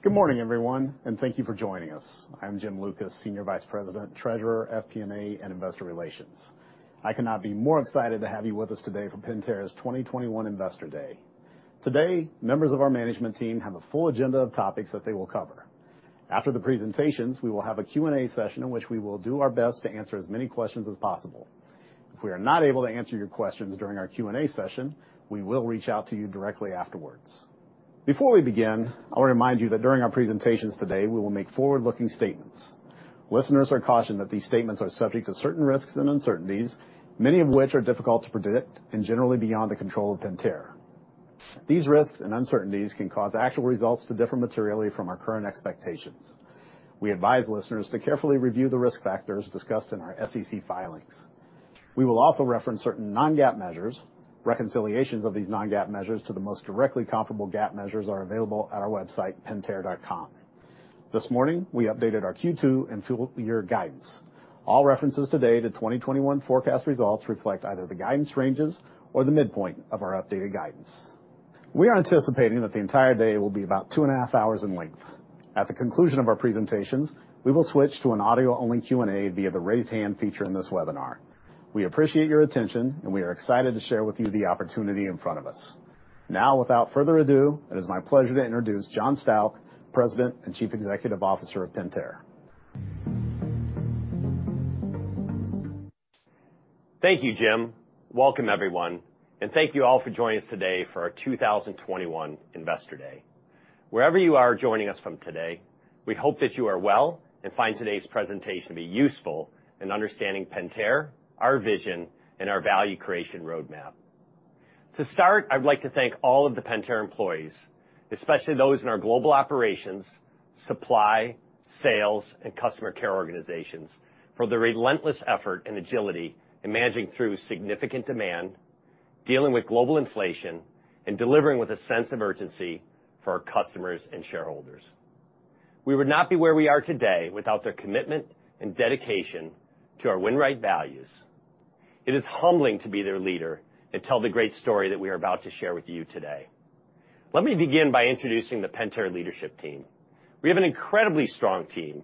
Good morning, everyone, and thank you for joining us. I'm Jim Lucas, Senior Vice President, Treasurer, FP&A, and Investor Relations. I cannot be more excited to have you with us today for Pentair's 2021 Investor Day. Today, members of our management team have a full agenda of topics that they will cover. After the presentations, we will have a Q&A session in which we will do our best to answer as many questions as possible. If we are not able to answer your questions during our Q&A session, we will reach out to you directly afterwards. Before we begin, I'll remind you that during our presentations today, we will make forward-looking statements. Listeners are cautioned that these statements are subject to certain risks and uncertainties, many of which are difficult to predict and generally beyond the control of Pentair. These risks and uncertainties can cause actual results to differ materially from our current expectations. We advise listeners to carefully review the risk factors discussed in our SEC filings. We will also reference certain non-GAAP measures. Reconciliations of these non-GAAP measures to the most directly comparable GAAP measures are available at our website, pentair.com. This morning, we updated our Q2 and full-year guidance. All references today to 2021 forecast results reflect either the guidance ranges or the midpoint of our updated guidance. We are anticipating that the entire day will be about two and a half hours in length. At the conclusion of our presentations, we will switch to an audio-only Q&A via the Raise Hand feature in this webinar. We appreciate your attention, and we are excited to share with you the opportunity in front of us. Now, without further ado, it is my pleasure to introduce John Stauch, President and Chief Executive Officer of Pentair. Thank you, Jim. Welcome, everyone, and thank you all for joining us today for our 2021 Investor Day. Wherever you are joining us from today, we hope that you are well and find today's presentation to be useful in understanding Pentair, our vision, and our value creation roadmap. To start, I'd like to thank all of the Pentair employees, especially those in our global operations, supply, sales, and customer care organizations, for their relentless effort and agility in managing through significant demand, dealing with global inflation, and delivering with a sense of urgency for our customers and shareholders. We would not be where we are today without their commitment and dedication to our Win Right values. It is humbling to be their leader and tell the great story that we are about to share with you today. Let me begin by introducing the Pentair leadership team. We have an incredibly strong team.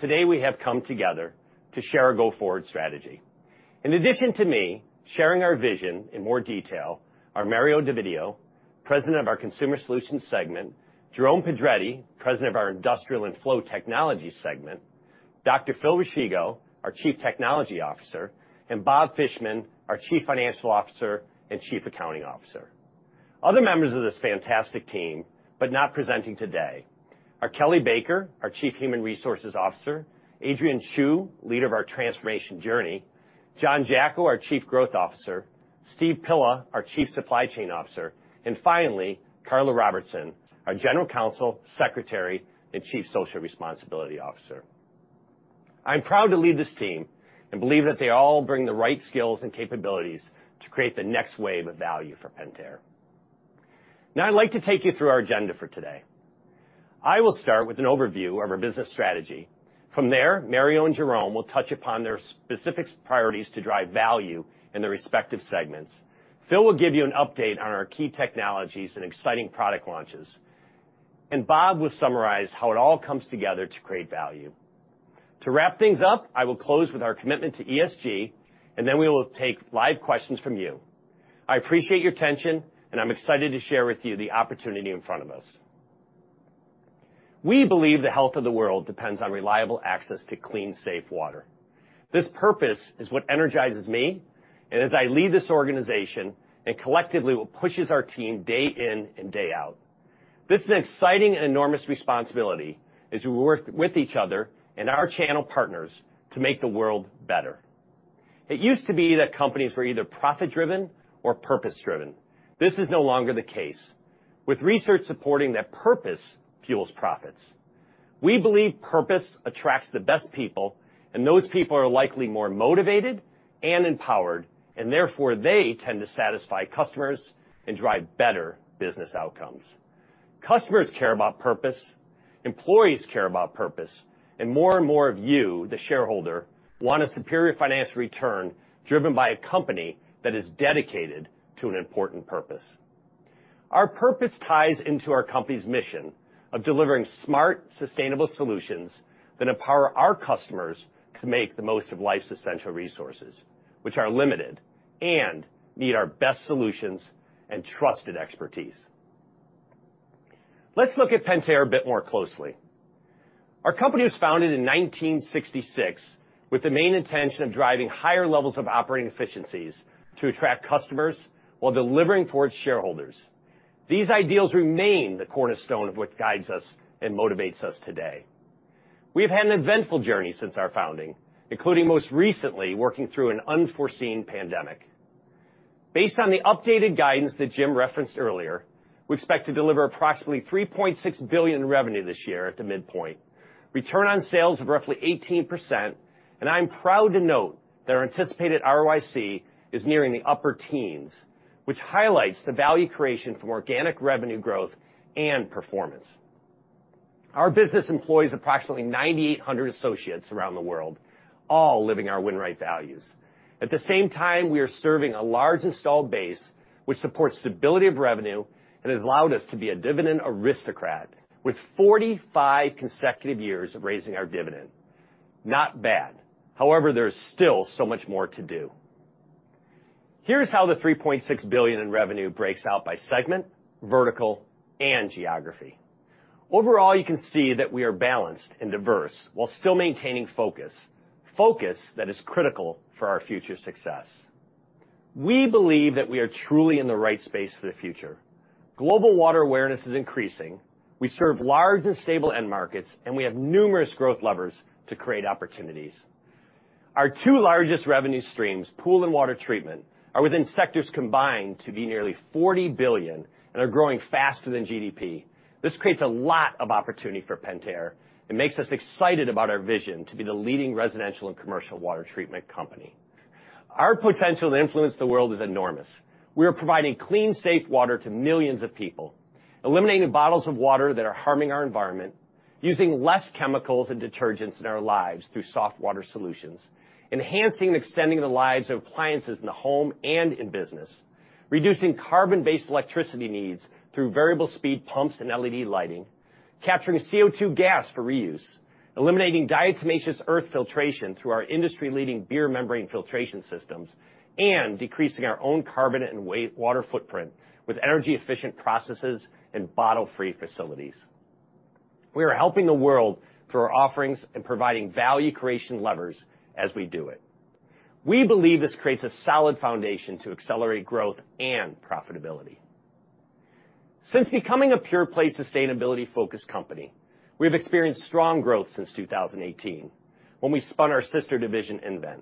Today we have come together to share our go-forward strategy. In addition to me, sharing our vision in more detail are Mario D'Ovidio, President of our Consumer Solutions segment, Jerome Pedretti, President of our Industrial & Flow Technologies segment, Dr. Phil Rolchigo, our Chief Technology Officer, and Bob Fishman, our Chief Financial Officer and Chief Accounting Officer. Other members of this fantastic team, but not presenting today, are Kelly Baker, our Chief Human Resources Officer, Adrian Chiu, leader of our transformation journey, John Jacko, our Chief Growth Officer, Steve Pilla, our Chief Supply Chain Officer, and finally, Karla Robertson, our General Counsel, Secretary, and Chief Social Responsibility Officer. I'm proud to lead this team and believe that they all bring the right skills and capabilities to create the next wave of value for Pentair. I'd like to take you through our agenda for today. I will start with an overview of our business strategy. Mario and Jerome will touch upon their specific priorities to drive value in their respective segments. Phil will give you an update on our key technologies and exciting product launches. Bob will summarize how it all comes together to create value. To wrap things up, I will close with our commitment to ESG. We will take live questions from you. I appreciate your attention. I'm excited to share with you the opportunity in front of us. We believe the health of the world depends on reliable access to clean, safe water. This purpose is what energizes me, and as I lead this organization, and collectively what pushes our team day in and day out. This is an exciting and enormous responsibility as we work with each other and our channel partners to make the world better. It used to be that companies were either profit-driven or purpose-driven. This is no longer the case, with research supporting that purpose fuels profits. We believe purpose attracts the best people, and those people are likely more motivated and empowered, and therefore, they tend to satisfy customers and drive better business outcomes. Customers care about purpose, employees care about purpose, and more and more of you, the shareholder, want a superior financial return driven by a company that is dedicated to an important purpose. Our purpose ties into our company's mission of delivering smart, sustainable solutions that empower our customers to make the most of life's essential resources, which are limited and need our best solutions and trusted expertise. Let's look at Pentair a bit more closely. Our company was founded in 1966 with the main intention of driving higher levels of operating efficiencies to attract customers while delivering for its shareholders. These ideals remain the cornerstone of what guides us and motivates us today. We've had an eventful journey since our founding, including most recently working through an unforeseen pandemic. Based on the updated guidance that Jim referenced earlier, we expect to deliver approximately $3.6 billion in revenue this year at the midpoint, return on sales of roughly 18%, and I'm proud to note that our anticipated ROIC is nearing the upper teens, which highlights the value creation from organic revenue growth and performance. Our business employs approximately 9,800 associates around the world, all living our Win Right Values. At the same time, we are serving a large installed base, which supports stability of revenue and has allowed us to be a dividend aristocrat with 45 consecutive years of raising our dividend. Not bad. However, there's still so much more to do. Here's how the $3.6 billion in revenue breaks out by segment, vertical, and geography. Overall, you can see that we are balanced and diverse while still maintaining focus. Focus that is critical for our future success. We believe that we are truly in the right space for the future. Global water awareness is increasing. We serve large and stable end markets, and we have numerous growth levers to create opportunities. Our two largest revenue streams, pool and water treatment, are within sectors combined to be nearly $40 billion and are growing faster than GDP. This creates a lot of opportunity for Pentair and makes us excited about our vision to be the leading residential and commercial water treatment company. Our potential to influence the world is enormous. We are providing clean, safe water to millions of people, eliminating bottles of water that are harming our environment, using less chemicals and detergents in our lives through soft water solutions, enhancing and extending the lives of appliances in the home and in business, reducing carbon-based electricity needs through variable speed pumps and LED lighting, capturing CO2 gas for reuse, eliminating diatomaceous earth filtration through our industry-leading beer membrane filtration systems, and decreasing our own carbon and water footprint with energy-efficient processes and bottle-free facilities. We are helping the world through our offerings and providing value creation levers as we do it. We believe this creates a solid foundation to accelerate growth and profitability. Since becoming a pure-play, sustainability-focused company, we've experienced strong growth since 2018, when we spun our sister division, nVent.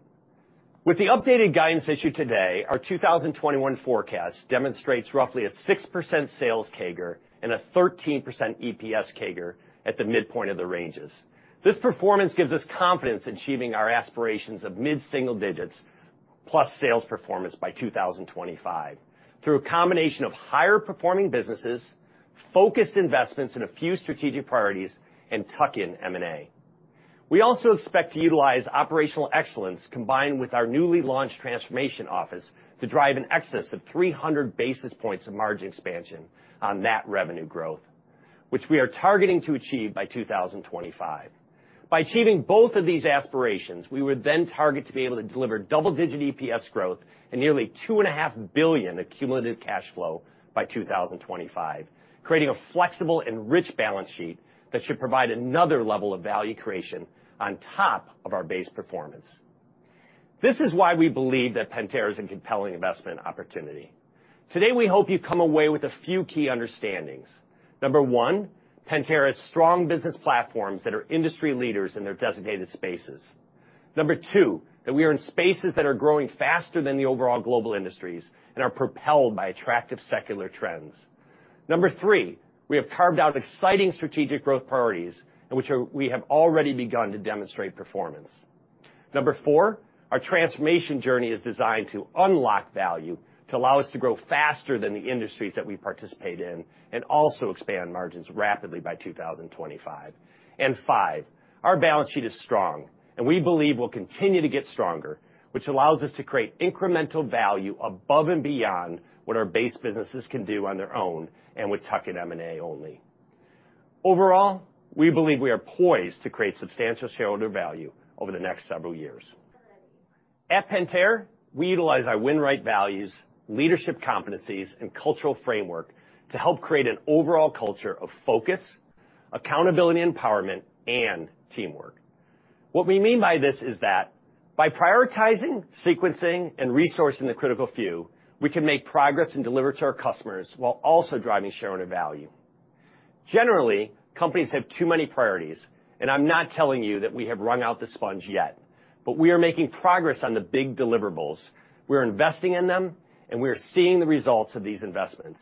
With the updated guidance issued today, our 2021 forecast demonstrates roughly a 6% sales CAGR and a 13% EPS CAGR at the midpoint of the ranges. This performance gives us confidence achieving our aspirations of mid-single digits plus sales performance by 2025 through a combination of higher performing businesses, focused investments in a few strategic priorities, and tuck-in M&A. We also expect to utilize operational excellence combined with our newly launched transformation office to drive in excess of 300 basis points of margin expansion on net revenue growth, which we are targeting to achieve by 2025. By achieving both of these aspirations, we would then target to be able to deliver double-digit EPS growth and nearly $2.5 billion of cumulative cash flow by 2025, creating a flexible and rich balance sheet that should provide another level of value creation on top of our base performance. This is why we believe that Pentair is a compelling investment opportunity. Today, we hope you come away with a few key understandings. Number one, Pentair has strong business platforms that are industry leaders in their designated spaces. Number two, that we are in spaces that are growing faster than the overall global industries and are propelled by attractive secular trends. Number three, we have carved out exciting strategic growth priorities in which we have already begun to demonstrate performance. Number four, our transformation journey is designed to unlock value to allow us to grow faster than the industries that we participate in and also expand margins rapidly by 2025. And five, our balance sheet is strong, and we believe will continue to get stronger, which allows us to create incremental value above and beyond what our base businesses can do on their own and with tuck-in M&A only. Overall, we believe we are poised to create substantial shareholder value over the next several years. At Pentair, we utilize our Win Right values, leadership competencies, and cultural framework to help create an overall culture of focus, accountability, empowerment, and teamwork. What we mean by this is that by prioritizing, sequencing, and resourcing the critical few, we can make progress and deliver to our customers while also driving shareholder value. Generally, companies have too many priorities, and I'm not telling you that we have wrung out the sponge yet, but we are making progress on the big deliverables. We're investing in them, and we are seeing the results of these investments.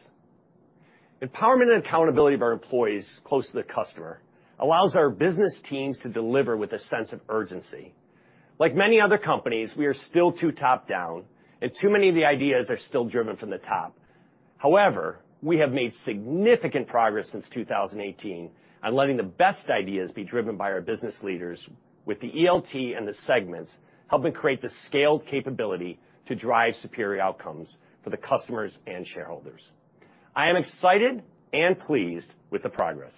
Empowerment and accountability of our employees close to the customer allows our business teams to deliver with a sense of urgency. Like many other companies, we are still too top-down, and too many of the ideas are still driven from the top. However, we have made significant progress since 2018 on letting the best ideas be driven by our business leaders with the ELT and the segments helping create the scaled capability to drive superior outcomes for the customers and shareholders. I am excited and pleased with the progress.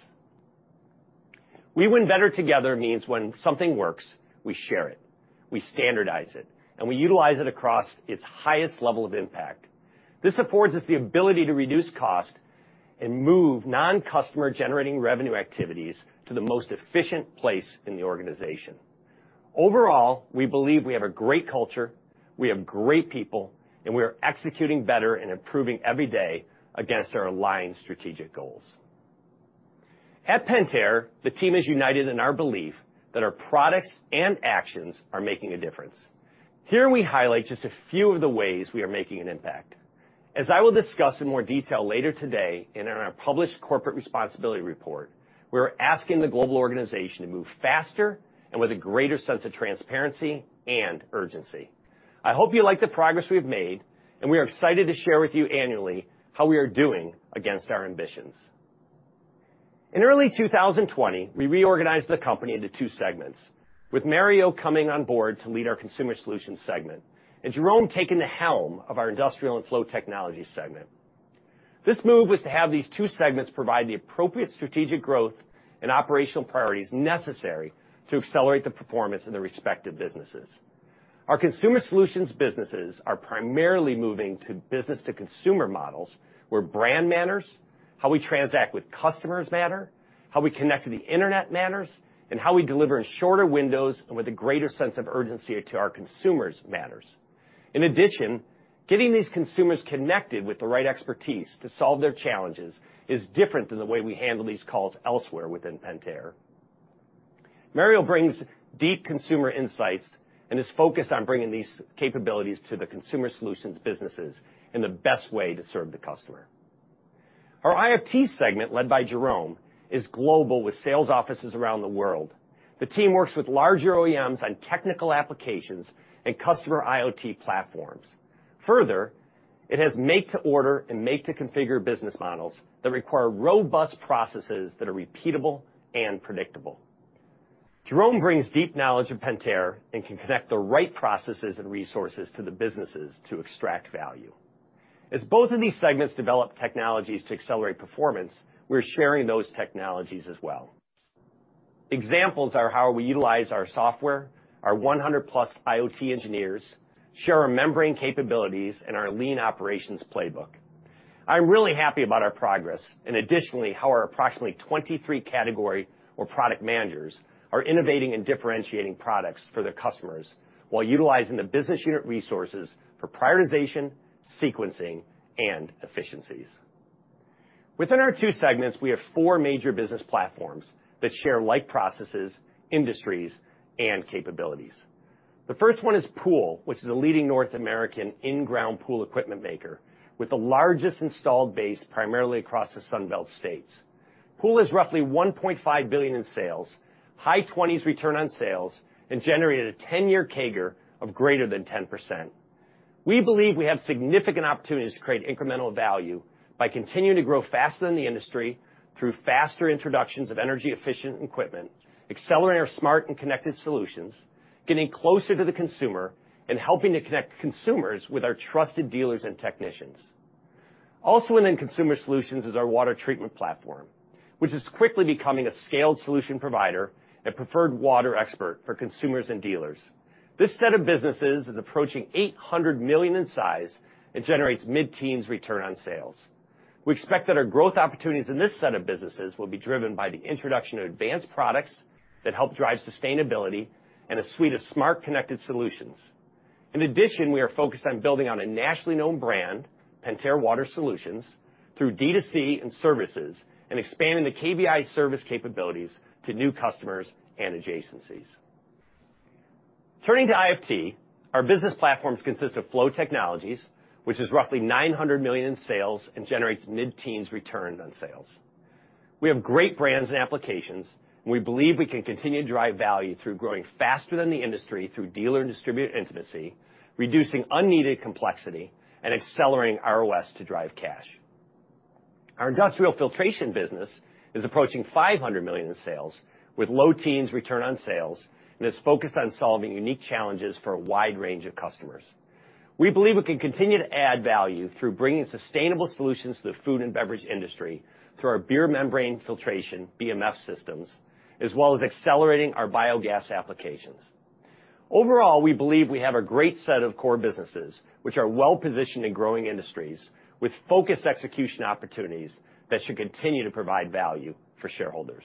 We win better together means when something works, we share it, we standardize it, and we utilize it across its highest level of impact. This affords us the ability to reduce cost and move non-customer generating revenue activities to the most efficient place in the organization. Overall, we believe we have a great culture, we have great people, and we are executing better and improving every day against our aligned strategic goals. At Pentair, the team is united in our belief that our products and actions are making a difference. Here we highlight just a few of the ways we are making an impact. As I will discuss in more detail later today and in our published Corporate Responsibility Report, we are asking the global organization to move faster and with a greater sense of transparency and urgency. I hope you like the progress we've made. We are excited to share with you annually how we are doing against our ambitions. In early 2020, we reorganized the company into two segments, with Mario coming on board to lead our Consumer Solutions segment and Jerome taking the helm of our Industrial & Flow Technologies segment. This move was to have these two segments provide the appropriate strategic growth and operational priorities necessary to accelerate the performance in their respective businesses. Our Consumer Solutions businesses are primarily moving to business-to-consumer models where brand matters, how we transact with customers matter, how we connect to the internet matters, and how we deliver in shorter windows and with a greater sense of urgency to our consumers matters. In addition, getting these consumers connected with the right expertise to solve their challenges is different from the way we handle these calls elsewhere within Pentair. Mario brings deep consumer insights and is focused on bringing these capabilities to the Consumer Solutions businesses in the best way to serve the customer. Our IFT segment, led by Jerome, is global with sales offices around the world. The team works with large OEMs on technical applications and customer IoT platforms. Further, it has make to order and make to configure business models that require robust processes that are repeatable and predictable. Jerome brings deep knowledge of Pentair and can connect the right processes and resources to the businesses to extract value. As both of these segments develop technologies to accelerate performance, we're sharing those technologies as well. Examples are how we utilize our software, our 100+ IoT engineers, share our membrane capabilities, and our lean operations playbook. I'm really happy about our progress, and additionally, how our approximately 23 category or product managers are innovating and differentiating products for their customers while utilizing the business unit resources for prioritization, sequencing, and efficiencies. Within our two segments, we have four major business platforms that share like processes, industries, and capabilities. The first one is Pool, which is a leading North American in-ground pool equipment maker with the largest installed base primarily across the Sun Belt states. Pool has roughly $1.5 billion in sales, high 20s return on sales, and generated a 10-year CAGR of greater than 10%. We believe we have significant opportunities to create incremental value by continuing to grow faster than the industry through faster introductions of energy-efficient equipment, accelerating our smart and connected solutions, getting closer to the consumer, and helping to connect consumers with our trusted dealers and technicians. Also within Consumer Solutions is our water treatment platform, which is quickly becoming a scaled solution provider and preferred water expert for consumers and dealers. This set of businesses is approaching $800 million in size and generates mid-teens return on sales. We expect that our growth opportunities in this set of businesses will be driven by the introduction of advanced products that help drive sustainability and a suite of smart, connected solutions. In addition, we are focused on building on a nationally known brand, Pentair Water Solutions, through D2C and services, and expanding the KBI service capabilities to new customers and adjacencies. Turning to IFT, our business platforms consist of Flow Technologies, which is roughly $900 million in sales and generates mid-teens return on sales. We have great brands and applications, and we believe we can continue to drive value through growing faster than the industry through dealer and distributor intimacy, reducing unneeded complexity, and accelerating ROS to drive cash. Our industrial filtration business is approaching $500 million in sales, with low teens return on sales, and is focused on solving unique challenges for a wide range of customers. We believe we can continue to add value through bringing sustainable solutions to the food and beverage industry through our beer membrane filtration, BMF systems, as well as accelerating our biogas applications. Overall, we believe we have a great set of core businesses, which are well-positioned in growing industries with focused execution opportunities that should continue to provide value for shareholders.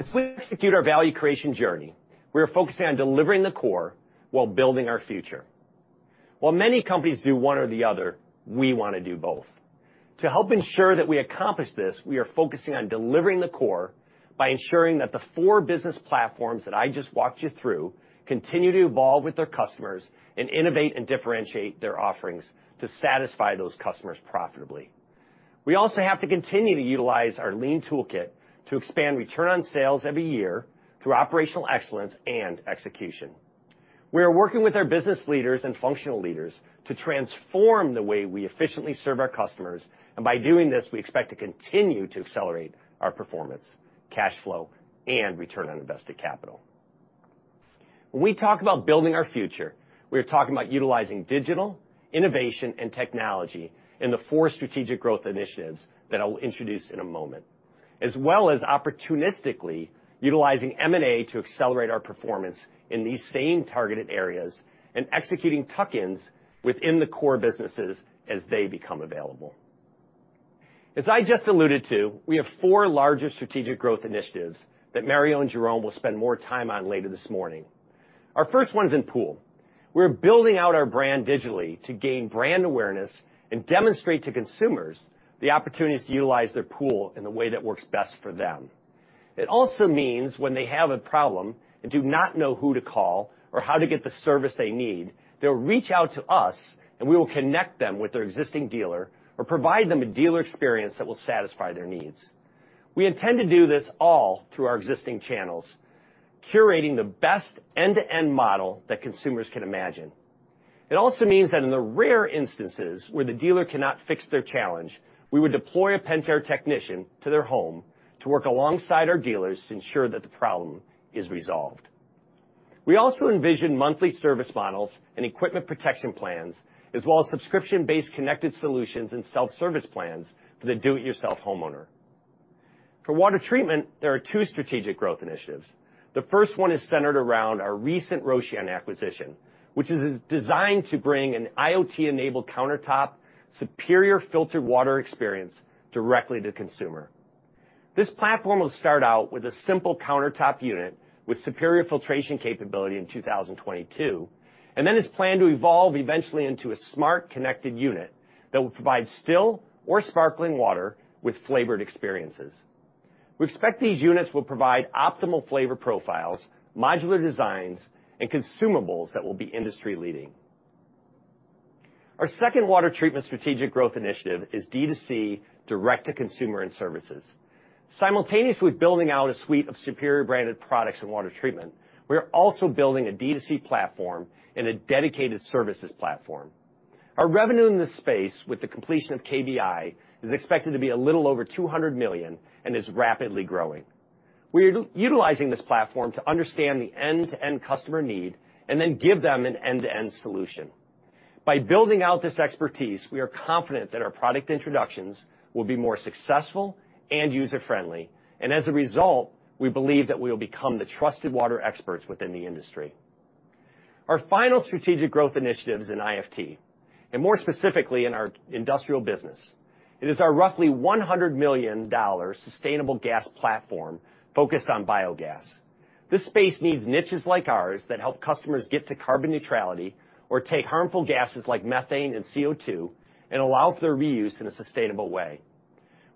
As we execute our value creation journey, we are focused on delivering the core while building our future. While many companies do one or the other, we want to do both. To help ensure that we accomplish this, we are focusing on delivering the core by ensuring that the four business platforms that I just walked you through continue to evolve with their customers and innovate and differentiate their offerings to satisfy those customers profitably. We also have to continue to utilize our lean toolkit to expand return on sales every year through operational excellence and execution. We are working with our business leaders and functional leaders to transform the way we efficiently serve our customers, and by doing this, we expect to continue to accelerate our performance, cash flow, and return on invested capital. When we talk about building our future, we are talking about utilizing digital, innovation, and technology in the four Strategic Growth Initiatives that I will introduce in a moment, as well as opportunistically utilizing M&A to accelerate our performance in these same targeted areas and executing tuck-ins within the core businesses as they become available. As I just alluded to, we have four larger Strategic Growth Initiatives that Mario and Jerome will spend more time on later this morning. Our first one is in Pool. We're building out our brand digitally to gain brand awareness and demonstrate to consumers the opportunity to utilize their pool in the way that works best for them. It also means when they have a problem and do not know who to call or how to get the service they need, they'll reach out to us, and we will connect them with their existing dealer or provide them a dealer experience that will satisfy their needs. We intend to do this all through our existing channels, curating the best end-to-end model that consumers can imagine. It also means that in the rare instances where the dealer cannot fix their challenge, we would deploy a Pentair technician to their home to work alongside our dealers to ensure that the problem is resolved. We also envision monthly service models and equipment protection plans, as well as subscription-based connected solutions and self-service plans for the do-it-yourself homeowner. For water treatment, there are two strategic growth initiatives. The first one is centered around our recent Rocean acquisition, which is designed to bring an IoT-enabled countertop superior filtered water experience directly to consumer. This platform will start out with a simple countertop unit with superior filtration capability in 2022, and then is planned to evolve eventually into a smart, connected unit that will provide still or sparkling water with flavored experiences. We expect these units will provide optimal flavor profiles, modular designs, and consumables that will be industry-leading. Our second water treatment strategic growth initiative is D2C, direct-to-consumer and services. Simultaneously building out a suite of superior branded products in water treatment, we are also building a D2C platform and a dedicated services platform. Our revenue in this space with the completion of KBI is expected to be a little over $200 million and is rapidly growing. We are utilizing this platform to understand the end-to-end customer need and then give them an end-to-end solution. By building out this expertise, we are confident that our product introductions will be more successful and user-friendly, and as a result, we believe that we'll become the trusted water experts within the industry. Our final strategic growth initiative is in IFT, and more specifically in our industrial business. It is our roughly $100 million sustainable gas platform focused on biogas. This space needs niches like ours that help customers get to carbon neutrality or take harmful gases like methane and CO2 and allow for their reuse in a sustainable way.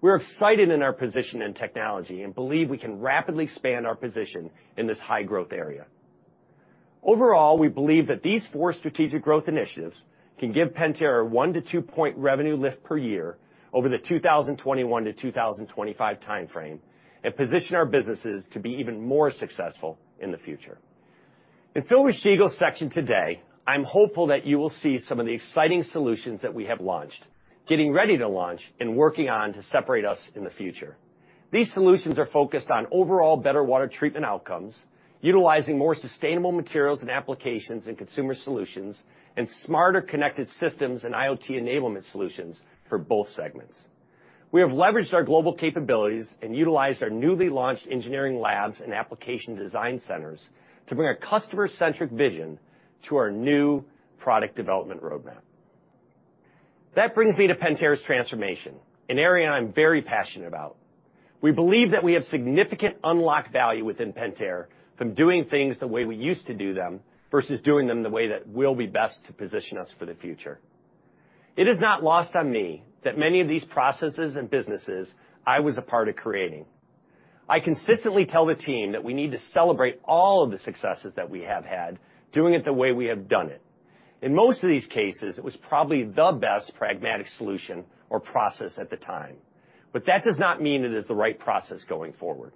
We're excited in our position and technology and believe we can rapidly expand our position in this high-growth area. Overall, we believe that these four strategic growth initiatives can give Pentair a 1-2 point revenue lift per year over the 2021 to 2025 timeframe and position our businesses to be even more successful in the future. In Phil Rolchigo's section today, I'm hopeful that you will see some of the exciting solutions that we have launched, getting ready to launch, and working on to separate us in the future. These solutions are focused on overall better water treatment outcomes, utilizing more sustainable materials and applications in Consumer Solutions, and smarter connected systems and IoT enablement solutions for both segments. We have leveraged our global capabilities and utilized our newly launched engineering labs and application design centers to bring a customer-centric vision to our new product development roadmap. That brings me to Pentair's transformation, an area I'm very passionate about. We believe that we have significant unlocked value within Pentair from doing things the way we used to do them versus doing them the way that will be best to position us for the future. It is not lost on me that many of these processes and businesses I was a part of creating. I consistently tell the team that we need to celebrate all of the successes that we have had doing it the way we have done it. In most of these cases, it was probably the best pragmatic solution or process at the time. That does not mean it is the right process going forward.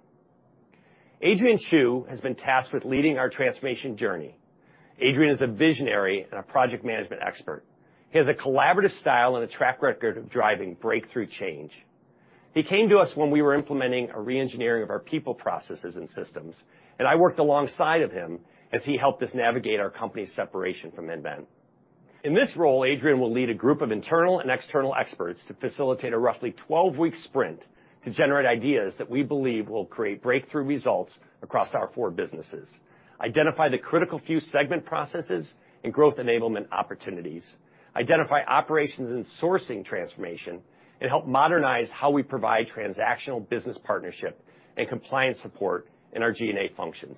Adrian Chiu has been tasked with leading our transformation journey. Adrian is a visionary and a project management expert. He has a collaborative style and a track record of driving breakthrough change. He came to us when we were implementing a re-engineering of our people, processes, and systems. I worked alongside him as he helped us navigate our company separation from nVent. In this role, Adrian will lead a group of internal and external experts to facilitate a roughly 12 week sprint to generate ideas that we believe will create breakthrough results across our four businesses, identify the critical few segment processes and growth enablement opportunities, identify operations and sourcing transformation, and help modernize how we provide transactional business partnership and compliance support in our G&A functions.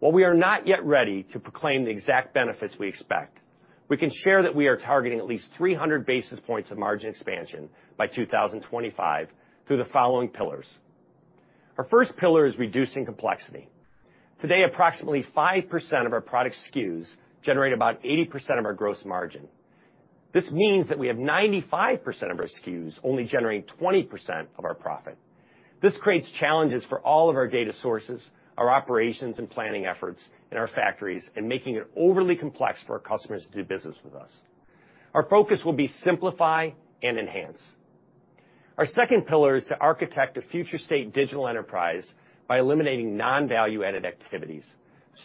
While we are not yet ready to proclaim the exact benefits we expect, we can share that we are targeting at least 300 basis points of margin expansion by 2025 through the following pillars. Our first pillar is reducing complexity. Today, approximately 5% of our product SKUs generate about 80% of our gross margin. This means that we have 95% of our SKUs only generating 20% of our profit. This creates challenges for all of our data sources, our operations and planning efforts in our factories, and making it overly complex for our customers to do business with us. Our focus will be simplify and enhance. Our second pillar is to architect a future state digital enterprise by eliminating non-value-added activities,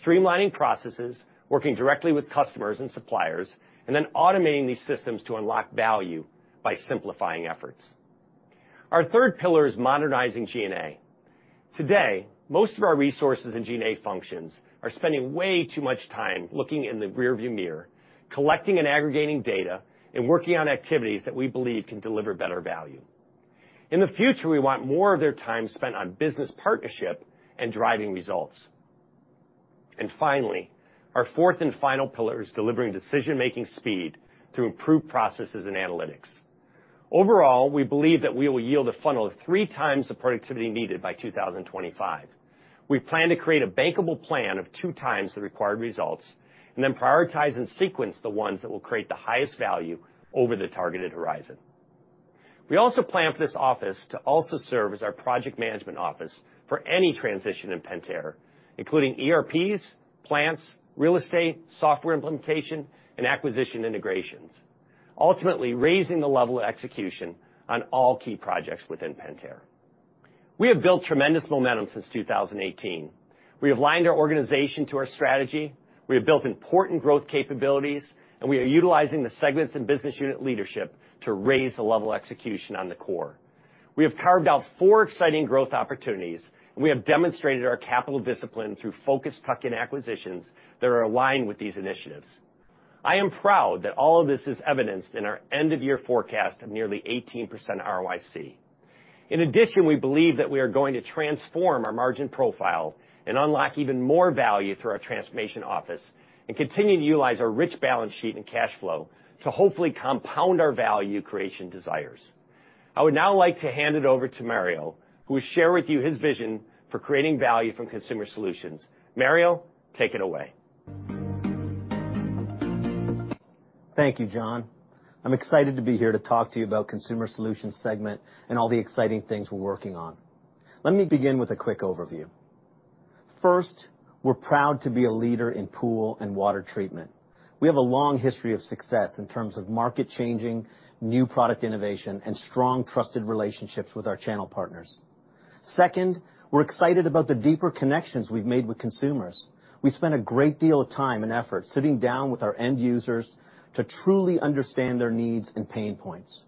streamlining processes, working directly with customers and suppliers, and then automating these systems to unlock value by simplifying efforts. Our third pillar is modernizing G&A. Today, most of our resources in G&A functions are spending way too much time looking in the rearview mirror, collecting and aggregating data, and working on activities that we believe can deliver better value. In the future, we want more of their time spent on business partnership and driving results. Finally, our fourth and final pillar is delivering decision-making speed through improved processes and analytics. Overall, we believe that we will yield a funnel three times the productivity needed by 2025. We plan to create a bankable plan of 2x the required results, then prioritize and sequence the ones that will create the highest value over the targeted horizon. We also plan for this office to also serve as our project management office for any transition in Pentair, including ERPs, plants, real estate, software implementation, and acquisition integrations, ultimately raising the level of execution on all key projects within Pentair. We have built tremendous momentum since 2018. We have aligned our organization to our strategy, we have built important growth capabilities, we are utilizing the segments and business unit leadership to raise the level of execution on the core. We have powered out four exciting growth opportunities. We have demonstrated our capital discipline through focused tuck-in acquisitions that are aligned with these initiatives. I am proud that all of this is evidenced in our end-of-year forecast of nearly 18% ROIC. We believe that we are going to transform our margin profile and unlock even more value through our transformation office and continue to utilize our rich balance sheet and cash flow to hopefully compound our value creation desires. I would now like to hand it over to Mario, who will share with you his vision for creating value from Consumer Solutions. Mario, take it away. Thank you, John. I'm excited to be here to talk to you about Consumer Solutions segment and all the exciting things we're working on. Let me begin with a quick overview. First, we're proud to be a leader in pool and water treatment. We have a long history of success in terms of market-changing, new product innovation, and strong, trusted relationships with our channel partners. Second, we're excited about the deeper connections we've made with consumers. We spent a great deal of time and effort sitting down with our end users to truly understand their needs and pain points.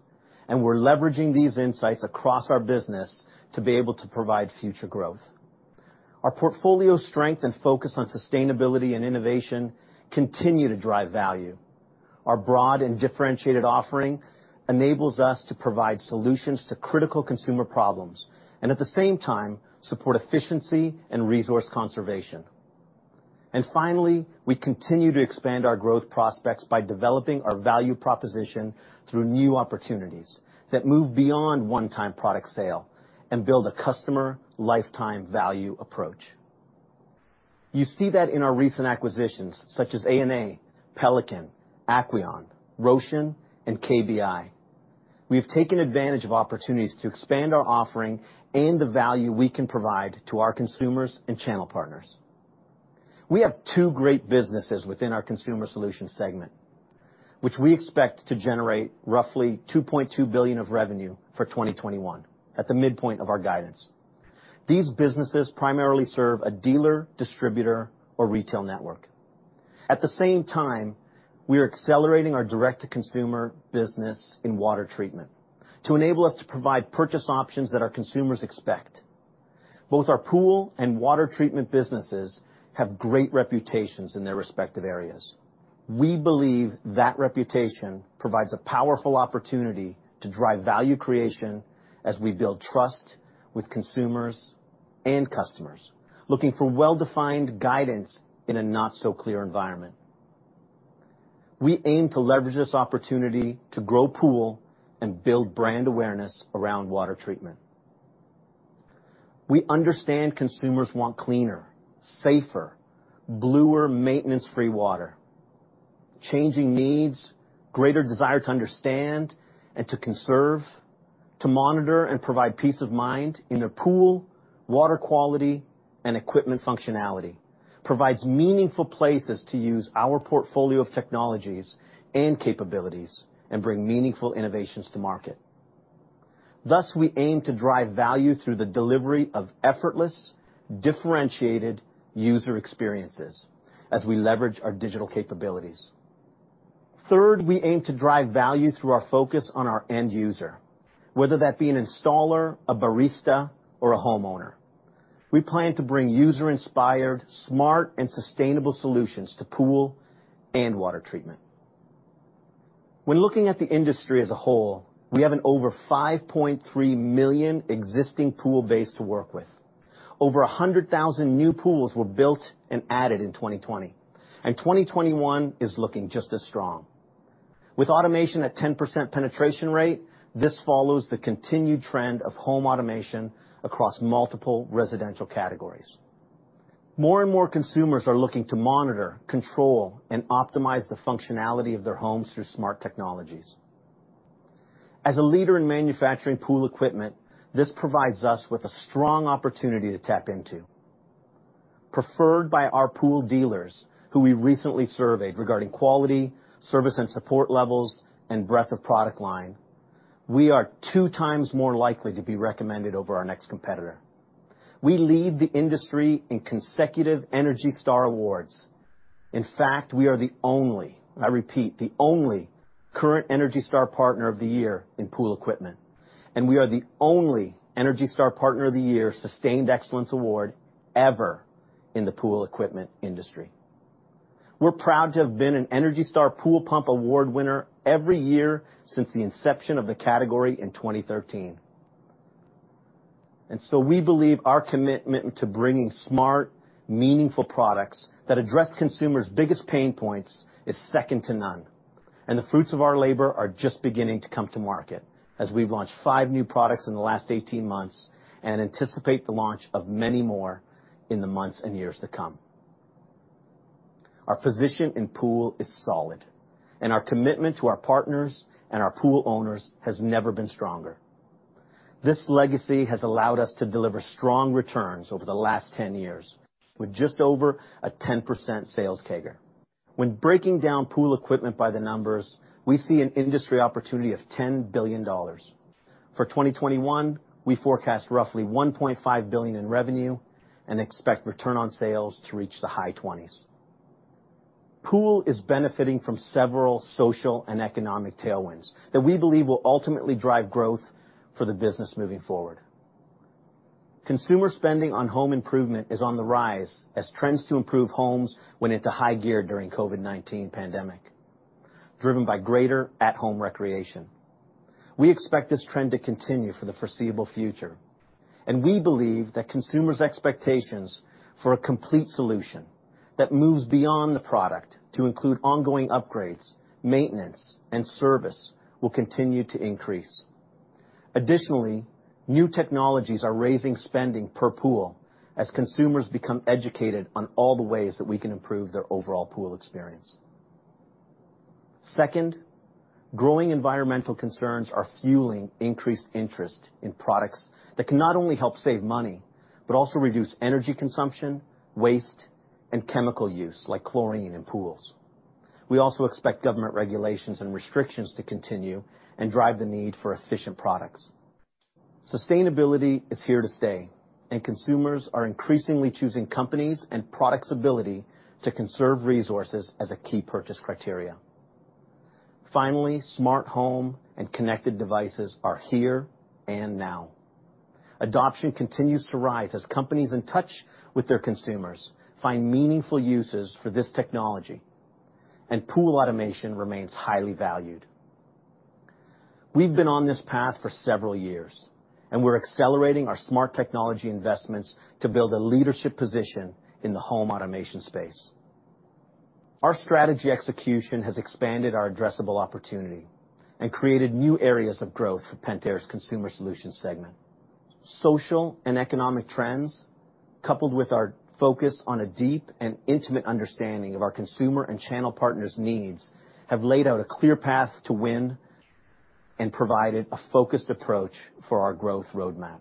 We're leveraging these insights across our business to be able to provide future growth. Our portfolio strength and focus on sustainability and innovation continue to drive value. Our broad and differentiated offering enables us to provide solutions to critical consumer problems and, at the same time, support efficiency and resource conservation. Finally, we continue to expand our growth prospects by developing our value proposition through new opportunities that move beyond one-time product sale and build a customer lifetime value approach. You see that in our recent acquisitions, such as A&A, Pelican, Aquion, Rocean, and KBI. We have taken advantage of opportunities to expand our offering and the value we can provide to our consumers and channel partners. We have two great businesses within our Consumer Solutions segment, which we expect to generate roughly $2.2 billion of revenue for 2021 at the midpoint of our guidance. These businesses primarily serve a dealer, distributor, or retail network. At the same time, we are accelerating our direct-to-consumer business in water treatment to enable us to provide purchase options that our consumers expect. Both our pool and water treatment businesses have great reputations in their respective areas. We believe that reputation provides a powerful opportunity to drive value creation as we build trust with consumers and customers looking for well-defined guidance in a not-so-clear environment. We aim to leverage this opportunity to grow pool and build brand awareness around water treatment. We understand consumers want cleaner, safer, bluer, maintenance-free water. Changing needs, greater desire to understand and to conserve, to monitor and provide peace of mind in a pool, water quality, and equipment functionality provides meaningful places to use our portfolio of technologies and capabilities and bring meaningful innovations to market. We aim to drive value through the delivery of effortless, differentiated user experiences as we leverage our digital capabilities. Third, we aim to drive value through our focus on our end user, whether that be an installer, a barista, or a homeowner. We plan to bring user-inspired, smart, and sustainable solutions to pool and water treatment. When looking at the industry as a whole, we have an over 5.3 million existing pool base to work with. Over 100,000 new pools were built and added in 2020. 2021 is looking just as strong. With automation at 10% penetration rate, this follows the continued trend of home automation across multiple residential categories. More and more consumers are looking to monitor, control, and optimize the functionality of their homes through smart technologies. As a leader in manufacturing pool equipment, this provides us with a strong opportunity to tap into. Preferred by our pool dealers, who we recently surveyed regarding quality, service, and support levels, and breadth of product line, we are two times more likely to be recommended over our next competitor. We lead the industry in consecutive ENERGY STAR awards. In fact, we are the only, and I repeat, the only current ENERGY STAR Partner of the Year in pool equipment, and we are the only ENERGY STAR Partner of the Year Sustained Excellence Award ever in the pool equipment industry. We're proud to have been an ENERGY STAR Pool Pump Award winner every year since the inception of the category in 2013. We believe our commitment to bringing smart, meaningful products that address consumers' biggest pain points is second to none. The fruits of our labor are just beginning to come to market as we've launched five new products in the last 18 months and anticipate the launch of many more in the months and years to come. Our position in pool is solid, our commitment to our partners and our pool owners has never been stronger. This legacy has allowed us to deliver strong returns over the last 10 years with just over a 10% sales CAGR. When breaking down pool equipment by the numbers, we see an industry opportunity of $10 billion. For 2021, we forecast roughly $1.5 billion in revenue and expect return on sales to reach the high 20s. Pool is benefiting from several social and economic tailwinds that we believe will ultimately drive growth for the business moving forward. Consumer spending on home improvement is on the rise as trends to improve homes went into high gear during COVID-19 pandemic, driven by greater at-home recreation. We expect this trend to continue for the foreseeable future, and we believe that consumers' expectations for a complete solution that moves beyond the product to include ongoing upgrades, maintenance, and service will continue to increase. Additionally, new technologies are raising spending per pool as consumers become educated on all the ways that we can improve their overall pool experience. Second, growing environmental concerns are fueling increased interest in products that can not only help save money, but also reduce energy consumption, waste, and chemical use, like chlorine in pools. We also expect government regulations and restrictions to continue and drive the need for efficient products. Sustainability is here to stay, and consumers are increasingly choosing companies' and products' ability to conserve resources as a key purchase criteria. Finally, smart home and connected devices are here and now. Adoption continues to rise as companies in touch with their consumers find meaningful uses for this technology, and pool automation remains highly valued. We've been on this path for several years, and we're accelerating our smart technology investments to build a leadership position in the home automation space. Our strategy execution has expanded our addressable opportunity and created new areas of growth for Pentair's Consumer Solutions segment. Social and economic trends, coupled with our focus on a deep and intimate understanding of our consumer and channel partners' needs, have laid out a clear path to win and provided a focused approach for our growth roadmap.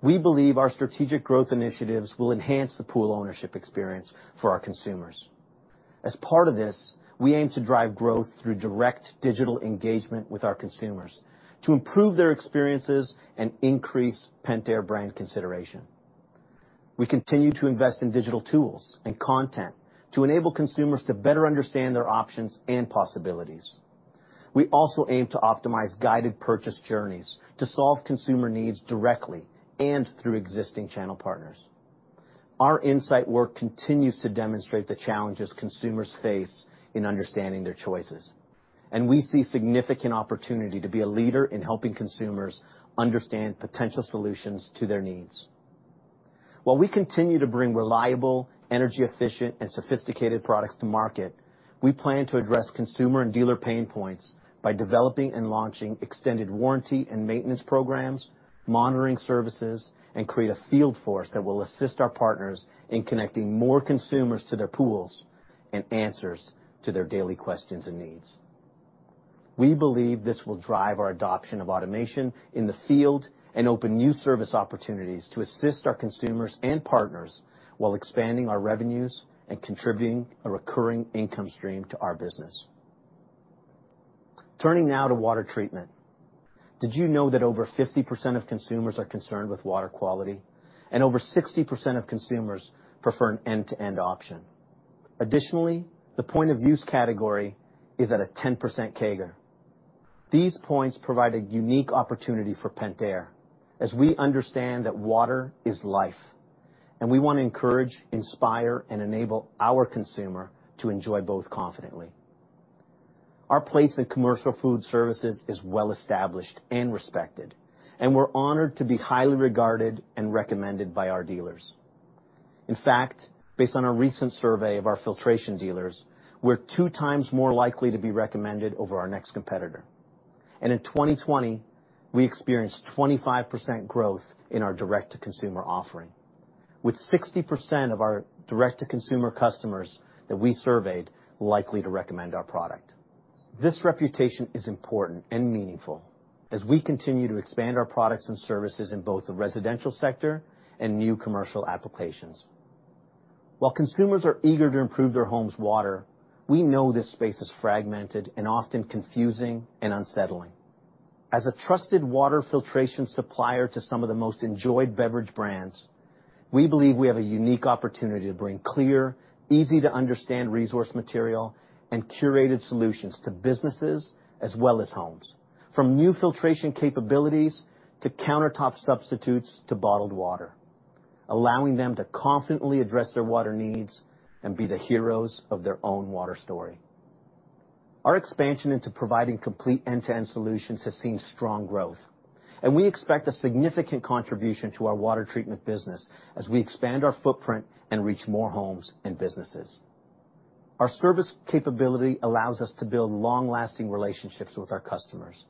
We believe our strategic growth initiatives will enhance the pool ownership experience for our consumers. As part of this, we aim to drive growth through direct digital engagement with our consumers to improve their experiences and increase Pentair brand consideration. We continue to invest in digital tools and content to enable consumers to better understand their options and possibilities. We also aim to optimize guided purchase journeys to solve consumer needs directly and through existing channel partners. Our insight work continues to demonstrate the challenges consumers face in understanding their choices, and we see significant opportunity to be a leader in helping consumers understand potential solutions to their needs. While we continue to bring reliable, energy-efficient, and sophisticated products to market, we plan to address consumer and dealer pain points by developing and launching extended warranty and maintenance programs, monitoring services, and create a field force that will assist our partners in connecting more consumers to their pools and answers to their daily questions and needs. We believe this will drive our adoption of automation in the field and open new service opportunities to assist our consumers and partners while expanding our revenues and contributing a recurring income stream to our business. Turning now to water treatment. Did you know that over 50% of consumers are concerned with water quality and over 60% of consumers prefer an end-to-end option? Additionally, the point of use category is at a 10% CAGR. These points provide a unique opportunity for Pentair as we understand that water is life, and we want to encourage, inspire, and enable our consumer to enjoy both confidently. Our place in commercial food services is well established and respected, and we're honored to be highly regarded and recommended by our dealers. In fact, based on a recent survey of our filtration dealers, we're 2x more likely to be recommended over our next competitor. In 2020, we experienced 25% growth in our direct-to-consumer offering, with 60% of our direct-to-consumer customers that we surveyed likely to recommend our product. This reputation is important and meaningful as we continue to expand our products and services in both the residential sector and new commercial applications. While consumers are eager to improve their home's water, we know this space is fragmented and often confusing and unsettling. As a trusted water filtration supplier to some of the most enjoyed beverage brands, we believe we have a unique opportunity to bring clear, easy-to-understand resource material and curated solutions to businesses as well as homes, from new filtration capabilities to countertop substitutes to bottled water, allowing them to confidently address their water needs and be the heroes of their own water story. Our expansion into providing complete end-to-end solutions has seen strong growth. We expect a significant contribution to our water treatment business as we expand our footprint and reach more homes and businesses. Our service capability allows us to build long-lasting relationships with our customers,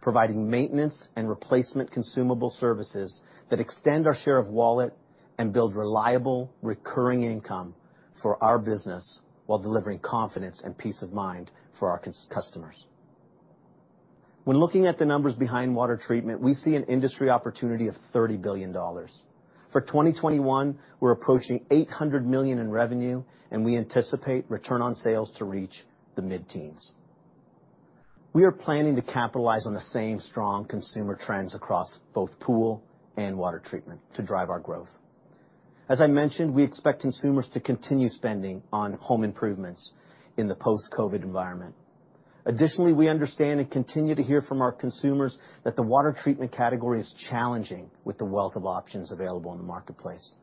providing maintenance and replacement consumable services that extend our share of wallet and build reliable recurring income for our business while delivering confidence and peace of mind for our customers. When looking at the numbers behind water treatment, we see an industry opportunity of $30 billion. For 2021, we're approaching $800 million in revenue, and we anticipate return on sales to reach the mid-teens. We are planning to capitalize on the same strong consumer trends across both pool and water treatment to drive our growth. As I mentioned, we expect consumers to continue spending on home improvements in the post-COVID environment. We understand and continue to hear from our consumers that the water treatment category is challenging with the wealth of options available in the marketplace.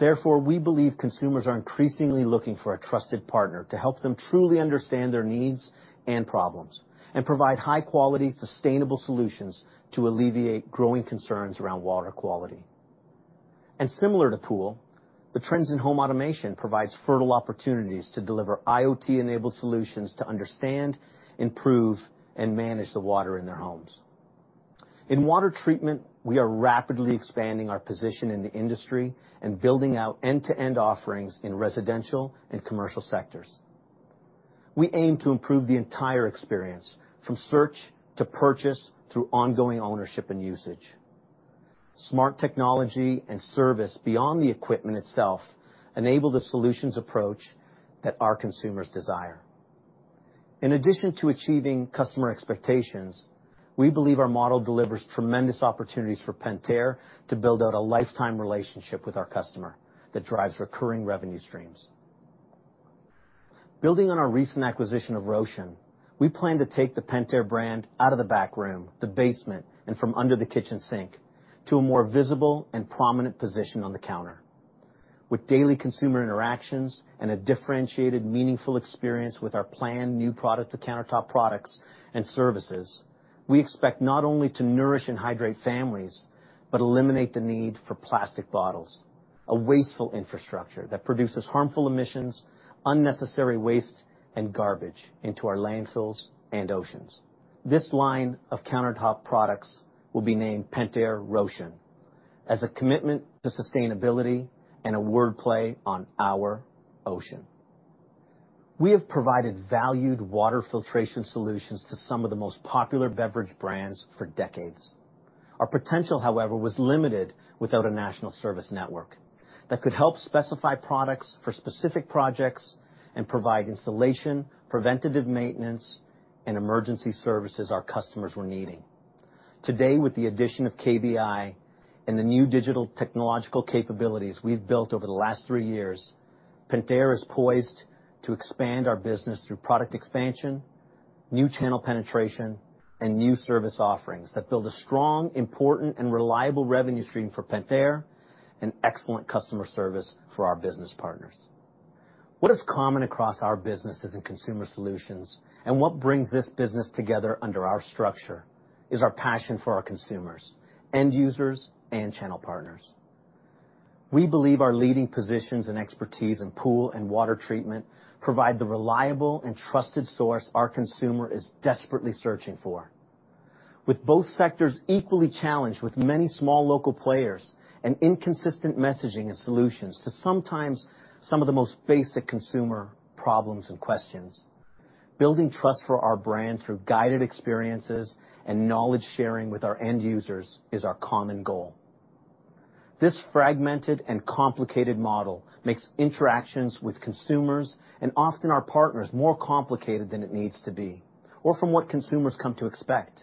We believe consumers are increasingly looking for a trusted partner to help them truly understand their needs and problems and provide high-quality, sustainable solutions to alleviate growing concerns around water quality. Similar to pool, the trends in home automation provides fertile opportunities to deliver IoT-enabled solutions to understand, improve, and manage the water in their homes. In water treatment, we are rapidly expanding our position in the industry and building out end-to-end offerings in residential and commercial sectors. We aim to improve the entire experience from search to purchase through ongoing ownership and usage. Smart technology and service beyond the equipment itself enable the solutions approach that our consumers desire. In addition to achieving customer expectations, we believe our model delivers tremendous opportunities for Pentair to build out a lifetime relationship with our customer that drives recurring revenue streams. Building on our recent acquisition of Rocean, we plan to take the Pentair brand out of the back room, the basement, and from under the kitchen sink to a more visible and prominent position on the counter. With daily consumer interactions and a differentiated, meaningful experience with our planned new product to countertop products and services, we expect not only to nourish and hydrate families but eliminate the need for plastic bottles, a wasteful infrastructure that produces harmful emissions, unnecessary waste, and garbage into our landfills and oceans. This line of countertop products will be named Pentair Rocean as a commitment to sustainability and a wordplay on our ocean. We have provided valued water filtration solutions to some of the most popular beverage brands for decades. Our potential, however, was limited without a national service network that could help specify products for specific projects and provide installation, preventative maintenance, and emergency services our customers were needing. Today, with the addition of KBI and the new digital technological capabilities we've built over the last three years, Pentair is poised to expand our business through product expansion, new channel penetration, and new service offerings that build a strong, important, and reliable revenue stream for Pentair and excellent customer service for our business partners. What is common across our businesses and Consumer Solutions, and what brings this business together under our structure is our passion for our consumers, end users, and channel partners. We believe our leading positions and expertise in pool and water treatment provide the reliable and trusted source our consumer is desperately searching for. With both sectors equally challenged with many small local players and inconsistent messaging and solutions to sometimes some of the most basic consumer problems and questions, building trust for our brand through guided experiences and knowledge sharing with our end users is our common goal. This fragmented and complicated model makes interactions with consumers and often our partners more complicated than it needs to be or from what consumers come to expect.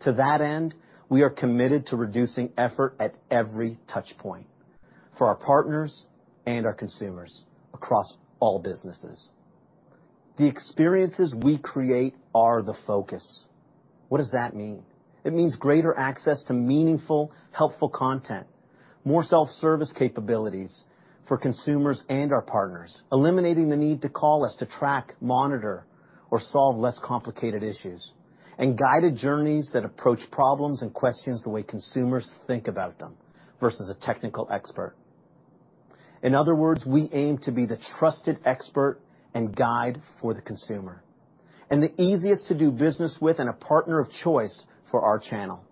To that end, we are committed to reducing effort at every touch point for our partners and our consumers across all businesses. The experiences we create are the focus. What does that mean? It means greater access to meaningful, helpful content, more self-service capabilities for consumers and our partners, eliminating the need to call us to track, monitor, or solve less complicated issues, and guided journeys that approach problems and questions the way consumers think about them versus a technical expert. In other words, we aim to be the trusted expert and guide for the consumer and the easiest to do business with and a partner of choice for our channel.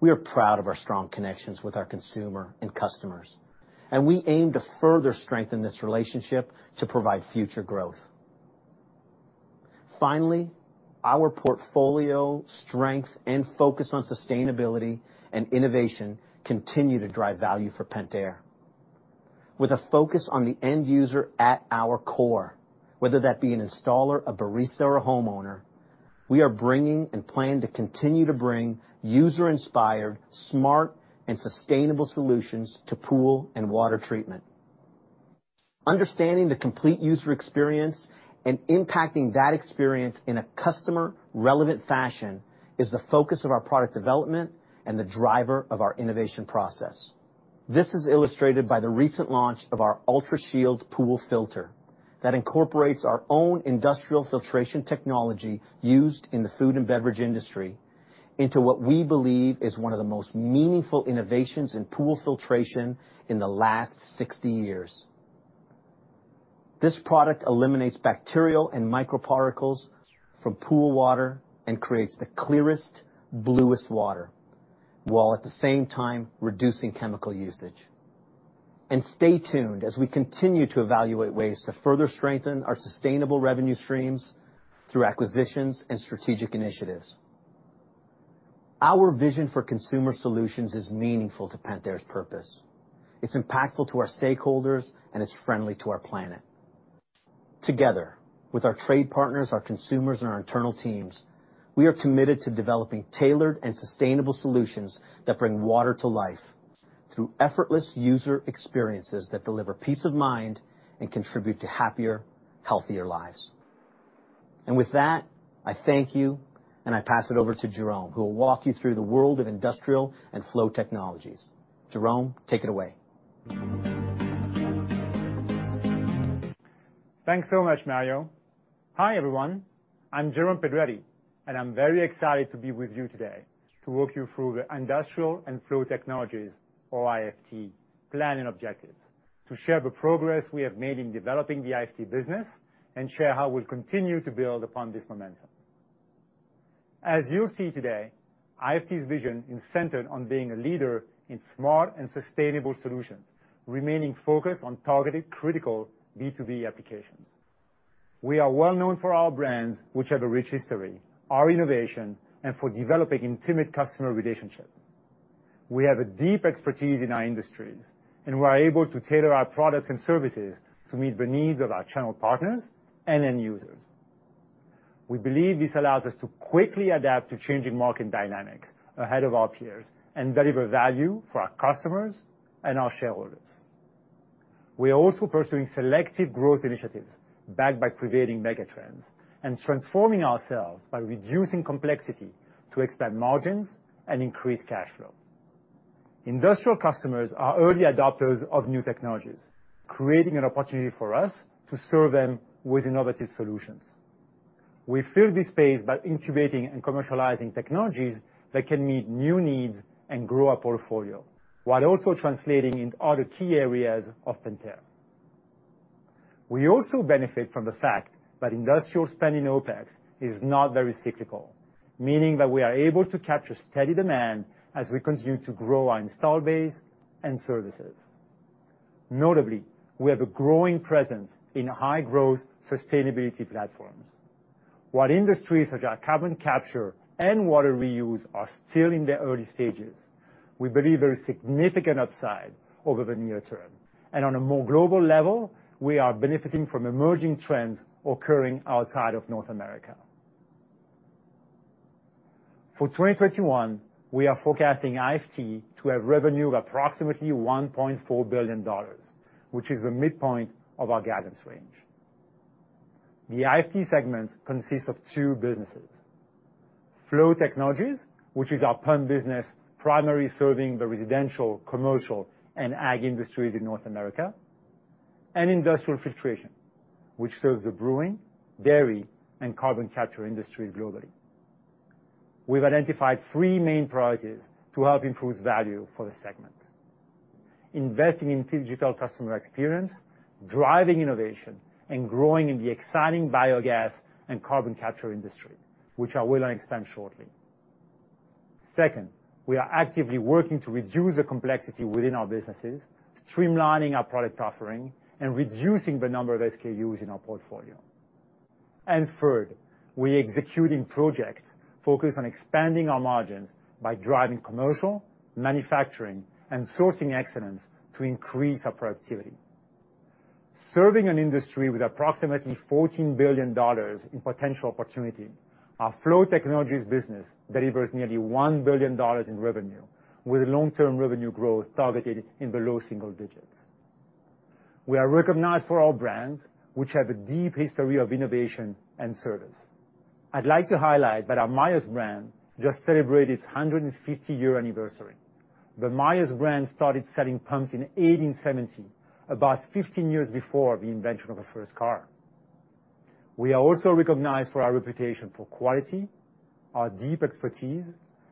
We are proud of our strong connections with our consumer and customers, and we aim to further strengthen this relationship to provide future growth. Finally, our portfolio strength and focus on sustainability and innovation continue to drive value for Pentair. With a focus on the end user at our core, whether that be an installer, a barista, or homeowner, we are bringing and plan to continue to bring user-inspired, smart, and sustainable solutions to pool and water treatment. Understanding the complete user experience and impacting that experience in a customer-relevant fashion is the focus of our product development and the driver of our innovation process. This is illustrated by the recent launch of our UltraShield pool filter that incorporates our own industrial filtration technology used in the food and beverage industry into what we believe is one of the most meaningful innovations in pool filtration in the last 60 years. This product eliminates bacterial and microparticles from pool water and creates the clearest, bluest water, while at the same time reducing chemical usage. Stay tuned as we continue to evaluate ways to further strengthen our sustainable revenue streams through acquisitions and strategic initiatives. Our vision for Consumer Solutions is meaningful to Pentair's purpose. It's impactful to our stakeholders, and it's friendly to our planet. Together with our trade partners, our consumers, and our internal teams, we are committed to developing tailored and sustainable solutions that bring water to life through effortless user experiences that deliver peace of mind and contribute to happier, healthier lives. With that, I thank you, and I pass it over to Jerome, who will walk you through the world of Industrial and Flow Technologies. Jerome, take it away. Thanks so much, Mario. Hi, everyone. I'm Jerome Pedretti, and I'm very excited to be with you today to walk you through the Industrial & Flow Technologies, or IFT, plan and objectives to share the progress we have made in developing the IFT business and share how we'll continue to build upon this momentum. As you'll see today, IFT's vision is centered on being a leader in smart and sustainable solutions, remaining focused on targeted critical B2B applications. We are well-known for our brands, which have a rich history, our innovation, and for developing intimate customer relationships. We have a deep expertise in our industries, and we are able to tailor our products and services to meet the needs of our channel partners and end users. We believe this allows us to quickly adapt to changing market dynamics ahead of our peers and deliver value for our customers and our shareholders. We are also pursuing selective growth initiatives backed by prevailing mega trends and transforming ourselves by reducing complexity to expand margins and increase cash flow. Industrial customers are early adopters of new technologies, creating an opportunity for us to serve them with innovative solutions. We fill this space by incubating and commercializing technologies that can meet new needs and grow our portfolio while also translating into other key areas of Pentair. We also benefit from the fact that industrial spend in OpEx is not very cyclical, meaning that we are able to capture steady demand as we continue to grow our install base and services. Notably, we have a growing presence in high-growth sustainability platforms. While industries such as carbon capture and water reuse are still in their early stages, we believe there is significant upside over the near term. On a more global level, we are benefiting from emerging trends occurring outside of North America. For 2021, we are forecasting IFT to have revenue of approximately $1.4 billion, which is the midpoint of our guidance range. The IFT segment consists of two businesses: Flow Technologies, which is our pump business primarily serving the residential, commercial, and ag industries in North America; and Industrial Filtration, which serves the brewing, dairy, and carbon capture industries globally. We've identified three main priorities to help improve value for the segment: investing in digital customer experience, driving innovation, and growing in the exciting biogas and carbon capture industry, which I will expand shortly. Second, we are actively working to reduce the complexity within our businesses, streamlining our product offering, and reducing the number of SKUs in our portfolio. Third, we are executing projects focused on expanding our margins by driving commercial, manufacturing, and sourcing excellence to increase our productivity. Serving an industry with approximately $14 billion in potential opportunity, our Flow Technologies business delivers nearly $1 billion in revenue with long-term revenue growth targeted in the low single digits. We are recognized for our brands, which have a deep history of innovation and service. I'd like to highlight that our Myers brand just celebrated its 150-year anniversary. The Myers brand started selling pumps in 1870, about 15 years before the invention of the first car. We are also recognized for our reputation for quality, our deep expertise,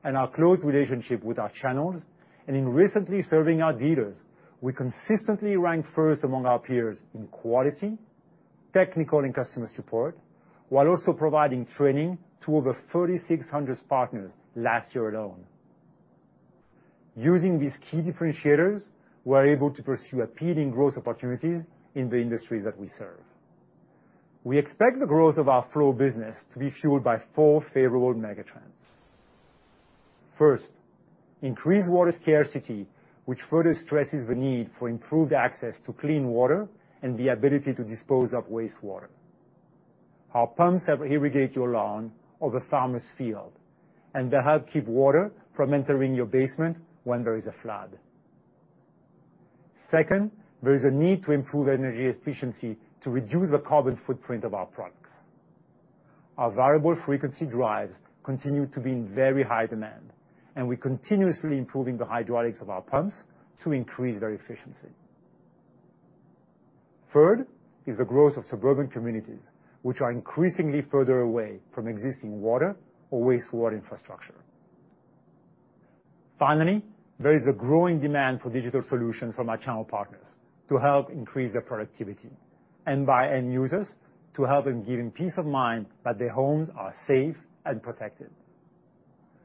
and our close relationship with our channels, and in recently serving our dealers, we consistently ranked first among our peers in quality, technical, and customer support, while also providing training to over 3,600 partners last year alone. Using these key differentiators, we're able to pursue appealing growth opportunities in the industries that we serve. We expect the growth of our flow business to be fueled by four favorable mega trends. First, increased water scarcity, which further stresses the need for improved access to clean water and the ability to dispose of wastewater. Our pumps help irrigate your lawn or the farmer's field. They help keep water from entering your basement when there is a flood. Second, there is a need to improve energy efficiency to reduce the carbon footprint of our products. Our variable frequency drives continue to be in very high demand, and we're continuously improving the hydraulics of our pumps to increase their efficiency. Third is the growth of suburban communities, which are increasingly further away from existing water or wastewater infrastructure. Finally, there is a growing demand for digital solutions from our channel partners to help increase their productivity, and by end users to help in giving peace of mind that their homes are safe and protected.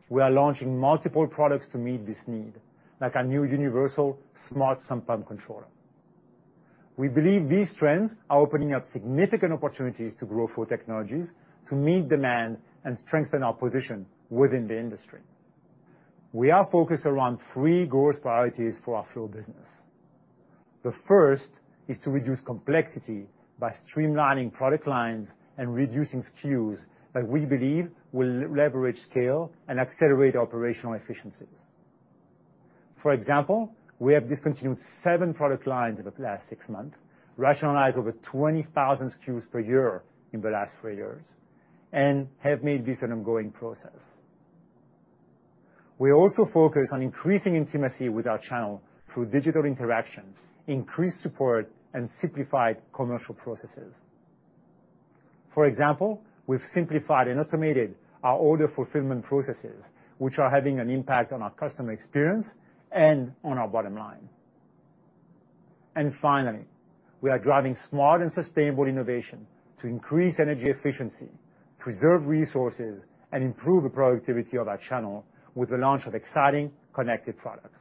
We are launching multiple products to meet this need, like our new universal Smart Sump Pump Controller. We believe these trends are opening up significant opportunities to grow flow technologies to meet demand and strengthen our position within the industry. We are focused around three growth priorities for our flow business. The first is to reduce complexity by streamlining product lines and reducing SKUs that we believe will leverage scale and accelerate operational efficiencies. For example, we have discontinued seven product lines over the past six months, rationalized over 20,000 SKUs per year in the last three years, and have made this an ongoing process. We also focus on increasing intimacy with our channel through digital interaction, increased support, and simplified commercial processes. For example, we've simplified and automated our order fulfillment processes, which are having an impact on our customer experience and on our bottom line. Finally, we are driving smart and sustainable innovation to increase energy efficiency, preserve resources, and improve the productivity of our channel with the launch of exciting connected products.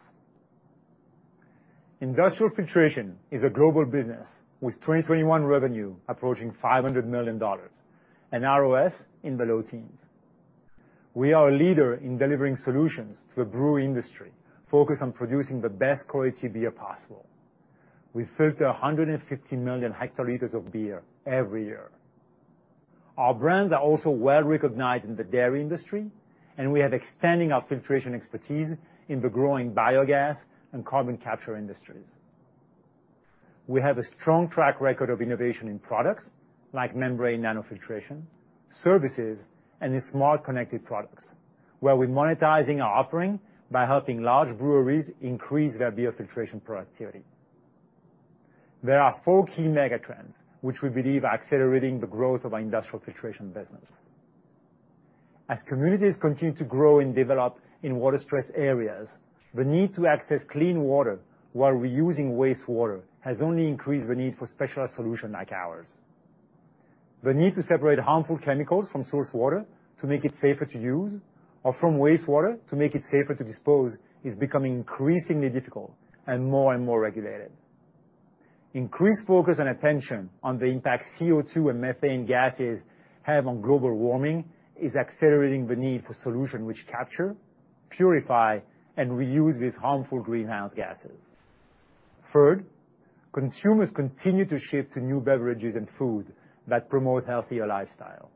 Industrial filtration is a global business with 2021 revenue approaching $500 million, and ROS in the low teens. We are a leader in delivering solutions to the brewery industry, focused on producing the best quality beer possible. We filter 150 million hectoliters of beer every year. Our brands are also well-recognized in the dairy industry, and we are extending our filtration expertise in the growing biogas and carbon capture industries. We have a strong track record of innovation in products like membrane nanofiltration, services, and in smart connected products, where we're monetizing our offering by helping large breweries increase their beer filtration productivity. There are four key mega trends which we believe are accelerating the growth of our industrial filtration business. As communities continue to grow and develop in water-stressed areas, the need to access clean water while reusing wastewater has only increased the need for specialized solutions like ours. The need to separate harmful chemicals from source water to make it safer to use or from wastewater to make it safer to dispose is becoming increasingly difficult and more and more regulated. Increased focus and attention on the impact CO2 and methane gases have on global warming is accelerating the need for solutions which capture, purify, and reuse these harmful greenhouse gases. Third, consumers continue to shift to new beverages and foods that promote a healthier lifestyle.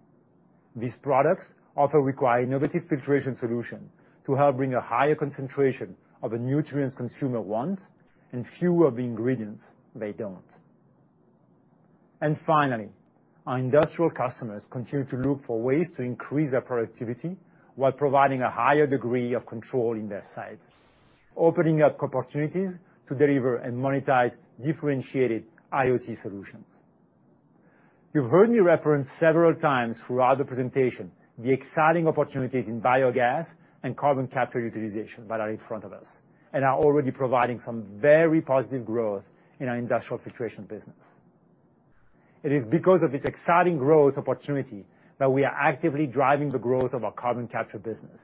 These products also require innovative filtration solutions to help bring a higher concentration of the nutrients consumer wants and fewer of the ingredients they don't. Finally, our industrial customers continue to look for ways to increase their productivity while providing a higher degree of control in their sites, opening up opportunities to deliver and monetize differentiated IoT solutions. You've heard me reference several times throughout the presentation the exciting opportunities in biogas and carbon capture utilization that are in front of us and are already providing some very positive growth in our industrial filtration business. It is because of this exciting growth opportunity that we are actively driving the growth of our carbon capture business.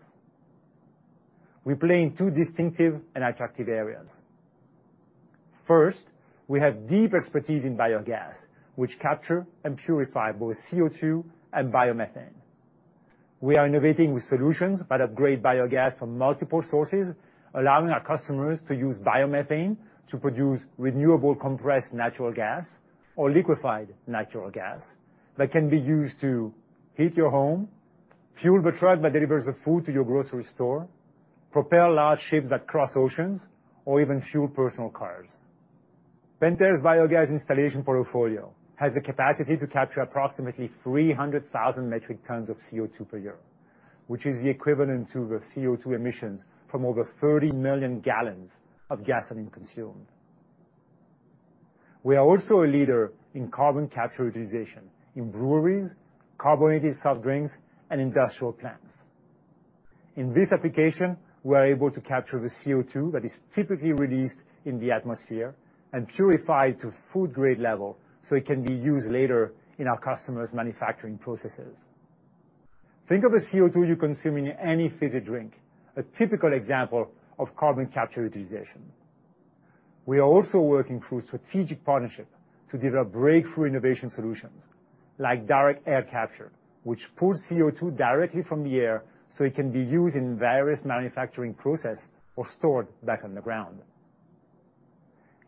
We play in two distinctive and attractive areas. First, we have deep expertise in biogas, which capture and purify both CO2 and biomethane. We are innovating with solutions that upgrade biogas from multiple sources, allowing our customers to use biomethane to produce renewable compressed natural gas or liquefied natural gas that can be used to heat your home, fuel the truck that delivers the food to your grocery store, propel large ships that cross oceans, or even fuel personal cars. Pentair's biogas installation portfolio has the capacity to capture approximately 300,000 metric tons of CO2 per year, which is the equivalent to the CO2 emissions from over 30 million gallons of gasoline consumed. We are also a leader in carbon capture utilization in breweries, carbonated soft drinks, and industrial plants. In this application, we are able to capture the CO2 that is typically released in the atmosphere and purify it to food-grade level so it can be used later in our customers' manufacturing processes. Think of the CO2 you consume in any fizzy drink, a typical example of carbon capture utilization. We are also working through strategic partnerships to develop breakthrough innovation solutions like direct air capture, which pulls CO2 directly from the air so it can be used in various manufacturing process or stored back underground.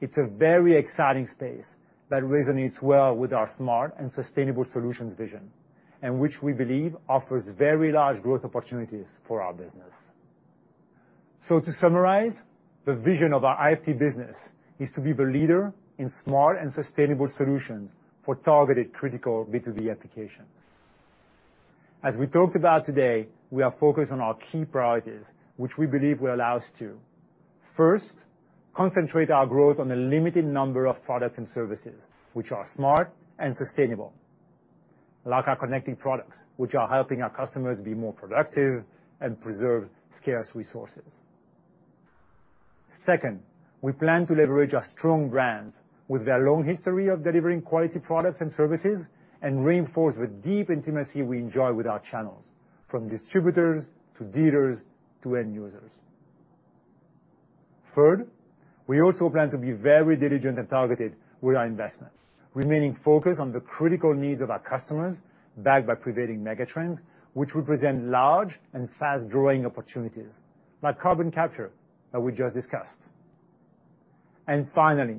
It's a very exciting space that resonates well with our smart and sustainable solutions vision, and which we believe offers very large growth opportunities for our business. To summarize, the vision of our IFT business is to be the leader in smart and sustainable solutions for targeted critical B2B applications. As we talked about today, we are focused on our key priorities, which we believe will allow us to, first, concentrate our growth on a limited number of products and services which are smart and sustainable, like our connected products, which are helping our customers be more productive and preserve scarce resources. Second, we plan to leverage our strong brands with their long history of delivering quality products and services and reinforce the deep intimacy we enjoy with our channels, from distributors to dealers to end users. We also plan to be very diligent and targeted with our investments, remaining focused on the critical needs of our customers, backed by prevailing mega trends, which represent large and fast-growing opportunities, like carbon capture that we just discussed. Finally,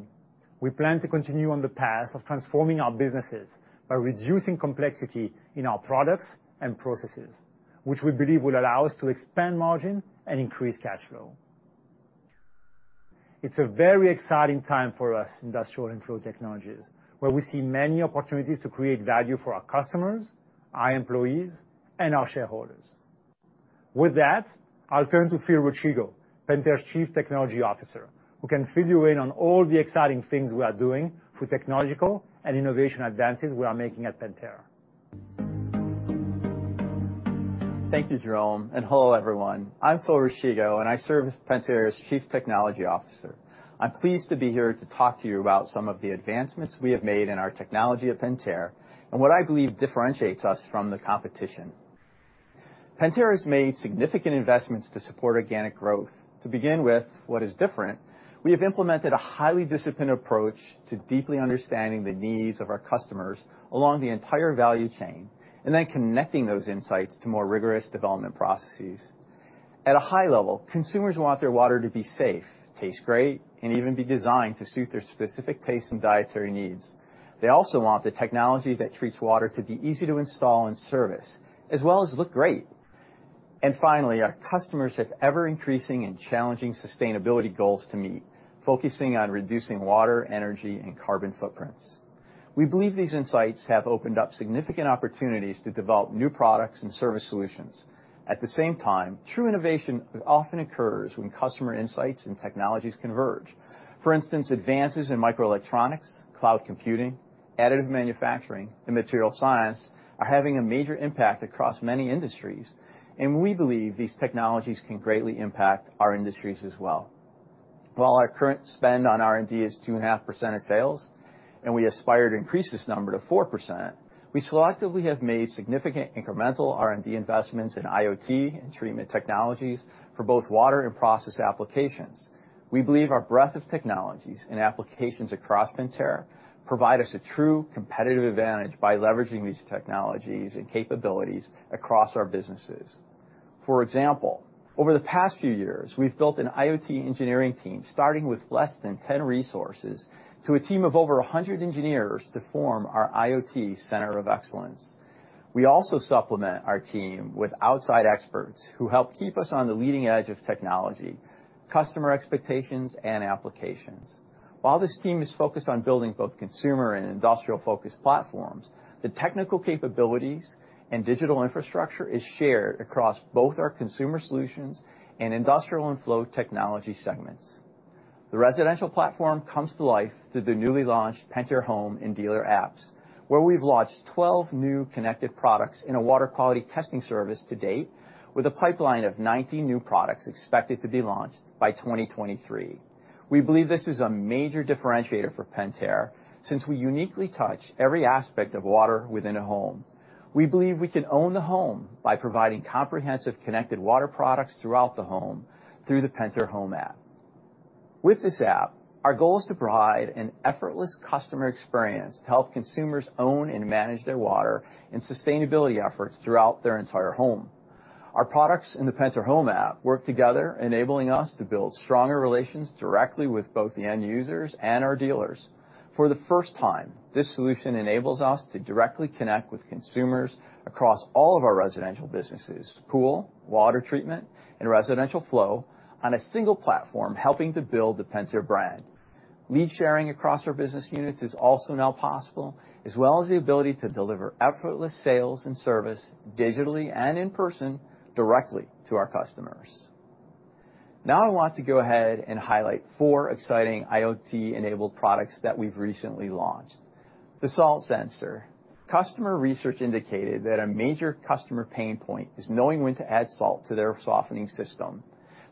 we plan to continue on the path of transforming our businesses by reducing complexity in our products and processes, which we believe will allow us to expand margin and increase cash flow. It's a very exciting time for us, Industrial & Flow Technologies, where we see many opportunities to create value for our customers, our employees, and our shareholders. With that, I'll turn to Phil Rolchigo, Pentair's Chief Technology Officer, who can fill you in on all the exciting things we are doing through technological and innovation advances we are making at Pentair. Thank you, Jerome, and hello, everyone. I'm Phil Rolchigo, and I serve as Pentair's Chief Technology Officer. I'm pleased to be here to talk to you about some of the advancements we have made in our technology at Pentair and what I believe differentiates us from the competition. Pentair has made significant investments to support organic growth. To begin with, what is different, we have implemented a highly disciplined approach to deeply understanding the needs of our customers along the entire value chain, and then connecting those insights to more rigorous development processes. At a high level, consumers want their water to be safe, taste great, and even be designed to suit their specific tastes and dietary needs. They also want the technology that treats water to be easy to install and service, as well as look great. Finally, our customers have ever-increasing and challenging sustainability goals to meet, focusing on reducing water, energy, and carbon footprints. We believe these insights have opened up significant opportunities to develop new products and service solutions. At the same time, true innovation often occurs when customer insights and technologies converge. For instance, advances in microelectronics, cloud computing, additive manufacturing, and material science are having a major impact across many industries, and we believe these technologies can greatly impact our industries as well. While our current spend on R&D is 2.5% of sales, and we aspire to increase this number to 4%, we selectively have made significant incremental R&D investments in IoT and treatment technologies for both water and process applications. We believe our breadth of technologies and applications across Pentair provide us a true competitive advantage by leveraging these technologies and capabilities across our businesses. For example, over the past few years, we've built an IoT engineering team, starting with less than 10 resources to a team of over 100 engineers to form our IoT Center of Excellence. We also supplement our team with outside experts who help keep us on the leading edge of technology, customer expectations, and applications. While this team is focused on building both consumer and industrial-focused platforms, the technical capabilities and digital infrastructure is shared across both our Consumer Solutions and Industrial and Flow Technologies segments. The residential platform comes to life through the newly launched Pentair Home and dealer apps, where we've launched 12 new connected products and a water quality testing service to date, with a pipeline of 90 new products expected to be launched by 2023. We believe this is a major differentiator for Pentair, since we uniquely touch every aspect of water within a home. We believe we can own the home by providing comprehensive connected water products throughout the home through the Pentair Home app. With this app, our goal is to provide an effortless customer experience to help consumers own and manage their water and sustainability efforts throughout their entire home. Our products and the Pentair Home app work together, enabling us to build stronger relations directly with both the end users and our dealers. For the first time, this solution enables us to directly connect with consumers across all of our residential businesses, pool, water treatment, and residential flow, on a single platform, helping to build the Pentair brand. Lead sharing across our business units is also now possible, as well as the ability to deliver effortless sales and service digitally and in person directly to our customers. Now, I want to go ahead and highlight four exciting IoT-enabled products that we've recently launched. The Salt Sensor. Customer research indicated that a major customer pain point is knowing when to add salt to their softening system.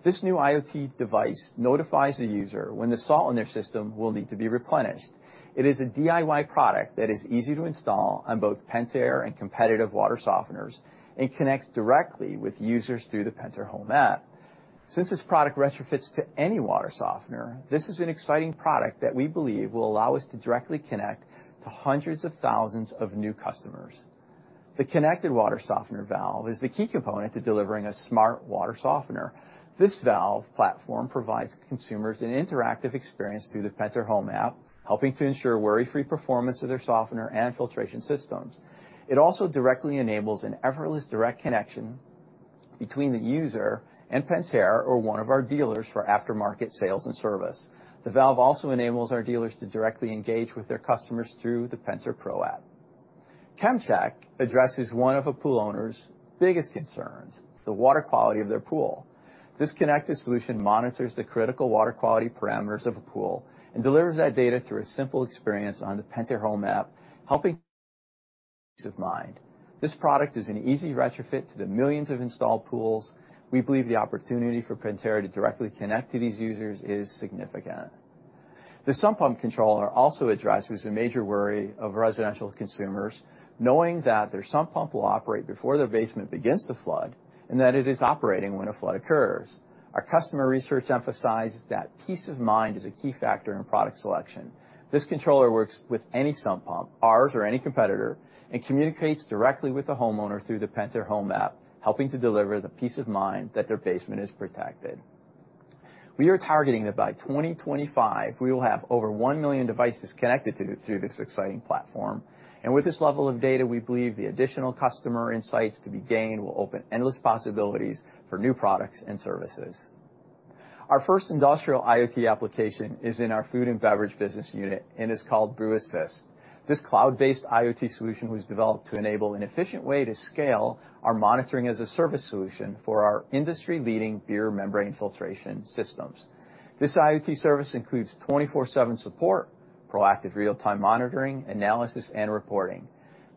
This new IoT device notifies the user when the salt in their system will need to be replenished. It is a DIY product that is easy to install on both Pentair and competitive water softeners and connects directly with users through the Pentair Home app. Since this product retrofits to any water softener, this is an exciting product that we believe will allow us to directly connect to hundreds of thousands of new customers. The connected water softener valve is the key component to delivering a smart water softener. This valve platform provides consumers an interactive experience through the Pentair Home app, helping to ensure worry-free performance of their softener and filtration systems. It also directly enables an effortless direct connection. Between the user and Pentair or one of our dealers for aftermarket sales and service. The valve also enables our dealers to directly engage with their customers through the Pentair Pro app. ChemCheck addresses one of a pool owner's biggest concerns, the water quality of their pool. This connected solution monitors the critical water quality parameters of a pool and delivers that data through a simple experience on the Pentair Home app, helping provide peace of mind. This product is an easy retrofit to the millions of installed pools. We believe the opportunity for Pentair to directly connect to these users is significant. The sump pump controller also addresses a major worry of residential consumers, knowing that their sump pump will operate before their basement begins to flood, and that it is operating when a flood occurs. Our customer research emphasizes that peace of mind is a key factor in product selection. This controller works with any sump pump, ours or any competitor, and communicates directly with the homeowner through the Pentair Home app, helping to deliver the peace of mind that their basement is protected. We are targeting that by 2025, we will have over 1 million devices connected through this exciting platform. With this level of data, we believe the additional customer insights to be gained will open endless possibilities for new products and services. Our first industrial IFT application is in our food and beverage business unit and is called BrewAssist. This cloud-based IoT solution was developed to enable an efficient way to scale our monitoring-as-a-service solution for our industry-leading beer membrane filtration systems. This IoT service includes 24/7 support, proactive real-time monitoring, analysis, and reporting.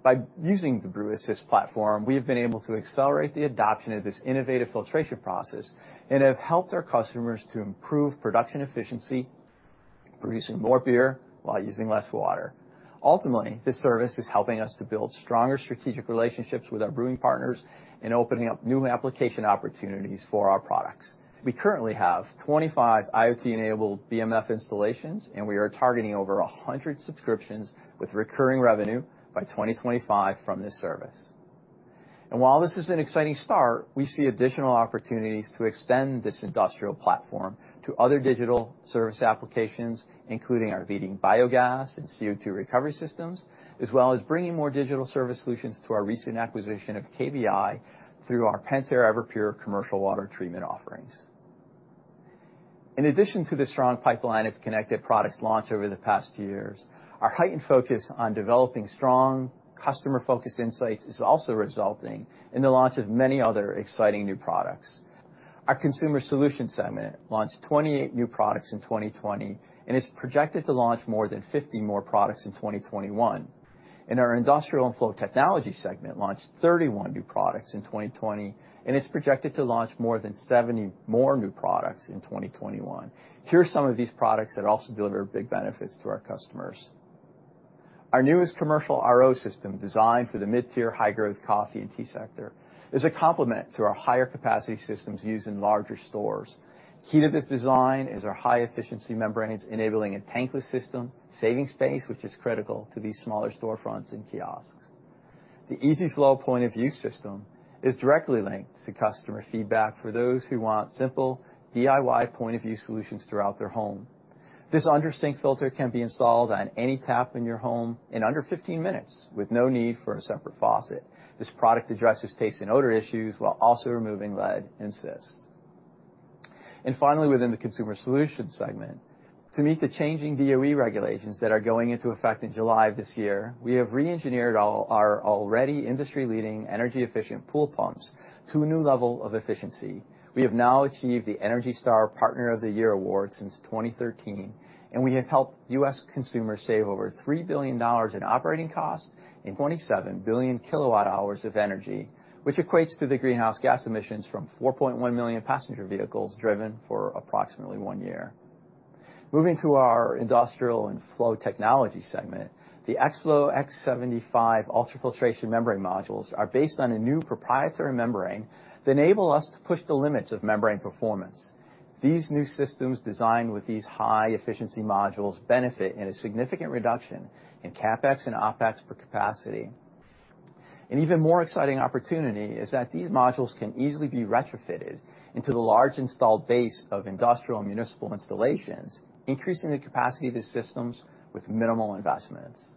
By using the BrewAssist platform, we have been able to accelerate the adoption of this innovative filtration process and have helped our customers to improve production efficiency, producing more beer while using less water. Ultimately, this service is helping us to build stronger strategic relationships with our brewing partners and opening up new application opportunities for our products. We currently have 25 IoT-enabled BMF installations, and we are targeting over 100 subscriptions with recurring revenue by 2025 from this service. While this is an exciting start, we see additional opportunities to extend this industrial platform to other digital service applications, including our leading biogas and CO2 recovery systems, as well as bringing more digital service solutions to our recent acquisition of KBI through our Pentair Everpure commercial water treatment offerings. In addition to the strong pipeline of connected products launched over the past few years, our heightened focus on developing strong customer-focused insights is also resulting in the launch of many other exciting new products. Our Consumer Solutions segment launched 28 new products in 2020 and is projected to launch more than 50 more products in 2021. Our Industrial & Flow Technology segment launched 31 new products in 2020 and is projected to launch more than 70 more new products in 2021. Here are some of these products that also deliver big benefits to our customers. Our newest commercial RO system designed for the mid-tier, high-growth coffee and tea sector is a complement to our higher-capacity systems used in larger stores. Key to this design is our high-efficiency membranes enabling a tankless system, saving space, which is critical for these smaller storefronts and kiosks. The Easy Flow point-of-use system is directly linked to customer feedback for those who want simple DIY point-of-use solutions throughout their home. This under-sink filter can be installed on any tap in your home in under 15 minutes with no need for a separate faucet. This product addresses taste and odor issues while also removing lead and PFAS. Finally, within the Consumer Solutions segment, to meet the changing DOE regulations that are going into effect in July of this year, we have re-engineered our already industry-leading energy-efficient pool pumps to a new level of efficiency. We have now achieved the ENERGY STAR Partner of the Year award since 2013, and we have helped U.S. consumers save over $3 billion in operating costs and 27 billion kWh of energy, which equates to the greenhouse gas emissions from 4.1 million passenger vehicles driven for approximately one year. Moving to our Industrial & Flow Technologies segment, the X-Flow XF75 ultrafiltration membrane modules are based on a new proprietary membrane that enable us to push the limits of membrane performance. These new systems designed with these high-efficiency modules benefit in a significant reduction in CapEx and OpEx per capacity. An even more exciting opportunity is that these modules can easily be retrofitted into the large installed base of industrial municipal installations, increasing the capacity of the systems with minimal investments.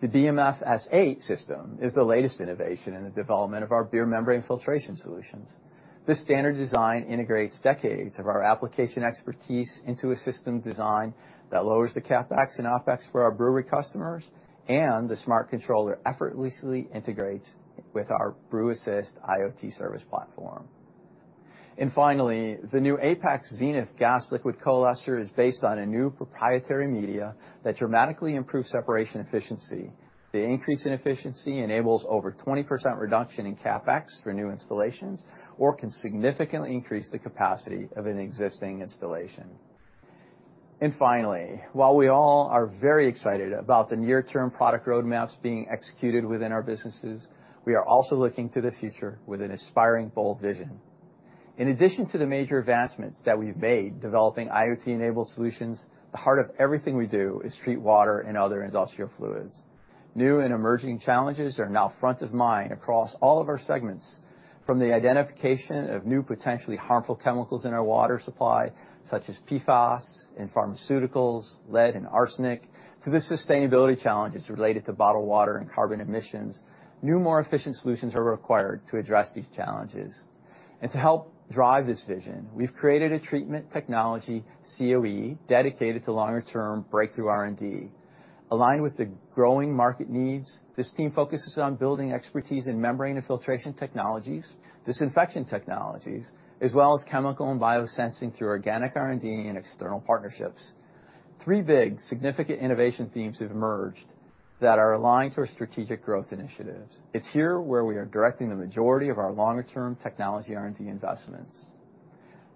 The BMF S8 system is the latest innovation in the development of our beer membrane filtration solutions. This standard design integrates decades of our application expertise into a system design that lowers the CapEx and OpEx for our brewery customers. The smart controller effortlessly integrates with our BrewAssist IFT service platform. The new Apex Zenith gas liquid coalescer is based on a new proprietary media that dramatically improves separation efficiency. The increase in efficiency enables over 20% reduction in CapEx for new installations or can significantly increase the capacity of an existing installation. While we all are very excited about the near-term product roadmaps being executed within our businesses, we are also looking to the future with an aspiring bold vision. In addition to the major advancements that we've made developing IoT-enabled solutions, the heart of everything we do is treat water and other industrial fluids. New and emerging challenges are now front of mind across all of our segments. From the identification of new potentially harmful chemicals in our water supply, such as PFAS and pharmaceuticals, lead and arsenic, to the sustainability challenges related to bottled water and carbon emissions, new, more efficient solutions are required to address these challenges. To help drive this vision, we've created a treatment technology COE dedicated to longer-term breakthrough R&D. Aligned with the growing market needs, this team focuses on building expertise in membrane and filtration technologies, disinfection technologies, as well as chemical and biosensing through organic R&D and external partnerships. three big significant innovation themes have emerged that are aligned to our strategic growth initiatives. It's here where we are directing the majority of our longer-term technology R&D investments.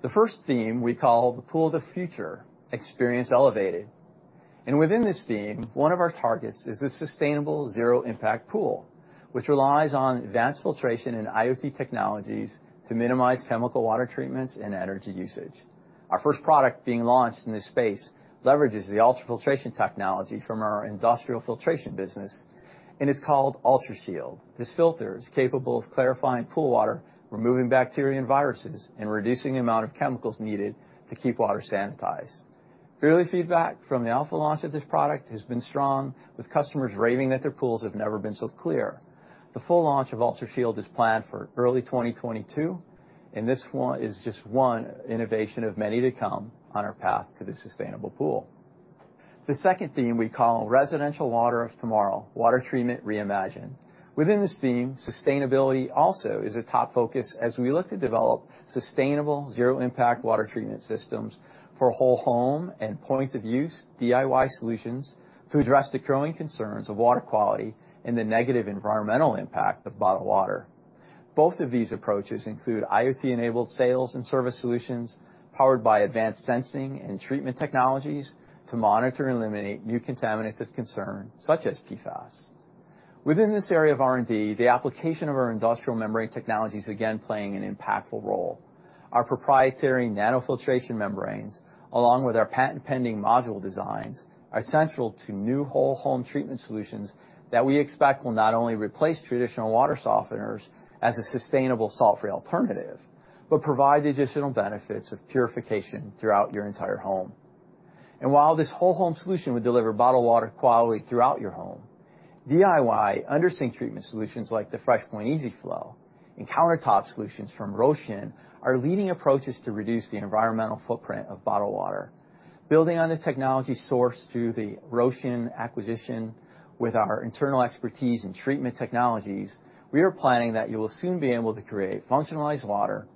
The first theme we call the Pool of the Future: Experience Elevated. Within this theme, one of our targets is the sustainable zero-impact pool, which relies on advanced filtration and IFT technologies to minimize chemical water treatments and energy usage. Our first product being launched in this space leverages the ultrafiltration technology from our industrial filtration business and is called UltraShield. This filter is capable of clarifying pool water, removing bacteria and viruses, and reducing the amount of chemicals needed to keep water sanitized. Early feedback from the alpha launch of this product has been strong, with customers raving that their pools have never been so clear. The full launch of UltraShield is planned for early 2022, and this is just one innovation of many to come on our path to the sustainable pool. The second theme we call Residential Water of Tomorrow: Water Treatment Reimagined. Within this theme, sustainability also is a top focus as we look to develop sustainable zero-impact water treatment systems for whole-home and point-of-use DIY solutions to address the growing concerns of water quality and the negative environmental impact of bottled water. Both of these approaches include IoT-enabled sales and service solutions powered by advanced sensing and treatment technologies to monitor and eliminate new contaminants of concern, such as PFAS. Within this area of R&D, the application of our industrial membrane technology is again playing an impactful role. Our proprietary nanofiltration membranes, along with our patent-pending module designs, are central to new whole-home treatment solutions that we expect will not only replace traditional water softeners as a sustainable salt free alternative, but provide additional benefits of purification throughout your entire home. While this whole home solution will deliver bottled water quality throughout your home, DIY under-sink treatment solutions like the FreshPoint Easy Flow and countertop solutions from Rocean are leading approaches to reduce the environmental footprint of bottled water. Building on the technology sourced through the Rocean acquisition with our internal expertise in treatment technologies, we are planning that you will soon be able to create functionalized water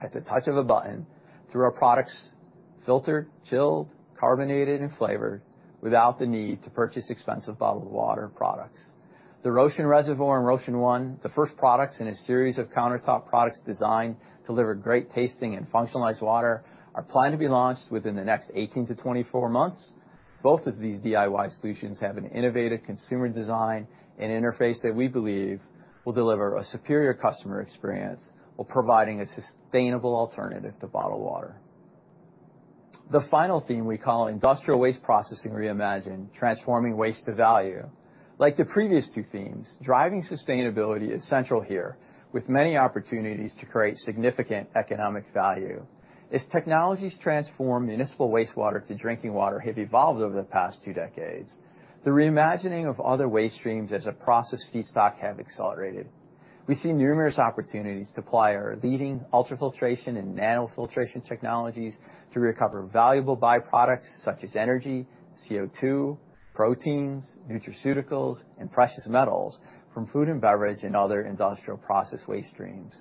at the touch of a button through our products filtered, chilled, carbonated, and flavored without the need to purchase expensive bottled water products. The Rocean Reservoir and Rocean One, the first products in a series of countertop products designed to deliver great-tasting and functionalized water, are planned to be launched within the next 18-24 months. Both of these DIY solutions have an innovative consumer design and interface that we believe will deliver a superior customer experience while providing a sustainable alternative to bottled water. The final theme we call Industrial Waste Processing Reimagined: Transforming Waste to Value. Like the previous two themes, driving sustainability is central here, with many opportunities to create significant economic value. As technologies transform municipal wastewater to drinking water have evolved over the past two decades, the reimagining of other waste streams as a process feedstock have accelerated. We see numerous opportunities to apply our leading ultrafiltration and nanofiltration technologies to recover valuable byproducts such as energy, CO2, proteins, nutraceuticals, and precious metals from food and beverage and other industrial process waste streams.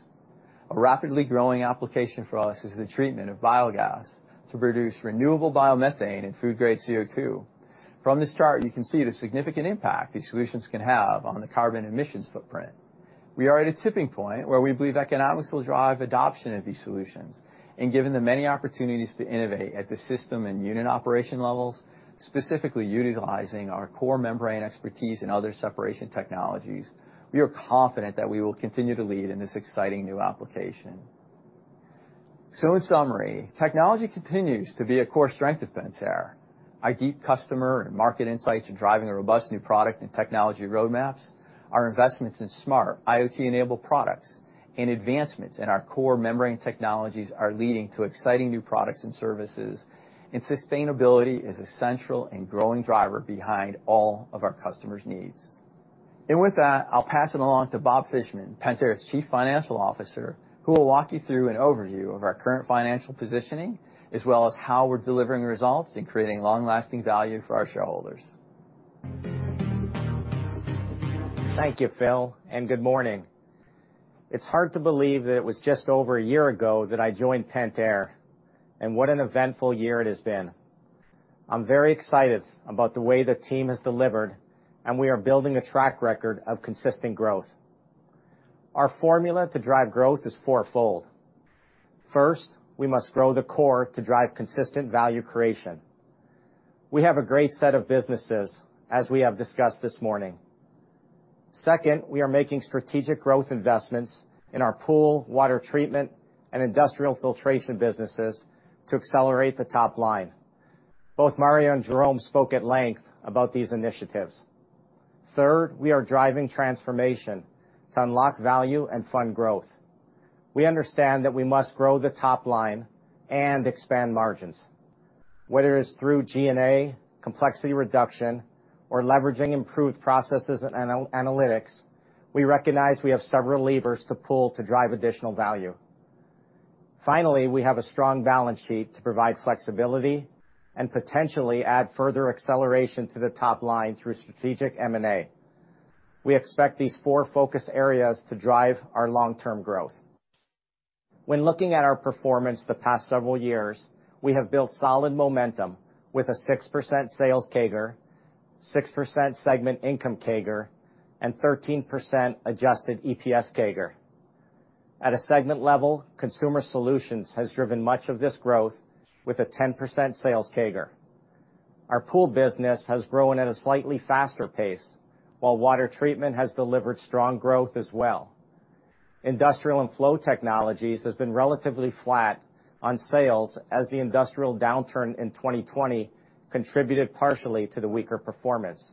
A rapidly growing application for us is the treatment of biogas to produce renewable biomethane and food-grade CO2. From this chart, you can see the significant impact these solutions can have on the carbon emissions footprint. We are at a tipping point where we believe economics will drive adoption of these solutions, and given the many opportunities to innovate at the system and unit operation levels, specifically utilizing our core membrane expertise and other separation technologies, we are confident that we will continue to lead in this exciting new application. In summary, technology continues to be a core strength of Pentair. Our deep customer and market insights in driving the robust new product and technology roadmaps, our investments in smart IoT-enabled products, and advancements in our core membrane technologies are leading to exciting new products and services, and sustainability is a central and growing driver behind all of our customers' needs. With that, I'll pass it along to Bob Fishman, Pentair's Chief Financial Officer, who will walk you through an overview of our current financial positioning, as well as how we're delivering results and creating long-lasting value for our shareholders. Thank you, Phil, and good morning. It's hard to believe that it was just over a year ago that I joined Pentair, and what an eventful year it has been. I'm very excited about the way the team has delivered, and we are building a track record of consistent growth. Our formula to drive growth is fourfold. First, we must grow the core to drive consistent value creation. We have a great set of businesses, as we have discussed this morning. Second, we are making strategic growth investments in our pool, water treatment, and industrial filtration businesses to accelerate the top line. Both Mario and Jerome spoke at length about these initiatives. Third, we are driving transformation to unlock value and fund growth. We understand that we must grow the top line and expand margins. Whether it's through G&A, complexity reduction, or leveraging improved processes and analytics, we recognize we have several levers to pull to drive additional value. Finally, we have a strong balance sheet to provide flexibility and potentially add further acceleration to the top line through strategic M&A. We expect these four focus areas to drive our long-term growth. When looking at our performance the past several years, we have built solid momentum with a 6% sales CAGR, 6% segment income CAGR, and 13% adjusted EPS CAGR. At a segment level, Consumer Solutions has driven much of this growth with a 10% sales CAGR. Our pool business has grown at a slightly faster pace, while water treatment has delivered strong growth as well. Industrial & Flow Technologies has been relatively flat on sales as the industrial downturn in 2020 contributed partially to the weaker performance.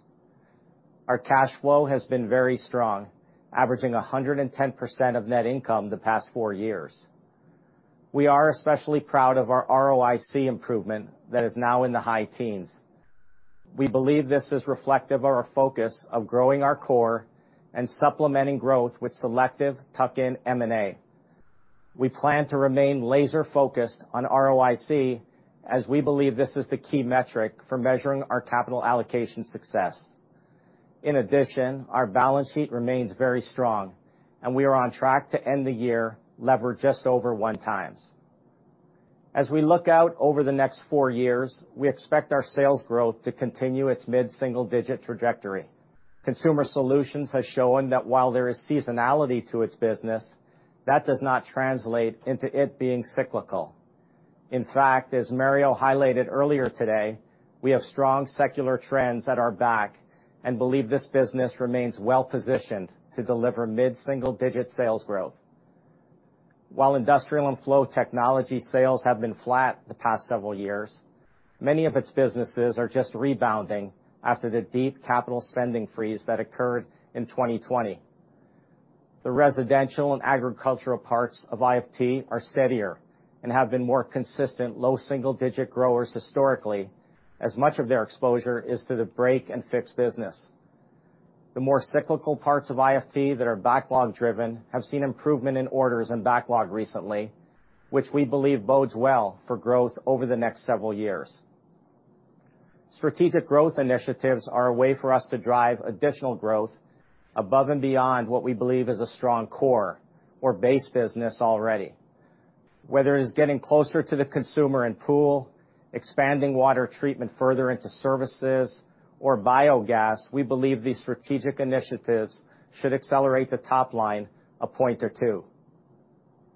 Our cash flow has been very strong, averaging 110% of net income the past four years. We are especially proud of our ROIC improvement that is now in the high teens. We believe this is reflective of our focus of growing our core and supplementing growth with selective tuck-in M&A. We plan to remain laser-focused on ROIC as we believe this is the key metric for measuring our capital allocation success. In addition, our balance sheet remains very strong, and we are on track to end the year levered just over 1x. As we look out over the next four years, we expect our sales growth to continue its mid-single-digit trajectory. Consumer Solutions has shown that while there is seasonality to its business, that does not translate into it being cyclical. In fact, as Mario highlighted earlier today, we have strong secular trends at our back and believe this business remains well-positioned to deliver mid-single-digit sales growth. While Industrial & Flow Technologies sales have been flat the past several years, many of its businesses are just rebounding after the deep capital spending freeze that occurred in 2020. The residential and agricultural parts of IFT are steadier and have been more consistent low single-digit growers historically, as much of their exposure is to the break-and-fix business. The more cyclical parts of IFT that are backlog driven have seen improvement in orders and backlog recently, which we believe bodes well for growth over the next several years. Strategic growth initiatives are a way for us to drive additional growth above and beyond what we believe is a strong core or base business already. Whether it's getting closer to the consumer in pool, expanding water treatment further into services or biogas, we believe these strategic initiatives should accelerate the top line a point or two.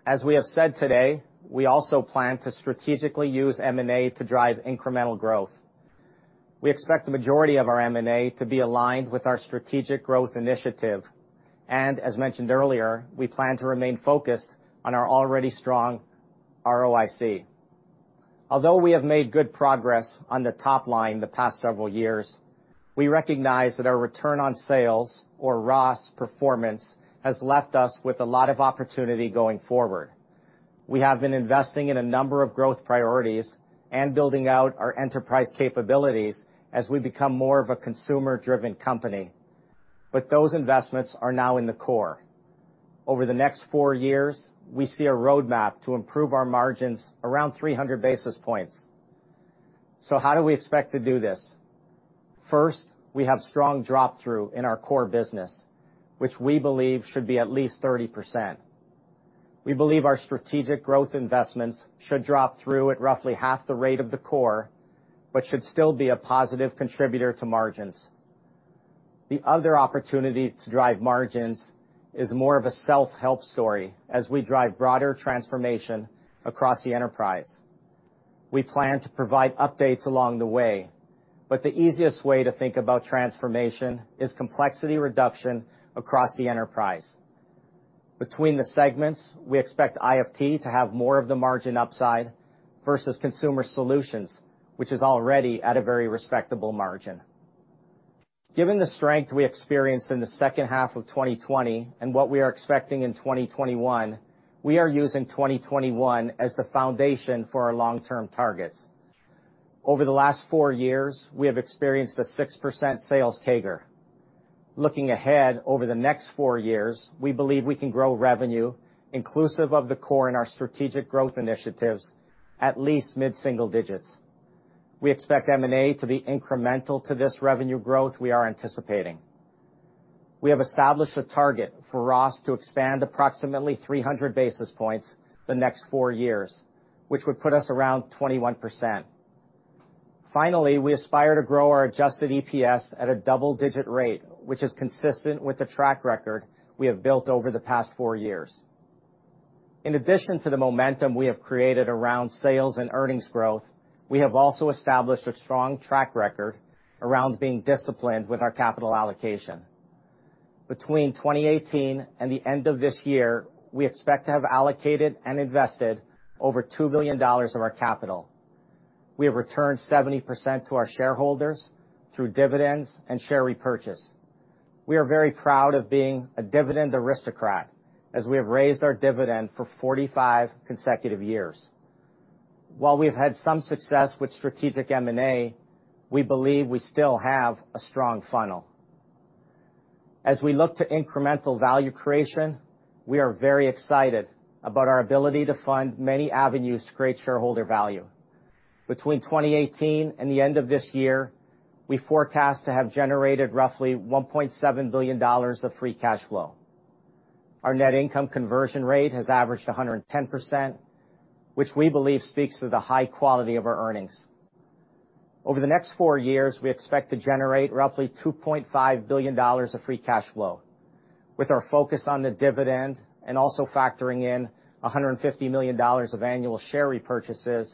As we have said today, we also plan to strategically use M&A to drive incremental growth. We expect the majority of our M&A to be aligned with our strategic growth initiative. As mentioned earlier, we plan to remain focused on our already strong ROIC. Although we have made good progress on the top line the past several years, we recognize that our return on sales or ROS performance has left us with a lot of opportunity going forward. We have been investing in a number of growth priorities and building out our enterprise capabilities as we become more of a consumer-driven company, those investments are now in the core. Over the next four years, we see a roadmap to improve our margins around 300 basis points. How do we expect to do this? First, we have strong drop-through in our core business, which we believe should be at least 30%. We believe our strategic growth investments should drop through at roughly half the rate of the core, but should still be a positive contributor to margins. The other opportunity to drive margins is more of a self-help story as we drive broader transformation across the enterprise. We plan to provide updates along the way, but the easiest way to think about transformation is complexity reduction across the enterprise. Between the segments, we expect IFT to have more of the margin upside versus Consumer Solutions, which is already at a very respectable margin. Given the strength we experienced in the second half of 2020 and what we are expecting in 2021, we are using 2021 as the foundation for our long-term targets. Over the last four years, we have experienced a 6% sales CAGR. Looking ahead over the next four years, we believe we can grow revenue inclusive of the core in our strategic growth initiatives at least mid-single digits. We expect M&A to be incremental to this revenue growth we are anticipating. We have established a target for ROS to expand approximately 300 basis points the next four years, which would put us around 21%. Finally, we aspire to grow our adjusted EPS at a double-digit rate, which is consistent with the track record we have built over the past four years. In addition to the momentum we have created around sales and earnings growth, we have also established a strong track record around being disciplined with our capital allocation. Between 2018 and the end of this year, we expect to have allocated and invested over $2 billion of our capital. We have returned 70% to our shareholders through dividends and share repurchase. We are very proud of being a dividend aristocrat, as we have raised our dividend for 45 consecutive years. While we've had some success with strategic M&A, we believe we still have a strong funnel. As we look to incremental value creation, we are very excited about our ability to fund many avenues to create shareholder value. Between 2018 and the end of this year, we forecast to have generated roughly $1.7 billion of free cash flow. Our net income conversion rate has averaged 110%, which we believe speaks to the high quality of our earnings. Over the next four years, we expect to generate roughly $2.5 billion of free cash flow. With our focus on the dividend and also factoring in $150 million of annual share repurchases,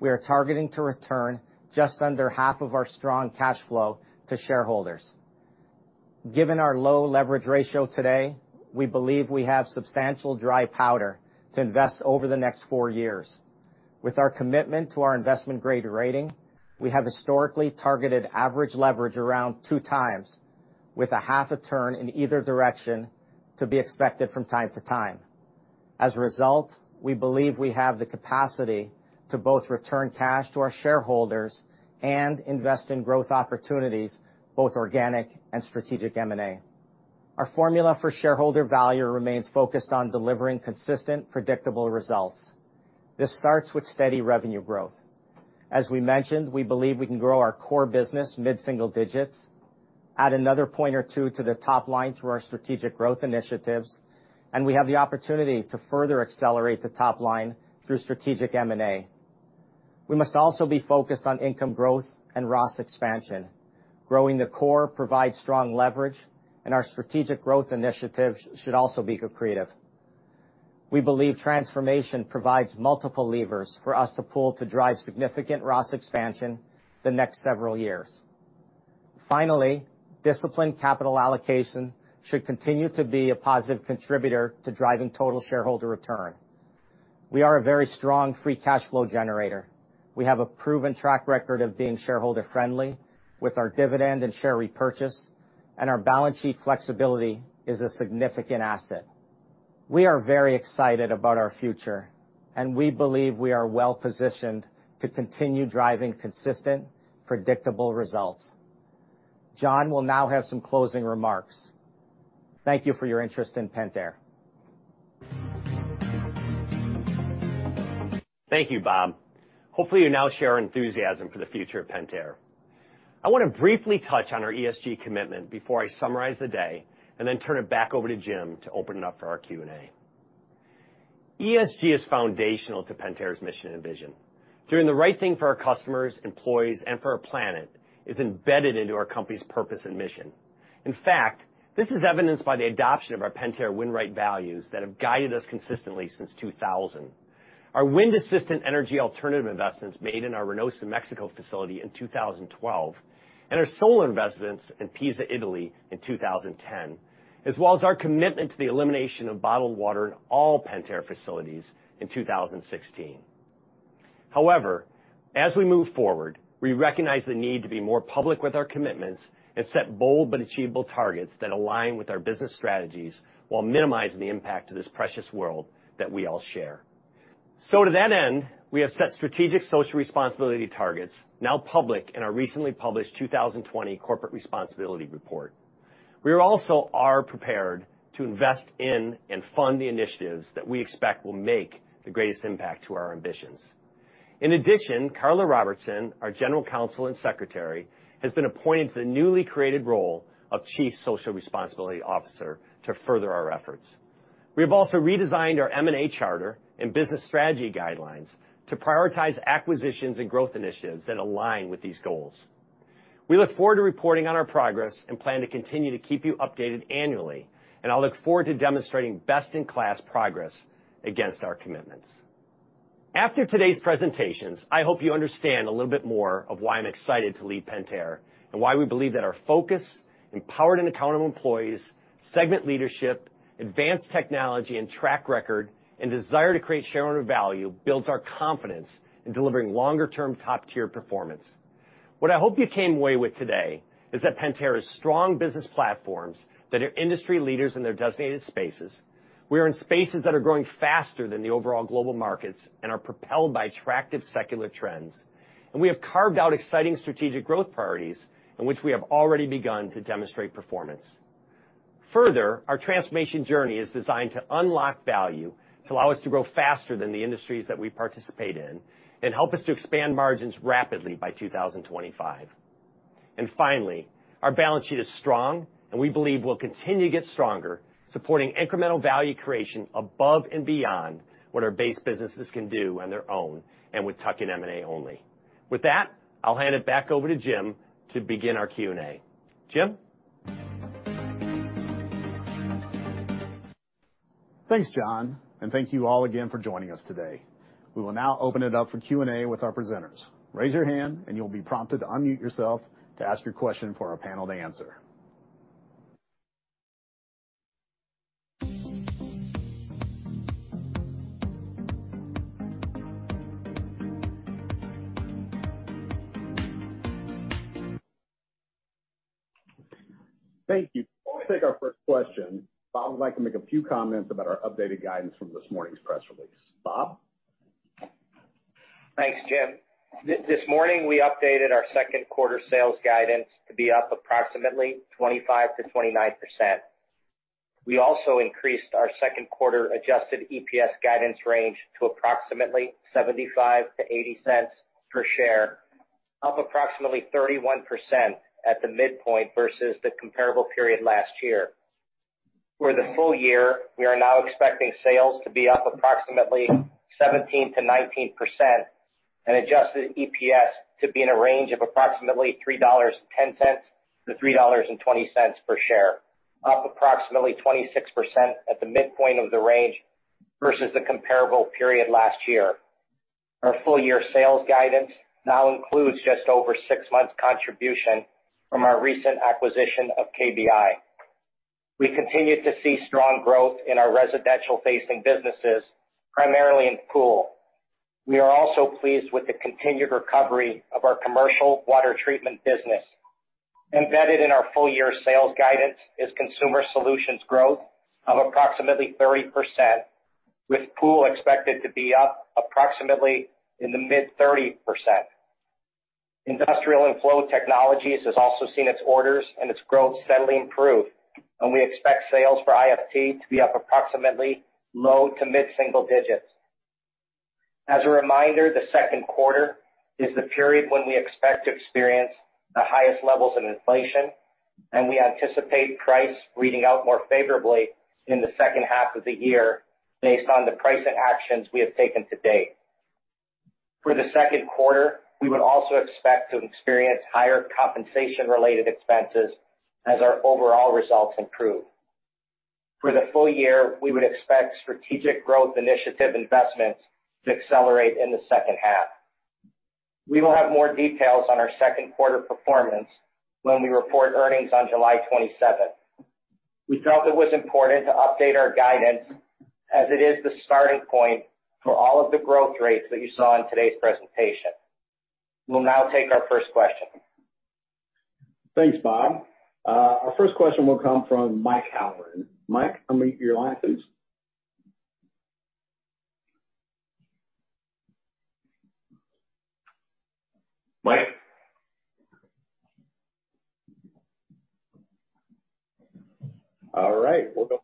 we are targeting to return just under half of our strong cash flow to shareholders. Given our low leverage ratio today, we believe we have substantial dry powder to invest over the next four years. With our commitment to our investment-grade rating, we have historically targeted average leverage around 2x, with a half a turn in either direction to be expected from time to time. As a result, we believe we have the capacity to both return cash to our shareholders and invest in growth opportunities, both organic and strategic M&A. Our formula for shareholder value remains focused on delivering consistent, predictable results. This starts with steady revenue growth. As we mentioned, we believe we can grow our core business mid-single digits, add another point or two to the top line through our strategic growth initiatives, and we have the opportunity to further accelerate the top line through strategic M&A. We must also be focused on income growth and ROS expansion. Growing the core provides strong leverage, and our strategic growth initiatives should also be accretive. We believe transformation provides multiple levers for us to pull to drive significant ROS expansion the next several years. Finally, disciplined capital allocation should continue to be a positive contributor to driving total shareholder return. We are a very strong free cash flow generator. We have a proven track record of being shareholder-friendly with our dividend and share repurchase, and our balance sheet flexibility is a significant asset. We are very excited about our future, and we believe we are well-positioned to continue driving consistent, predictable results. John will now have some closing remarks. Thank you for your interest in Pentair. Thank you, Bob. Hopefully, you now share our enthusiasm for the future of Pentair. I want to briefly touch on our ESG commitment before I summarize the day and then turn it back over to Jim to open it up for our Q&A. ESG is foundational to Pentair's mission and vision. Doing the right thing for our customers, employees, and for our planet is embedded into our company's purpose and mission. In fact, this is evidenced by the adoption of our Pentair Win Right Values that have guided us consistently since 2000. Our wind-assisted energy alternative investments made in our Reynosa, Mexico facility in 2012, and our solar investments in Pisa, Italy in 2010, as well as our commitment to the elimination of bottled water in all Pentair facilities in 2016. However, as we move forward, we recognize the need to be more public with our commitments and set bold but achievable targets that align with our business strategies while minimizing the impact of this precious world that we all share. To that end, we have set strategic social responsibility targets, now public in our recently published 2020 Corporate Responsibility Report. We also are prepared to invest in and fund the initiatives that we expect will make the greatest impact to our ambitions. In addition, Karla Robertson, our General Counsel and Secretary, has been appointed to the newly created role of Chief Social Responsibility Officer to further our efforts. We have also redesigned our M&A charter and business strategy guidelines to prioritize acquisitions and growth initiatives that align with these goals. We look forward to reporting on our progress and plan to continue to keep you updated annually, and I look forward to demonstrating best-in-class progress against our commitments. After today's presentations, I hope you understand a little bit more of why I'm excited to lead Pentair and why we believe that our focus, empowered and accountable employees, segment leadership, advanced technology, and track record, and desire to create shareholder value builds our confidence in delivering longer-term top-tier performance. What I hope you came away with today is that Pentair has strong business platforms that are industry leaders in their designated spaces. We are in spaces that are growing faster than the overall global markets and are propelled by attractive secular trends. We have carved out exciting strategic growth priorities in which we have already begun to demonstrate performance. Further, our transformation journey is designed to unlock value to allow us to grow faster than the industries that we participate in and help us to expand margins rapidly by 2025. Finally, our balance sheet is strong, and we believe we'll continue to get stronger, supporting incremental value creation above and beyond what our base businesses can do on their own and with tuck-in M&A only. With that, I'll hand it back over to Jim to begin our Q&A. Jim? Thanks, John. Thank you all again for joining us today. We will now open it up for Q&A with our presenters. Raise your hand, and you'll be prompted to unmute yourself to ask your question for our panel to answer. Thank you. Before we take our first question, Bob would like to make a few comments about our updated guidance from this morning's press release. Bob? Thanks, Jim. This morning, we updated our second quarter sales guidance to be up approximately 25%-29%. We also increased our second quarter adjusted EPS guidance range to approximately $0.75-$0.80 per share, up approximately 31% at the midpoint versus the comparable period last year. For the full year, we are now expecting sales to be up approximately 17%-19% and adjusted EPS to be in a range of approximately $3.10-$3.20 per share. Up approximately 26% at the midpoint of the range versus the comparable period last year. Our full year sales guidance now includes just over six months contribution from our recent acquisition of KBI. We continue to see strong growth in our residential-facing businesses, primarily in pool. We are also pleased with the continued recovery of our commercial water treatment business. Embedded in our full-year sales guidance is Consumer Solutions growth of approximately 30%, with pool expected to be up approximately in the mid-30%. Industrial & Flow Technologies has also seen its orders and its growth steadily improve, and we expect sales for IFT to be up approximately low to mid-single digits. As a reminder, the second quarter is the period when we expect to experience the highest levels of inflation, and we anticipate price reading out more favorably in the second half of the year based on the pricing actions we have taken to date. For the second quarter, we would also expect to experience higher compensation-related expenses as our overall results improve. For the full year, we would expect Strategic Growth Initiative investments to accelerate in the second half. We will have more details on our second quarter performance when we report earnings on July 27th. We felt it was important to update our guidance as it is the starting point for all of the growth rates that you saw in today's presentation. We'll now take our first question. Thanks, Bob. Our first question will come from Mike Halloran, unmute your line, please. Mike? All right. We'll go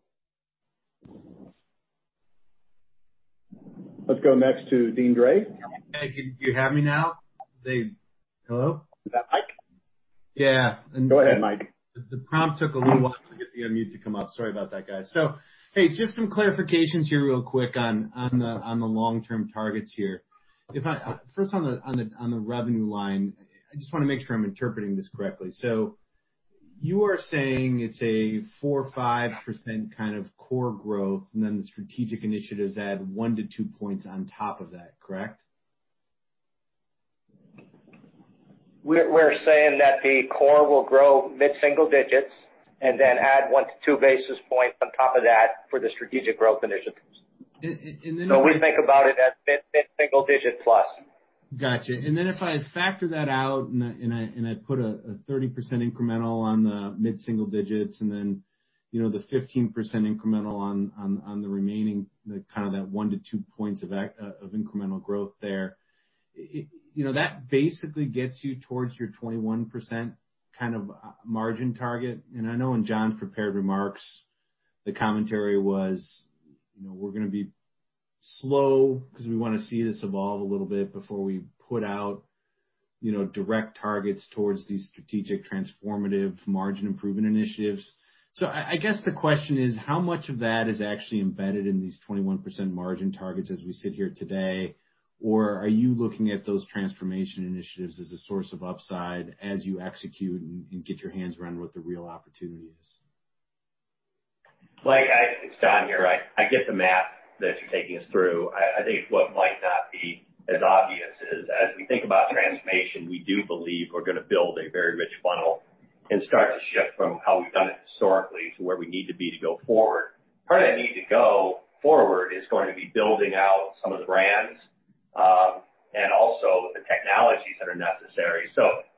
Let's go next to Deane Dray. Hey, can you hear me now? Dave? Hello? You're back. Yeah. Go ahead, Mike. The prompt took a little while for the unmute to come up. Sorry about that, guys. Just some clarifications here real quick on the long-term targets here. First on the revenue line, I just want to make sure I'm interpreting this correctly. You are saying it's a 4% or 5% kind of core growth, and then the strategic initiatives add one to two points on top of that, correct? We're saying that the core will grow mid-single digits and then add 1-2 basis points on top of that for the Strategic Growth Initiatives. And then if I- We think about it at mid-single digits plus. Got you. Then if I factor that out and I put a 30% incremental on the mid-single digits and then the 15% incremental on the remaining, kind of that one to two points of incremental growth there, that basically gets you towards your 21% kind of margin target. I know in John's prepared remarks, the commentary was, we're going to be slow because we want to see this evolve a little bit before we put out direct targets towards these strategic transformative margin improvement initiatives. I guess the question is, how much of that is actually embedded in these 21% margin targets as we sit here today? Or are you looking at those transformation initiatives as a source of upside as you execute and get your hands around what the real opportunity is? Mike, it's John here. I get the math that you're taking us through. I think what might not be as obvious is, as we think about transformation, we do believe we're going to build a very rich funnel and start to shift from how we've done it historically to where we need to be to go forward. Where I need to go forward is going to be building out some of the brands and also the technologies that are necessary.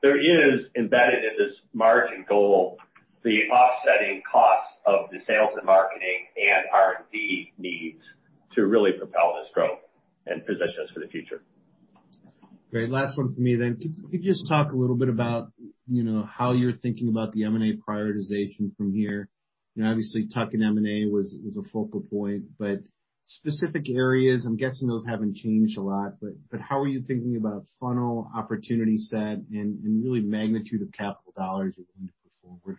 There is embedded in this margin goal, the offsetting cost of the sales and marketing and R&D needs to really propel this growth and position us for the future. Great. Last one from me then. Can you just talk a little bit about how you're thinking about the M&A prioritization from here? Obviously, tuck-in M&A was a focal point, but specific areas, I'm guessing those haven't changed a lot, but how are you thinking about funnel opportunity set and really magnitude of capital dollars you're going to put forward?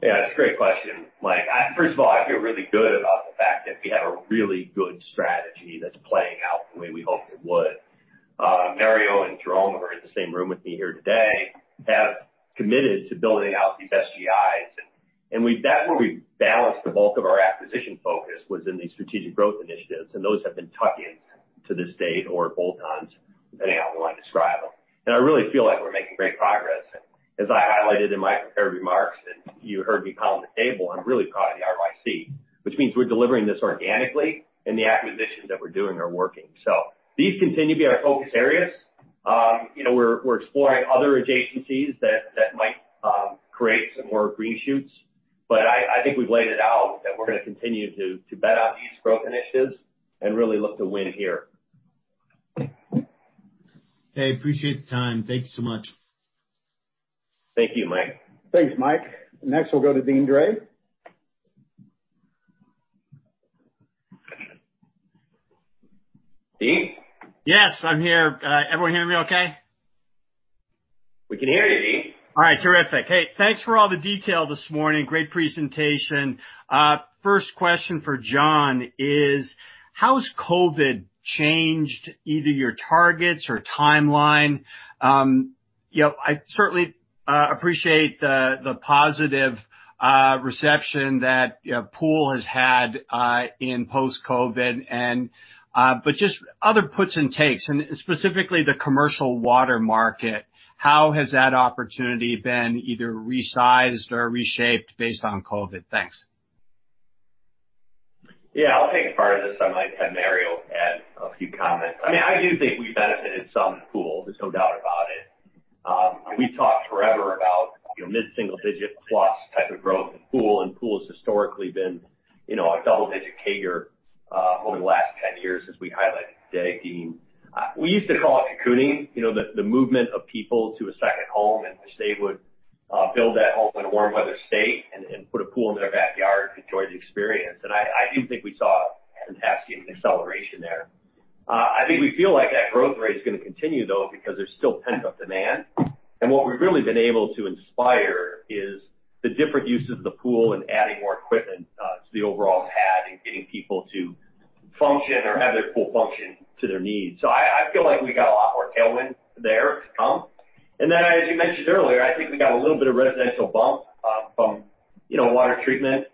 That's a great question, Mike. First of all, I feel really good about the fact that we have a really good strategy that's playing out the way we hoped it would. Mario and Jerome, who are in the same room with me here today, have committed to building out these SGIs. We definitely balanced the bulk of our acquisition focus within these strategic growth initiatives, and those have been tuck-ins to this date or bolt-ons, depending on how you want to describe them. I really feel like we're making great progress. As I highlighted in my prepared remarks, and you heard me call at the table, I'm really proud of the ROIC, which means we're delivering this organically, and the acquisitions that we're doing are working. These continue to be our focus areas. We're exploring other adjacencies that might create some more green shoots. I think we've laid it out that we're going to continue to bet on these growth initiatives and really look to win here. Hey, appreciate the time. Thanks so much. Thank you, Mike. Thanks, Mike. Next we'll go to Deane Dray. Dean? Yes, I'm here. Everyone hear me okay? We can hear you, Deane. All right, terrific. Hey, thanks for all the detail this morning. Great presentation. First question for John is, how has COVID changed either your targets or timeline? I certainly appreciate the positive reception that pool has had in post-COVID, but just other puts and takes, and specifically the commercial water market. How has that opportunity been either resized or reshaped based on COVID? Thanks. Yeah, I'll take part of this and let Mario add a few comments. I do think we benefited some pool, there's no doubt about it. We talked forever about mid-single digit plus type of growth in pool, and pool has historically been a double-digit CAGR over the last 10 years, as we highlighted today, Deane. We used to call it cocooning, the movement of people to a second home, and they would build that home in a warm weather state and put a pool in their backyard and enjoy the experience. I do think we saw an acceleration there. I think we feel like that growth rate is going to continue, though, because there's still pent-up demand. What we've really been able to inspire is the different uses of pool and adding more equipment to the overall pad and getting people to function or have their pool function to their needs. I feel like we got a lot more tailwind there to come. As you mentioned earlier, I think we got a little bit of residential bump from water treatment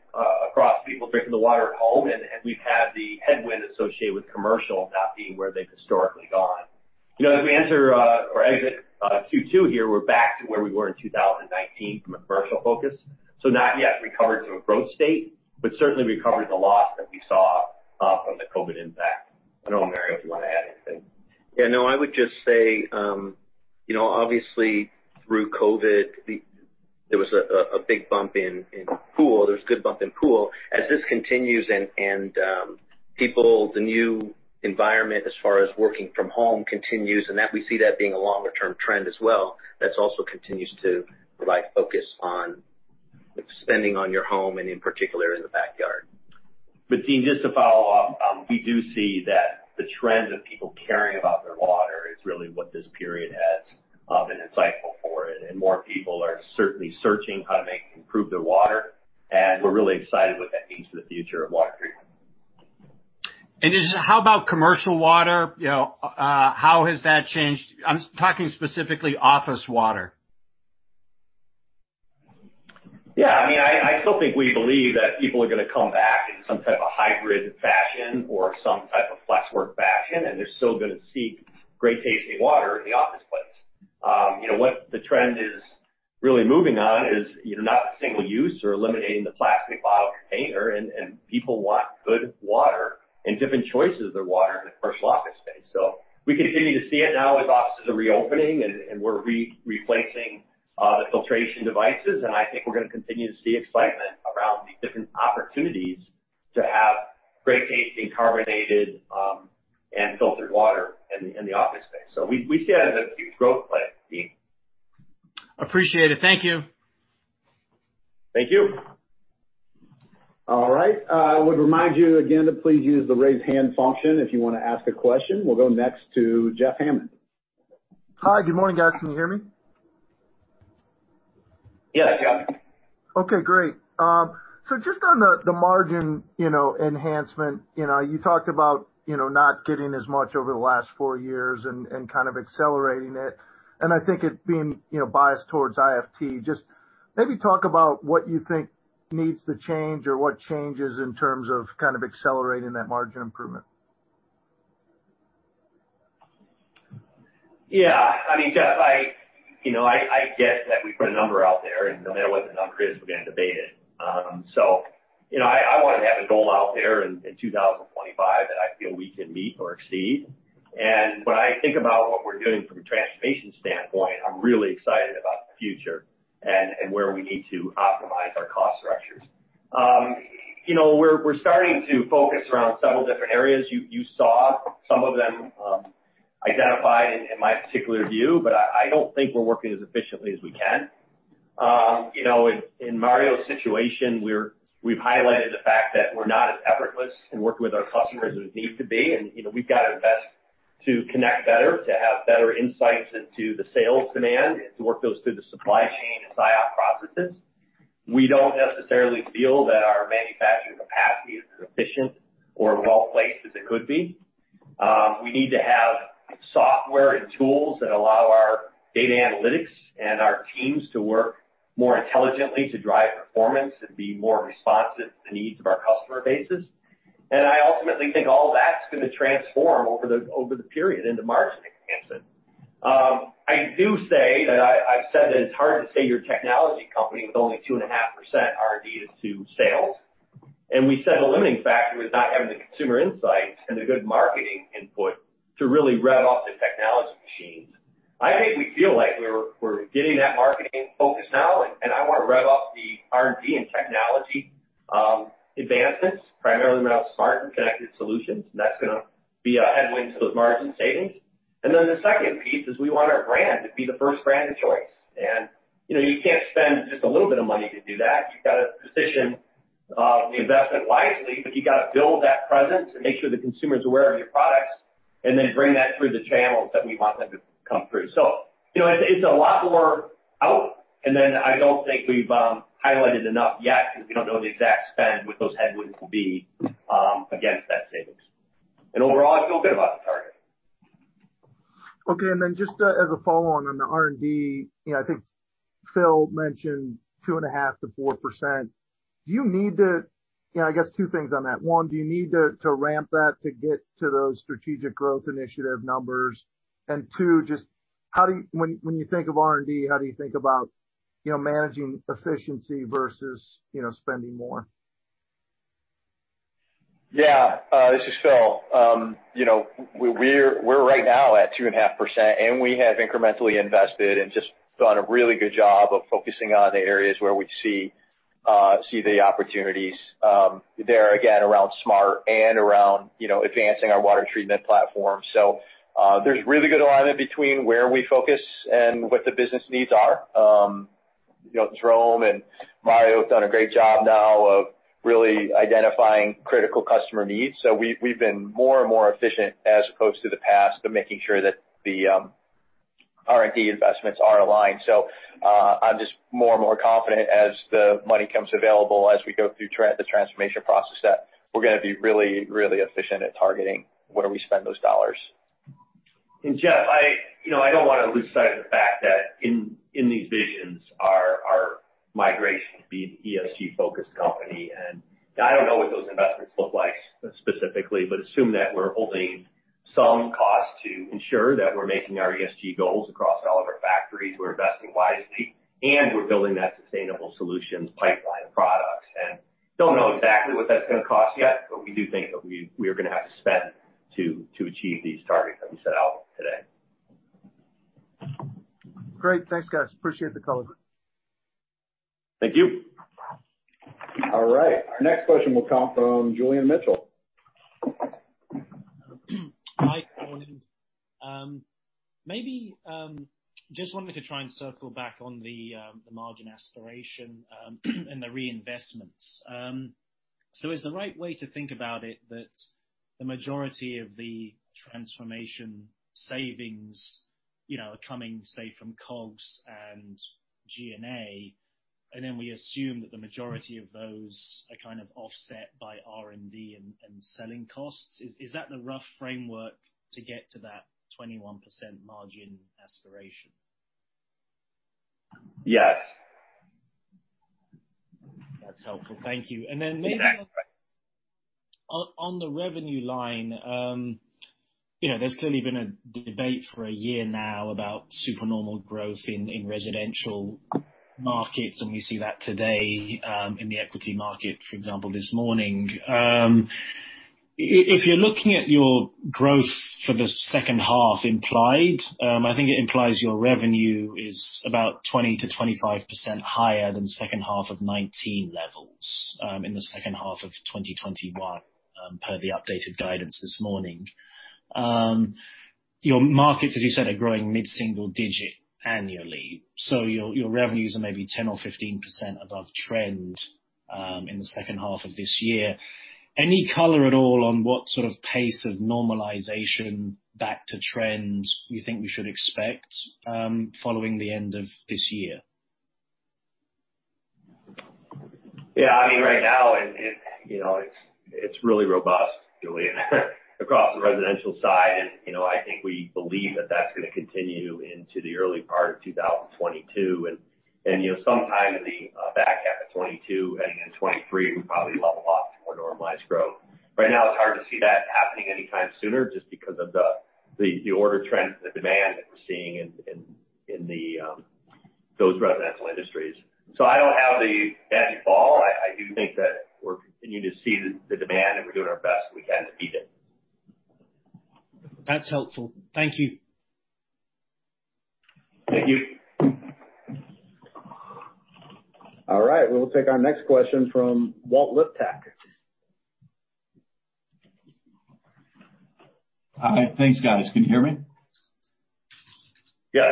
across people bringing the water home, and we've had the headwind associated with commercial not being where they've historically gone. As we enter or exit Q2 here, we're back to where we were in 2019 from a commercial focus. Not yet recovered to a growth state, but certainly recovered a lot that we saw from the COVID impact. I know Mario might want to add anything. Yeah, no, I would just say, obviously through COVID, there was a big bump in pool. There's a good bump in pool. As this continues and the new environment as far as working from home continues, and we see that being a longer-term trend as well. That also continues to provide focus on spending on your home and in particular in the backyard. Deane, just to follow up, we do see that the trend of people caring about their water is really what this period has been insightful for, and more people are certainly searching how they can improve their water, and we're really excited what that means for the future of water treatment. How about commercial water? How has that changed? I'm talking specifically office water. Yeah, I still think we believe that people are going to come back in some type of hybrid fashion or some type of flex work fashion, and they're still going to seek great-tasting water in the office space. What the trend is really moving on is not single use. They're eliminating the plastic bottle container, and people want good water and different choices of water in the commercial office space. We continue to see it now as offices are reopening, and we're replacing the filtration devices, and I think we're going to continue to see excitement around the different opportunities to have great-tasting carbonated and filtered water in the office space. We see that as a growth plan, Deane. Appreciate it. Thank you. Thank you. All right. I would remind you again to please use the raise hand function if you want to ask a question. We'll go next to Jeff Hammond. Hi, good morning, guys. Can you hear me? Yeah, Jeff. Okay, great. Just on the margin enhancement, you talked about not getting as much over the last four years and kind of accelerating it, and I think it being biased towards IFT. Just maybe talk about what you think needs to change or what changes in terms of kind of accelerating that margin improvement. Yeah. I mean, Jeff, I get that we put a number out there, and no matter what the number is, we're going to debate it. I want to have a goal out there in 2025 that I feel we can meet or exceed. When I think about what we're doing from a transformation standpoint, I'm really excited about the future and where we need to optimize our cost structures. We're starting to focus around several different areas. You saw some of them identified in my particular view. I don't think we're working as efficiently as we can. In Mario's situation, we've highlighted the fact that we're not as effortless to work with our customers as we need to be. We've got to invest To connect better, to have better insights into the sales demand, and to work those through the supply chain and buy-up processes. We don't necessarily feel that our manufacturing capacity is as efficient or well-placed as it could be. We need to have software and tools that allow our data analytics and our teams to work more intelligently to drive performance and be more responsive to the needs of our customer bases. I ultimately think all that's going to transform over the period into margin expansion. I do say that I've said that it's hard to say you're a technology company with only 2.5% R&D to sales. We said a limiting factor was not having the consumer insights and the good marketing input to really rev off the technology machines. I think we feel like we're getting that marketing focus now. I want to rev off the R&D and technology advancements around smart and connected solutions. That's going to be a headwind to those margin savings. The second piece is we want our brand to be the first brand of choice. You can't spend just a little bit of money to do that. You've got to position the investment wisely, you got to build that presence and make sure the consumer's aware of your products bring that through the channels that we want them to come through. I'd say it's a lot more out, I don't think we've highlighted enough yet because we don't know the exact spend, what those headwinds will be against that savings. Overall, I feel good about the target. Okay, just as a follow-on, on the R&D, I think Phil mentioned 2.5% to 4%. I guess two things on that. One, do you need to ramp that to get to those Strategic Growth Initiative numbers? Two, just when you think of R&D, how do you think about managing efficiency versus spending more? Yeah. This is Phil. We're right now at 2.5%. We have incrementally invested and just done a really good job of focusing on the areas where we see the opportunities there, again, around smart and around advancing our water treatment platform. There's really good alignment between where we focus and what the business needs are. Jerome and Mario have done a great job now of really identifying critical customer needs. We've been more and more efficient as opposed to the past of making sure that the R&D investments are aligned. I'm just more and more confident as the money comes available, as we go through the transformation process, that we're going to be really, really efficient at targeting where we spend those dollars. Jeff, I don't want to lose sight of the fact that in these visions, our migration to be an ESG-focused company. I don't know what those investments look like specifically, but assume that we're holding some cost to ensure that we're making our ESG goals across all of our factories. We're investing wisely, and we're building that sustainable solutions pipeline of products. Don't know exactly what that's going to cost yet, but we do think that we are going to have to spend to achieve these targets that we set out today. Great. Thanks, guys. Appreciate the color. Thank you. All right, our next question will come from Julian Mitchell. Hi, John. Wanted to try and circle back on the margin aspiration and the reinvestments. Is the right way to think about it that the majority of the transformation savings are coming, say, from COGS and G&A, and then we assume that the majority of those are kind of offset by R&D and selling costs? Is that the rough framework to get to that 21% margin aspiration? Yes. That's helpful. Thank you. You bet. Then on the revenue line, there's certainly been a debate for a year now about supernormal growth in residential markets, and we see that today in the equity market, for example, this morning. If you're looking at your growth for the second half implied, I think it implies your revenue is about 20%-25% higher than second half of 2019 levels in the second half of 2021, per the updated guidance this morning. Your markets, as you said, are growing mid-single digit annually. Your revenues are maybe 10% or 15% above trend in the second half of this year. Any color at all on what sort of pace of normalization back to trend you think we should expect following the end of this year? Right now it's really robust, Julian, across the residential side. I think we believe that that's going to continue into the early part of 2022 and sometime in the back half of 2022 and into 2023, we'll probably level off to a more normalized growth. Right now, it's hard to see that happening anytime sooner just because of the order trends and the demand that we're seeing in those residential industries. I don't have a magic ball. I do think that we're continuing to see the demand, and we're doing our best we can to meet it. That's helpful. Thank you. Thank you. All right, we'll take our next question from Walt Liptak. Hi. Thanks, guys. Can you hear me? Yes.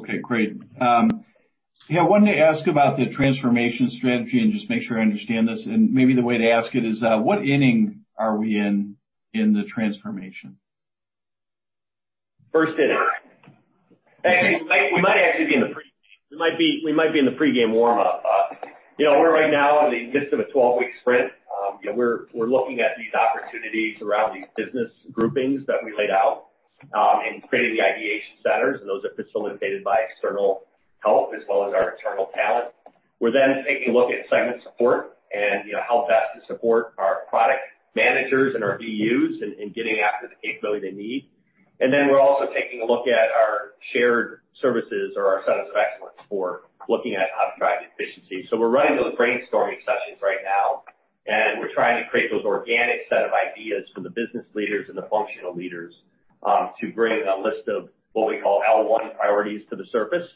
Okay, great. I wanted to ask about the transformation strategy and just make sure I understand this, and maybe the way to ask it is, what inning are we in the transformation? First inning. Actually, we might be in the pre-game warm-up. We're right now in the midst of a 12-week sprint. We're looking at these opportunities around these business groupings that we laid out, creating the ideation centers. Those are facilitated by external help as well as our internal talent. We're taking a look at segment support, how best to support our product managers and our BUs in getting access to capability they need. We're also taking a look at our shared services or our centers of excellence for looking at how to drive efficiency. We're running those brainstorming sessions right now, we're trying to create those organic set of ideas from the business leaders and the functional leaders, to bring a list of what we call L1 priorities to the surface.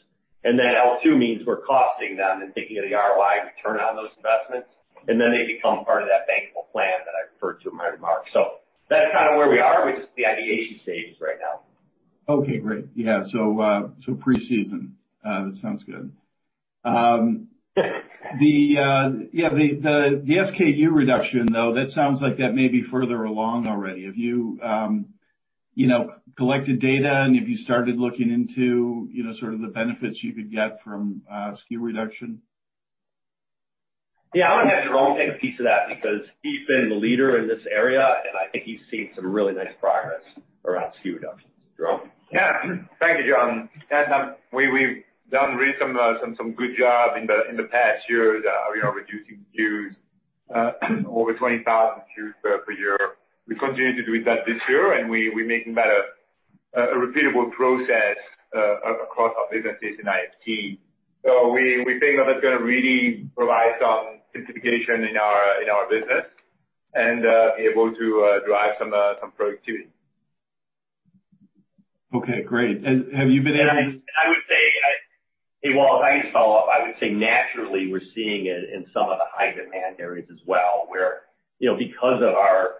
Then L2 means we're costing them and thinking of the ROI return on those investments. Then they become part of that bankable plan that I referred to in my remarks. That's kind of where we are, which is the ideation stage right now. Okay, great. Yeah, pre-season. Sounds good. The SKU reduction, though, that sounds like that may be further along already. Have you collected data, and have you started looking into the benefits you could get from SKU reduction? Yeah, I'm going to have Jerome take a piece of that because he's been the leader in this area, and I think he's seen some really nice progress around SKU reductions. Jerome? Yeah. Thank you, John. We've done really some good job in the past year. We are reducing SKUs, over 20,000 SKUs per year. We continue to do that this year, and we're making that a repeatable process across our businesses in IT. We think that's going to really provide some simplification in our business and be able to drive some productivity. Okay, great. I would say, hey, well, if I could follow up, I would say naturally, we're seeing it in some of the high demand areas as well where, because of our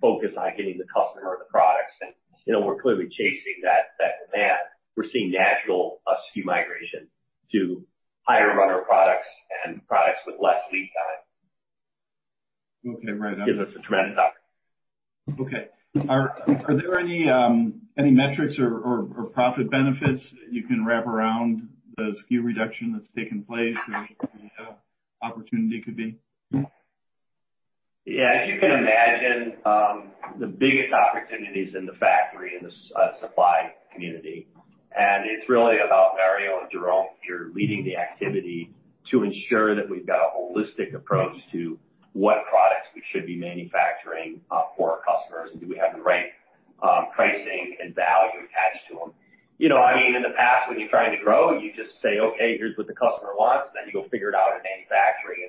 focus on getting the customer the products, and we're clearly chasing that demand. We're seeing natural SKU migration to higher runner products and products with less lead time. Okay. Give us a trend up. Okay. Are there any metrics or profit benefits that you can wrap around the SKU reduction that's taken place or the opportunity could be? Yeah, as you can imagine, the biggest opportunity is in the factory and the supply community. It's really about Mario and Jerome, who are leading the activity, to ensure that we've got a holistic approach to what products we should be manufacturing for our customers, and do we have the right pricing and value attached to them. In the past, when you're trying to grow, you just say, "Okay, here's what the customer wants," then you'll figure it out in manufacturing,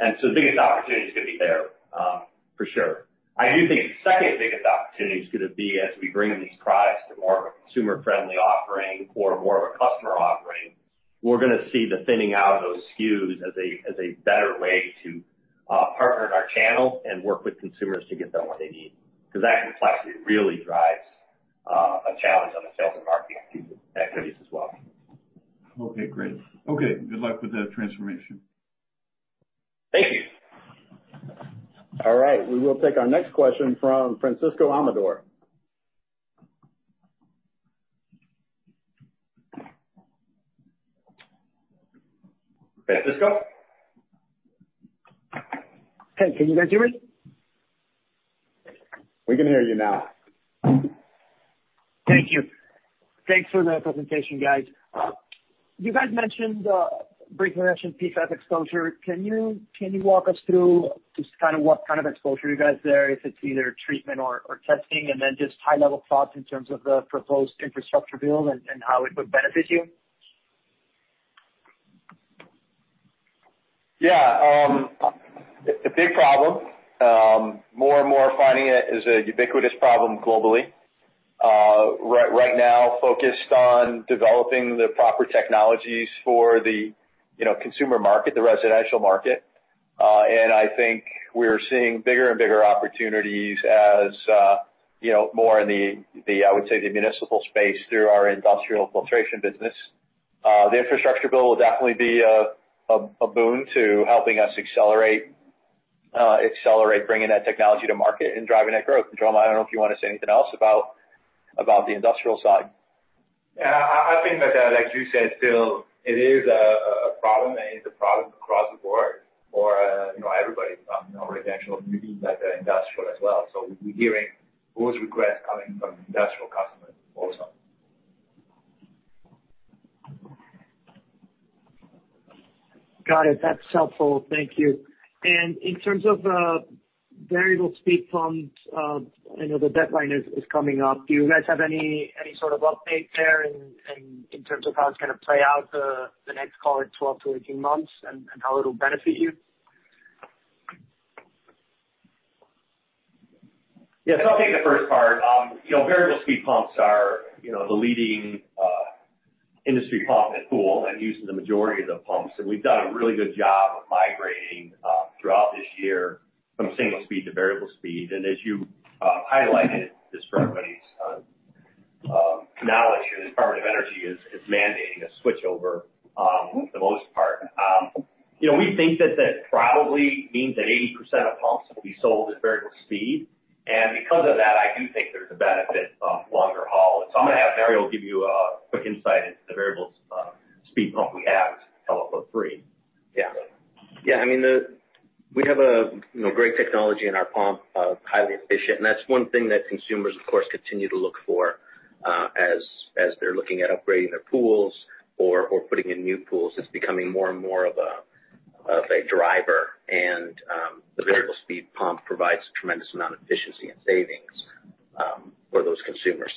and that created complexity in the manufacturing arena. So the biggest opportunity is going to be there for sure. I do think the second biggest opportunity is going to be as we bring these products to more of a consumer-friendly offering or more of a customer offering. We're going to see the thinning out of those SKUs as a better way to partner with our channel and work with consumers to get them what they need. That complexity really drives a challenge on the sales and marketing activities as well. Okay, great. Okay, good luck with that transformation. Thank you. All right. We will take our next question from Francisco Amador. Francisco. Hey, can you guys hear me? We can hear you now. Thank you. Thanks for the presentation, guys. You guys mentioned recreational PFAS exposure. Can you walk us through just what kind of exposure you guys there, if it's either treatment or testing, and then just high-level thoughts in terms of the proposed infrastructure bill and how it would benefit you? Yeah. A big problem. More and more finding it is a ubiquitous problem globally. Right now focused on developing the proper technologies for the consumer market, the residential market. I think we're seeing bigger and bigger opportunities as more in the, I would say, the municipal space through our industrial filtration business. The infrastructure bill will definitely be a boon to helping us accelerate bringing that technology to market and driving that growth. Jerome, I don't know if you want to say anything else about the industrial side. Yeah, I think that, as you said, Phil, it is a problem, and it's a problem across the board for everybody from residential, medium, and industrial as well. We're hearing those requests coming from industrial customers also. Got it. That's helpful. Thank you. In terms of the variable speed pumps, I know the deadline is coming up. Do you guys have any sort of update there in terms of how it's going to play out the next call or 12-18 months and how it'll benefit you? I'll take the first part. Variable speed pumps are the leading industry pump in pool and used in the majority of the pumps. We've done a really good job of migrating throughout this year from single speed to variable speed. As you highlighted, this regulatory challenge, and Department of Energy is mandating a switchover for the most part. We think that probably means that 80% of pumps will be sold as variable speed. Because of that, I do think there's a benefit longer haul. Mario will give you a quick insight into the variable speed pump we have, IntelliFlo3. Yeah. We have a great technology in our pump, highly efficient. That's one thing that consumers, of course, continue to look for as they're looking at upgrading their pools or putting in new pools. It's becoming more and more of a driver, and the variable speed pump provides a tremendous amount of efficiency and savings for those consumers.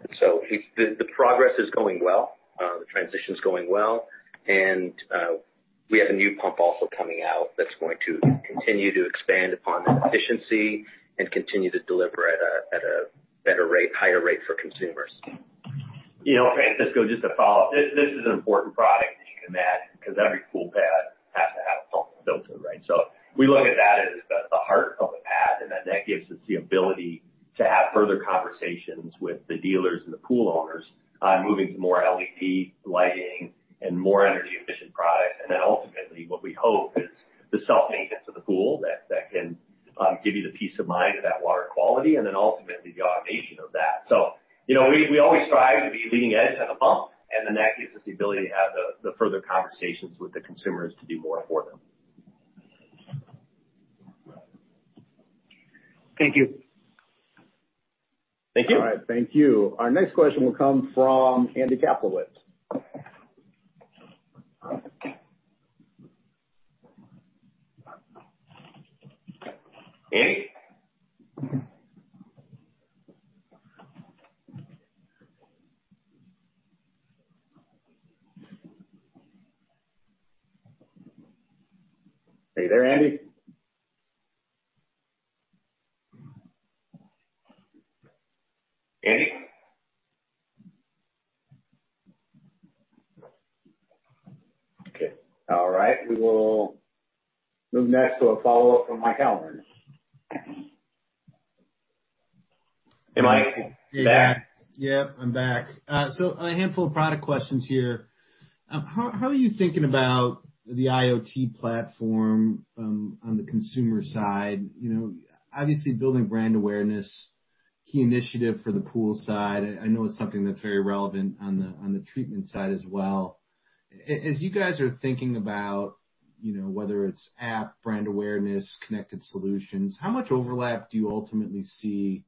The progress is going well. The transition's going well, and we have a new pump also coming out that's going to continue to expand upon that efficiency and continue to deliver at a better rate, higher rate for consumers. Just to follow up, this is an important product you can add because every pool has to have a pump and filter. We look at that as the heart of the pad, and that gives us the ability to have further conversations with the dealers and the pool owners on moving to more LED lighting and more energy-efficient products. Ultimately what we hope is the salt maker to the pool that can give you the peace of mind of that water quality and then ultimately the automation of that. We always strive to be leading edge on a pump, and then that gives us the ability to have the further conversations with the consumers to do more for them. Thank you. Thank you. All right. Thank you. Our next question will come from Andy Kaplowitz. Andy? Are you there, Andy? Andy? Okay. All right. We will move next to a follow-up from Michael Halloran. Mike, are you there? Yep, I'm back. A handful of product questions here. How are you thinking about the IoT platform on the consumer side? Obviously building brand awareness, key initiative for the pool side. I know it's something that's very relevant on the treatment side as well. As you guys are thinking about whether it's app brand awareness, connected solutions, how much overlap do you ultimately see?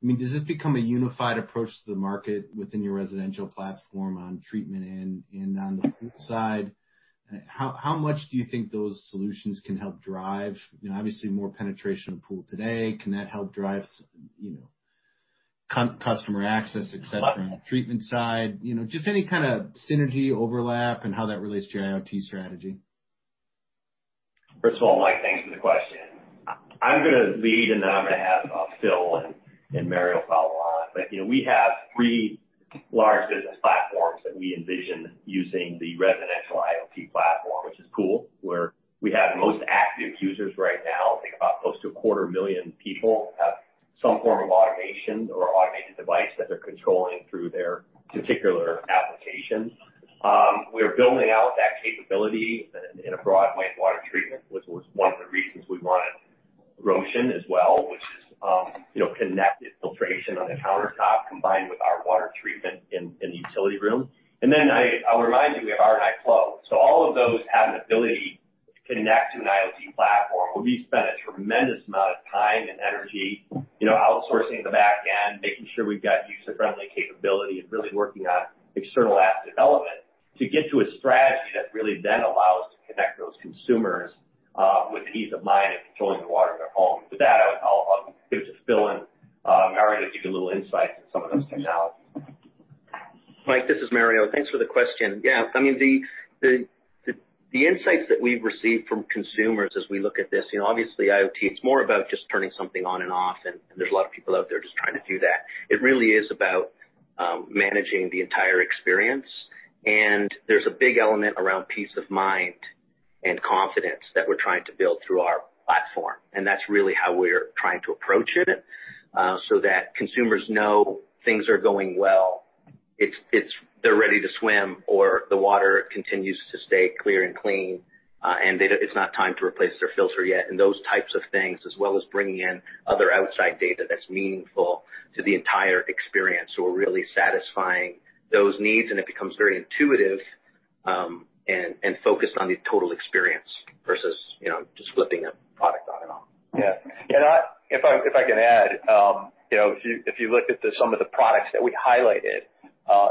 Does it become a unified approach to the market within your residential platform on treatment and on the pool side? How much do you think those solutions can help drive, obviously more penetration of pool today, can that help drive customer access, et cetera, on the treatment side? Just any kind of synergy overlap and how that relates to your IoT strategy? First of all, Mike, thanks for the question. I'm going to lead, and then I'm going to have Phil and Mario follow on. We have three large business platforms that we envision using the residential IoT platform, which is cool, where we have the most active users right now, close to 250,000 people have some form of automation or automated device that they're controlling through their particular application. We're building out that capability in a broad way with water treatment, which was one of the reasons we wanted Rocean as well, which is connected filtration on the countertop combined with our water treatment in the utility room. I'll remind you, we are Aquion. All of those have an ability to connect to an IoT platform where we spend a tremendous amount of time and energy outsourcing the back end, making sure we've got user-friendly capability, and really working on external app development to get to a strategy that really then allows to connect those consumers with peace of mind of controlling the water in their home. With that, I'll give it to Phil and Mario to give a little insight to some of those coming out. Mike, this is Mario. Thanks for the question. Yeah, the insights that we've received from consumers as we look at this, obviously IoT, it's more about just turning something on and off. There's a lot of people out there just trying to do that. It really is about managing the entire experience. There's a big element around peace of mind and confidence that we're trying to build through our platform. That's really how we're trying to approach it, so that consumers know things are going well, they're ready to swim, or the water continues to stay clear and clean. It's not time to replace their filter yet. Those types of things, as well as bringing in other outside data that's meaningful to the entire experience. We're really satisfying those needs, and it becomes very intuitive, and focused on the total experience versus just flipping a product on and off. Yeah. If I could add, if you look at some of the products that we highlighted,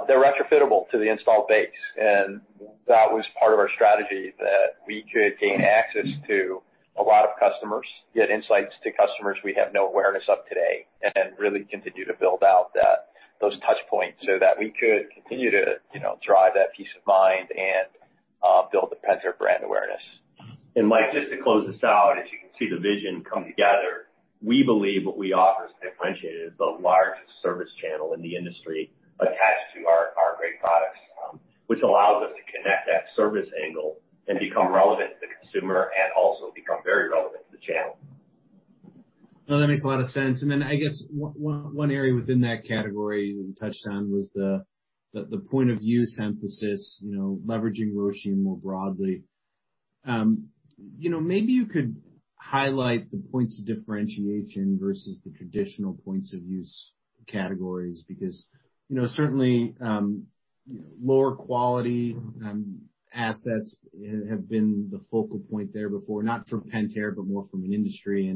they're retrofittable to the installed base, and that was part of our strategy that we could gain access to a lot of customers, get insights to customers we have no awareness of today, and really continue to build out those touch points so that we could continue to drive that peace of mind. Help build the Pentair brand awareness. Just to close this out, as you can see the vision come together, we believe what we offer is differentiated as the largest service channel in the industry attached to our great products, which allows us to connect that service angle and become relevant to the consumer and also become very relevant to the channel. No, that makes a lot of sense. I guess one area within that category you touched on was the point of use emphasis, leveraging Rocean more broadly. Maybe you could highlight the points of differentiation versus the traditional points of use categories because certainly, lower quality assets have been the focal point there before, not from Pentair, but more from an industry.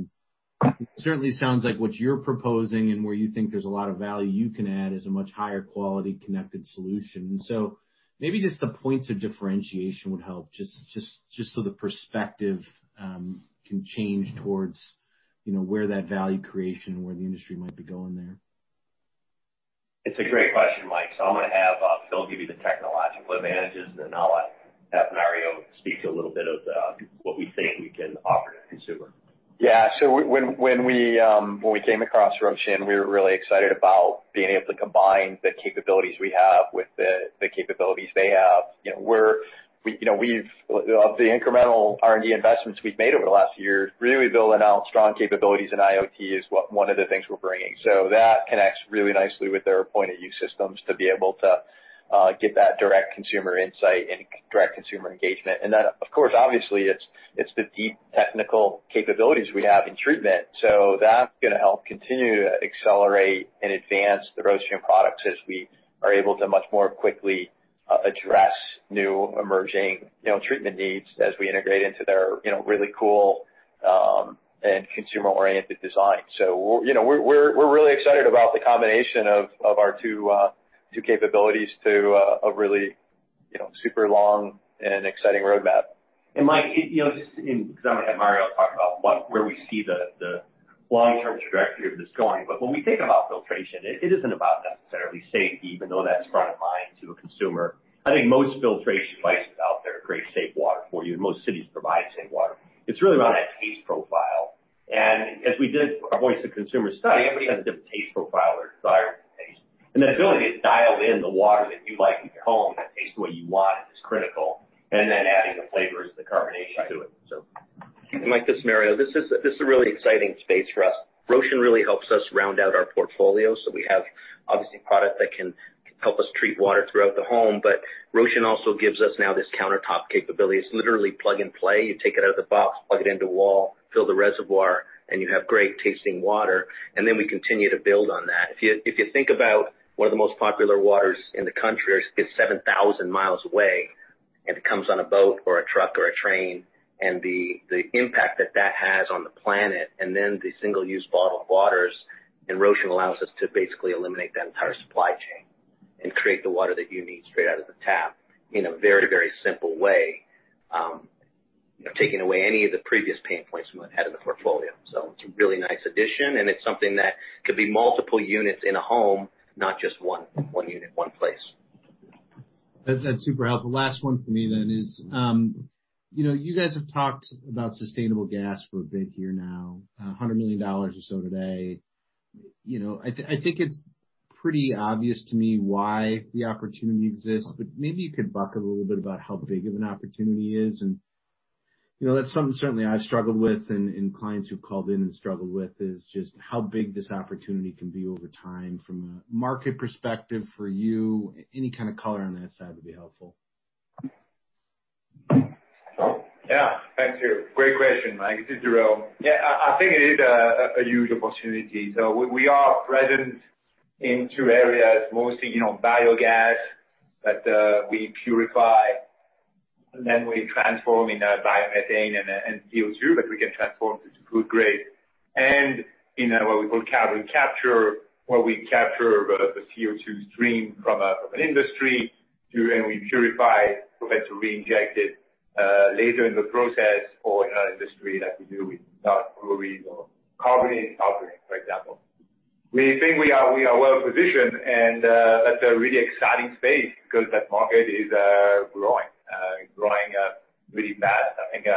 It certainly sounds like what you're proposing and where you think there's a lot of value you can add is a much higher quality connected solution. Maybe just the points of differentiation would help just so the perspective can change towards where that value creation, where the industry might be going there. It's a great question, Mike. I'm going to have Phil give you the technological advantages, and I'll have Mario speak a little bit of what we think we can offer the consumer. Yeah. When we came across Rocean, we were really excited about being able to combine the capabilities we have with the capabilities they have. Of the incremental R&D investments we've made over the last year, really building out strong capabilities in IoT is one of the things we're bringing. That connects really nicely with their point of use systems to be able to get that direct consumer insight and direct consumer engagement. That, of course, obviously, it's the deep technical capabilities we have in treatment. That's going to help continue to accelerate and advance the Rocean products as we are able to much more quickly address new emerging treatment needs as we integrate into their really cool, and consumer-oriented design. We're really excited about the combination of our two capabilities to a really super long and exciting roadmap. Mike, just in summary, Mario talked about where we see the long-term trajectory of this going. When we think about filtration, it isn't about necessarily safety, even though that's front of mind to a consumer. I think most filtration devices out there create safe water for you. Most cities provide safe water. It's really about that taste profile. As we did our voice of consumer study, everybody has a different taste profile or desired taste. The ability to dial in the water that you like in your home, that tastes the way you want it is critical, and then adding the flavors, the carbonation to it. Mike, this is Mario. This is a really exciting space for us. Rocean really helps us round out our portfolio. We have obviously a product that can help us treat water throughout the home, but Rocean also gives us now this countertop capability. It's literally plug and play. You take it out of the box, plug it into a wall, fill the reservoir, and you have great tasting water. We continue to build on that. If you think about where the most popular water is in the country is it's 7,000mi away, and it comes on a boat or a truck or a train, and the impact that has on the planet and then the single-use bottled waters, and Rocean allows us to basically eliminate that entire supply chain and create the water that you need straight out of the tap in a very, very simple way taking away any of the previous pain points we had in the portfolio. It's a really nice addition, and it's something that could be multiple units in a home, not just one unit, one place. That's super helpful. Last one for me is you guys have talked about sustainable gas for a big year now, $100 million or so today. I think it's pretty obvious to me why the opportunity exists, maybe you could buck a little bit about how big of an opportunity is. That's something certainly I've struggled with and clients who've called in and struggled with is just how big this opportunity can be over time from a market perspective for you. Any kind of color on that side would be helpful. Yeah. Thank you. Great question, Mike. This is Jerome. I think it is a huge opportunity. We are present in two areas, mostly biogas that we purify and then we transform into biomethane and CO2 that we can transform into food grade. What we call carbon capture, where we capture the CO2 stream from an industry to then we purify to eventually reinject it later in the process for another industry that can do with not blue, but carbon is carbon, for example. We think we are well positioned, that's a really exciting space because that market is growing really fast. I think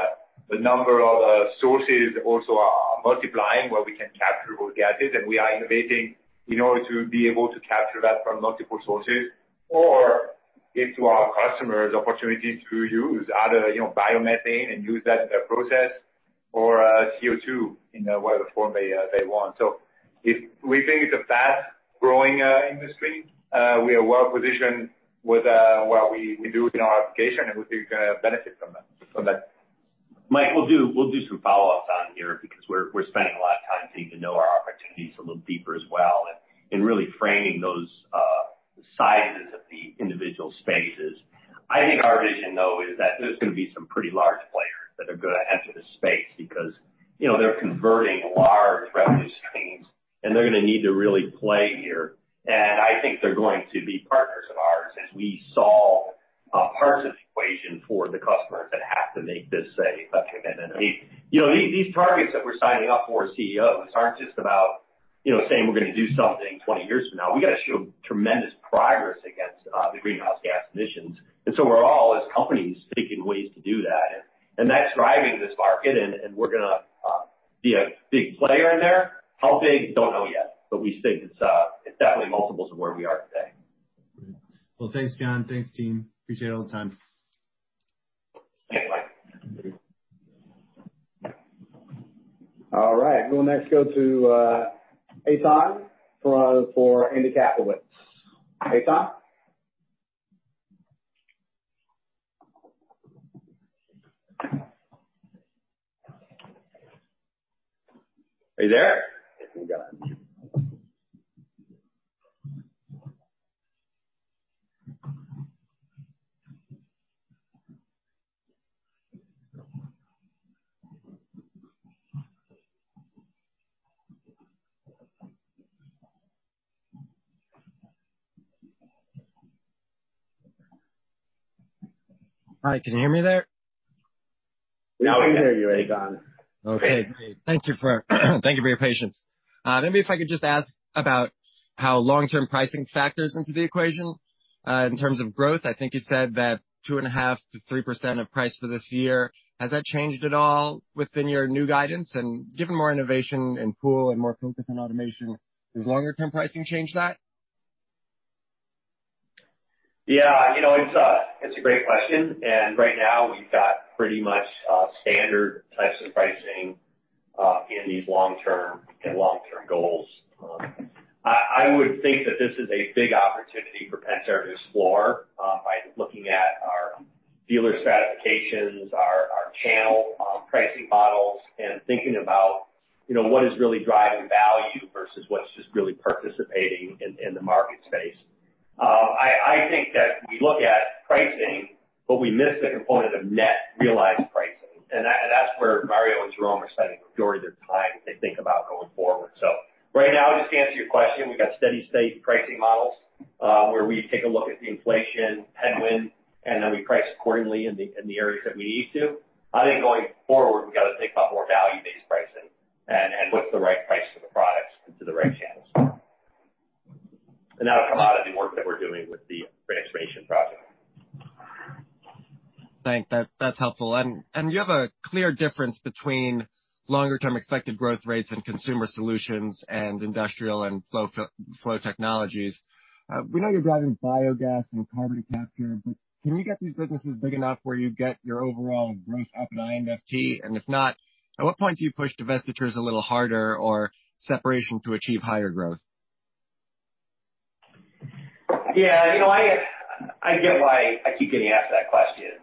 the number of sources also are multiplying where we can capture those gases, we are innovating in order to be able to capture that from multiple sources. Give to our customers opportunities to use either biomethane and use that in their process or CO2 in whatever form they want. We think it's a fast-growing industry. We are well positioned with what we do within our application, and we think we're going to benefit from that. Mike, we'll do some follow-ups on here because we're spending a lot of time getting to know our opportunities a little deeper as well and really framing those sizes of the individual spaces. I think our vision, though, is that there's going to be some pretty large players that are going to enter the space because they're converting large revenue streams, and they're going to need to really play here. I think they're going to be partners of ours as we solve a part of this equation for the customers that have to make this safe. These targets that we're signing up for, CEOs, aren't just about. Saying we're going to do something 20 years from now, we've got to show tremendous progress against the greenhouse gas emissions. We're all, as companies, thinking of ways to do that, and that's driving this market, and we're going to be a big player in there. How big? Don't know yet, but we think it's definitely multiples of where we are today. Great. Well, thanks, John. Thanks, team. Appreciate all the time. Same way. All right. We'll next go to Eitan for Andrew Kaplowitz. Eitan? Are you there? Hi, can you hear me there? Yeah, we can hear you, Eitan. Okay, great. Thank you for your patience. Maybe if I could just ask about how long-term pricing factors into the equation in terms of growth. I think you said that 2.5%-3% of price for this year. Has that changed at all within your new guidance? Given more innovation in pool and more focus on automation, does longer-term pricing change that? Yeah, it's a great question. Right now we've got pretty much standard types of pricing in these long-term and long-term goals. I would think that this is a big opportunity for Pentair to explore by looking at our dealer stratifications, our channel pricing models, and thinking about what is really driving value versus what's just really participating in the market space. I think that we look at pricing, but we miss the component of net realized pricing, and that's where Mario and Jerome are spending the majority of their time as they think about going forward. Right now, just to answer your question, we've got steady-state pricing models, where we take a look at the inflation headwind, and then we price accordingly in the areas that we need to. I think going forward, we've got to think about more value-based pricing and what's the right price for the products into the right channels. That's a lot of the work that we're doing with the Transformation Project. Thanks. That's helpful. You have a clear difference between longer-term expected growth rates in Consumer Solutions and Industrial & Flow Technologies. We know you're driving biogas and carbon capture, can you get these businesses big enough where you get your overall growth up at IFT? If not, at what point do you push divestitures a little harder or separation to achieve higher growth? Yeah, I get why I keep getting asked that question.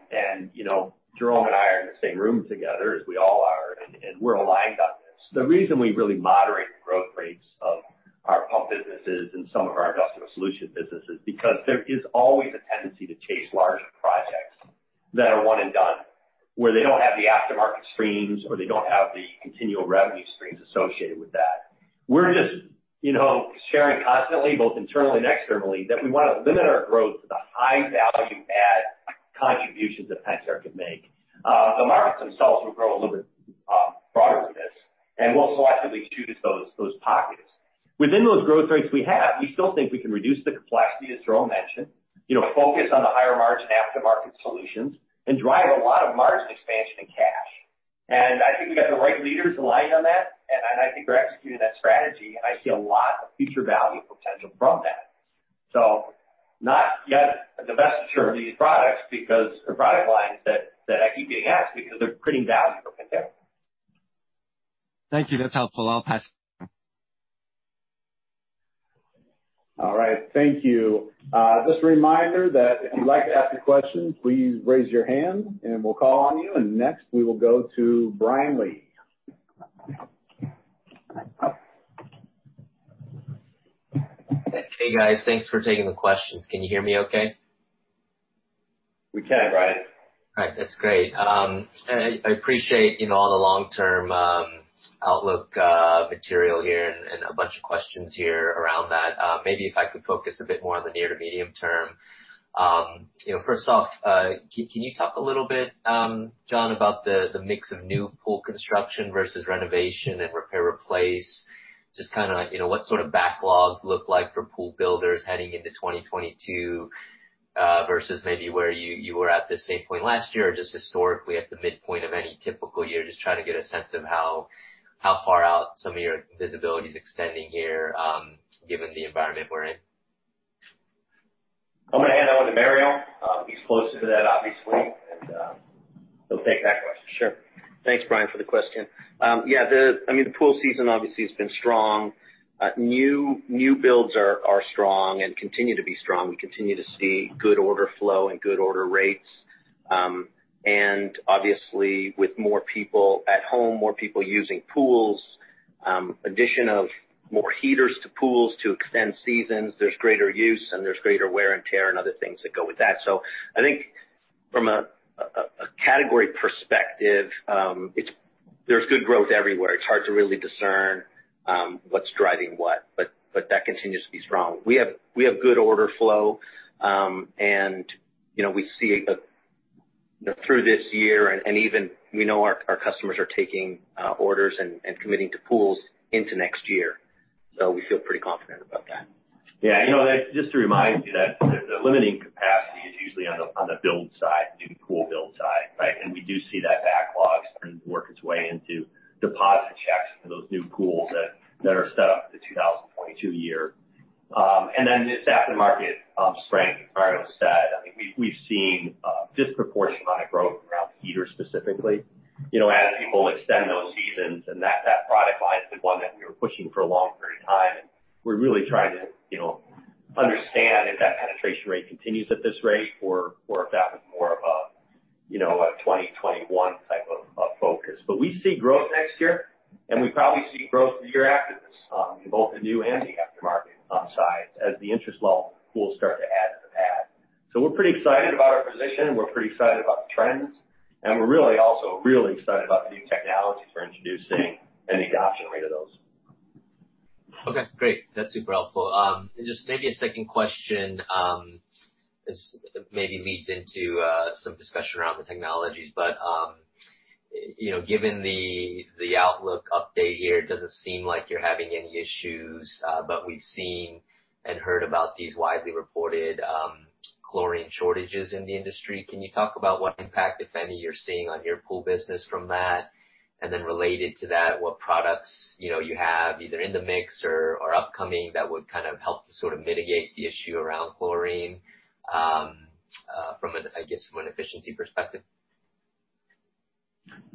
Jerome and I are in the same room together as we all are, and we're aligned on this. The reason we really moderate the growth rates of our pump businesses and some of our industrial solution businesses, because there is always a tendency to chase larger projects that are one and done, where they don't have the aftermarket streams, or they don't have the continual revenue streams associated with that. We're just sharing constantly, both internally and externally, that we want to limit our growth to the high value add contributions that Pentair can make. The markets themselves will grow a little bit broader than this, and we'll selectively choose those pockets. Within those growth rates we have, we still think we can reduce the complexity, as Jerome mentioned. Focus on the higher margin aftermarket solutions and drive a lot of margin expansion and cash. I think we've got the right leaders aligned on that, and I think we're executing that strategy, and I see a lot of future value potential from that. Not yet a divestiture of these products because they're product lines that I keep getting asked because they're creating value for Pentair. Thank you. That's helpful. I'll pass. All right. Thank you. Just a reminder that if you'd like to ask a question, please raise your hand and we'll call on you. Next we will go to Brian Lee. Hey, guys. Thanks for taking the questions. Can you hear me okay? We can, Brian. All right, that's great. I appreciate all the long-term outlook material here and a bunch of questions here around that. Maybe if I could focus a bit more on the near to medium term. First off, can you talk a little bit, John, about the mix of new pool construction versus renovation and repair, replace, just what sort of backlogs look like for pool builders heading into 2022 versus maybe where you were at the same point last year or just historically at the midpoint of any typical year? Just trying to get a sense of how far out some of your visibility is extending here given the environment we're in. I'm going to hand over to Mario. He's closer to that, obviously, and he'll take that question. Sure. Thanks, Brian, for the question. Yeah, the pool season obviously has been strong. New builds are strong and continue to be strong. We continue to see good order flow and good order rates. Obviously with more people at home, more people using pools, addition of more heaters to pools to extend seasons, there's greater use and there's greater wear and tear and other things that go with that. I think from a category perspective, there's good growth everywhere. It's hard to really discern what's driving what, but that continues to be strong. We have good order flow, and we see a Through this year, and even we know our customers are taking orders and committing to pools into next year. We feel pretty confident about that. Yeah. Just to remind you that the limiting capacity is usually on the build side, new pool build side. We do see that backlog starting to work its way into deposit checks for those new pools that are set up for the 2022 year. Then the aftermarket strength Mario said, we've seen disproportionate amount of growth around heaters specifically. As people extend those seasons, and that product line's the one that we were pushing for a long period of time, and we're really trying to understand if that penetration rate continues at this rate or if that was more of a 2021 type of focus. We see growth next year, and we probably see growth the year after this, in both the new and the aftermarket sides as the installed pool start to add to the pad. We're pretty excited about our position, we're pretty excited about the trends, and we're really also excited about the new technology we're introducing and the adoption rate of those. Okay, great. That's super helpful. Just maybe a second question, this maybe leads into some discussion around the technologies, but given the outlook update here, it doesn't seem like you're having any issues. We've seen and heard about these widely reported chlorine shortages in the industry. Can you talk about what impact, if any, you're seeing on your pool business from that? Related to that, what products you have either in the mix or upcoming that would kind of help to sort of mitigate the issue around chlorine from, I guess, from an efficiency perspective?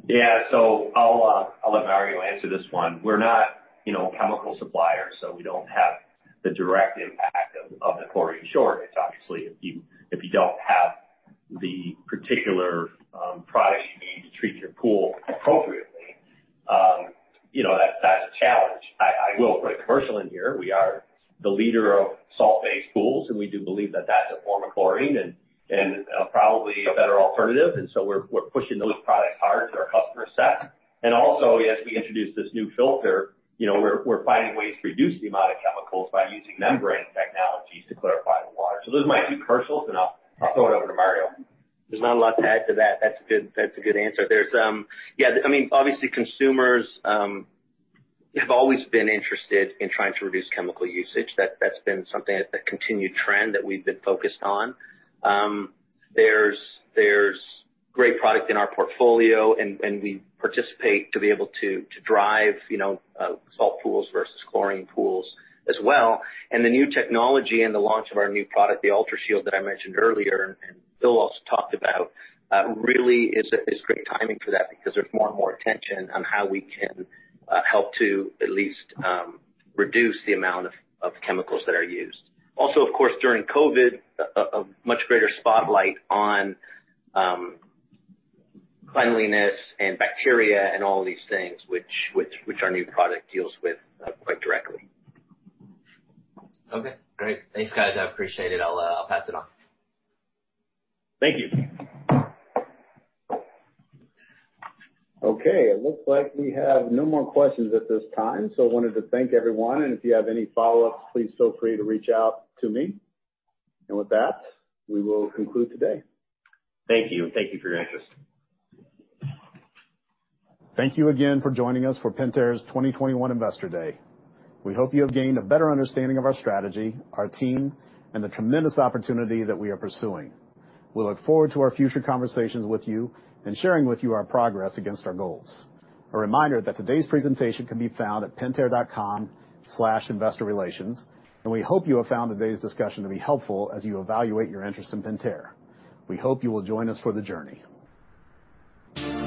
Yeah. I'll let Mario answer this one. We're not a chemical supplier, so we don't have the direct impact of the chlorine shortage. Obviously, if you don't have the particular product you need to treat your pool appropriately, that's a challenge. I will put a commercial in here. We are the leader of salt-based pools, and we do believe that that's a form of chlorine and probably a better alternative. We're pushing those product hard. They're up for sale. Also, as we introduce this new filter, we're finding ways to reduce the amount of chemicals by using membrane technology to clarify the water. Those are my two commercials, and I'll throw it over to Mario. There's not a lot to add to that. That's a good answer there. Obviously, consumers have always been interested in trying to reduce chemical usage. That's been something that's a continued trend that we've been focused on. There's great product in our portfolio, and we participate to be able to drive salt pools versus chlorine pools as well. The new technology and the launch of our new product, the UltraShield that I mentioned earlier and Bill also talked about, really is great timing for that because there's more and more attention on how we can help to at least reduce the amount of chemicals that are used. Of course, during COVID, a much greater spotlight on cleanliness and bacteria and all these things, which our new product deals with quite directly. Okay, great. Thanks, guys. I appreciate it. I'll pass it on. Thank you. Okay, it looks like we have no more questions at this time. I wanted to thank everyone, and if you have any follow-ups, please feel free to reach out to me. With that, we will conclude today. Thank you, and thank you for your interest. Thank you again for joining us for Pentair's Investor Day 2021. We hope you have gained a better understanding of our strategy, our team, and the tremendous opportunity that we are pursuing. We look forward to our future conversations with you and sharing with you our progress against our goals. A reminder that today's presentation can be found at pentair.com/investorrelations, and we hope you have found today's discussion to be helpful as you evaluate your interest in Pentair. We hope you will join us for the journey.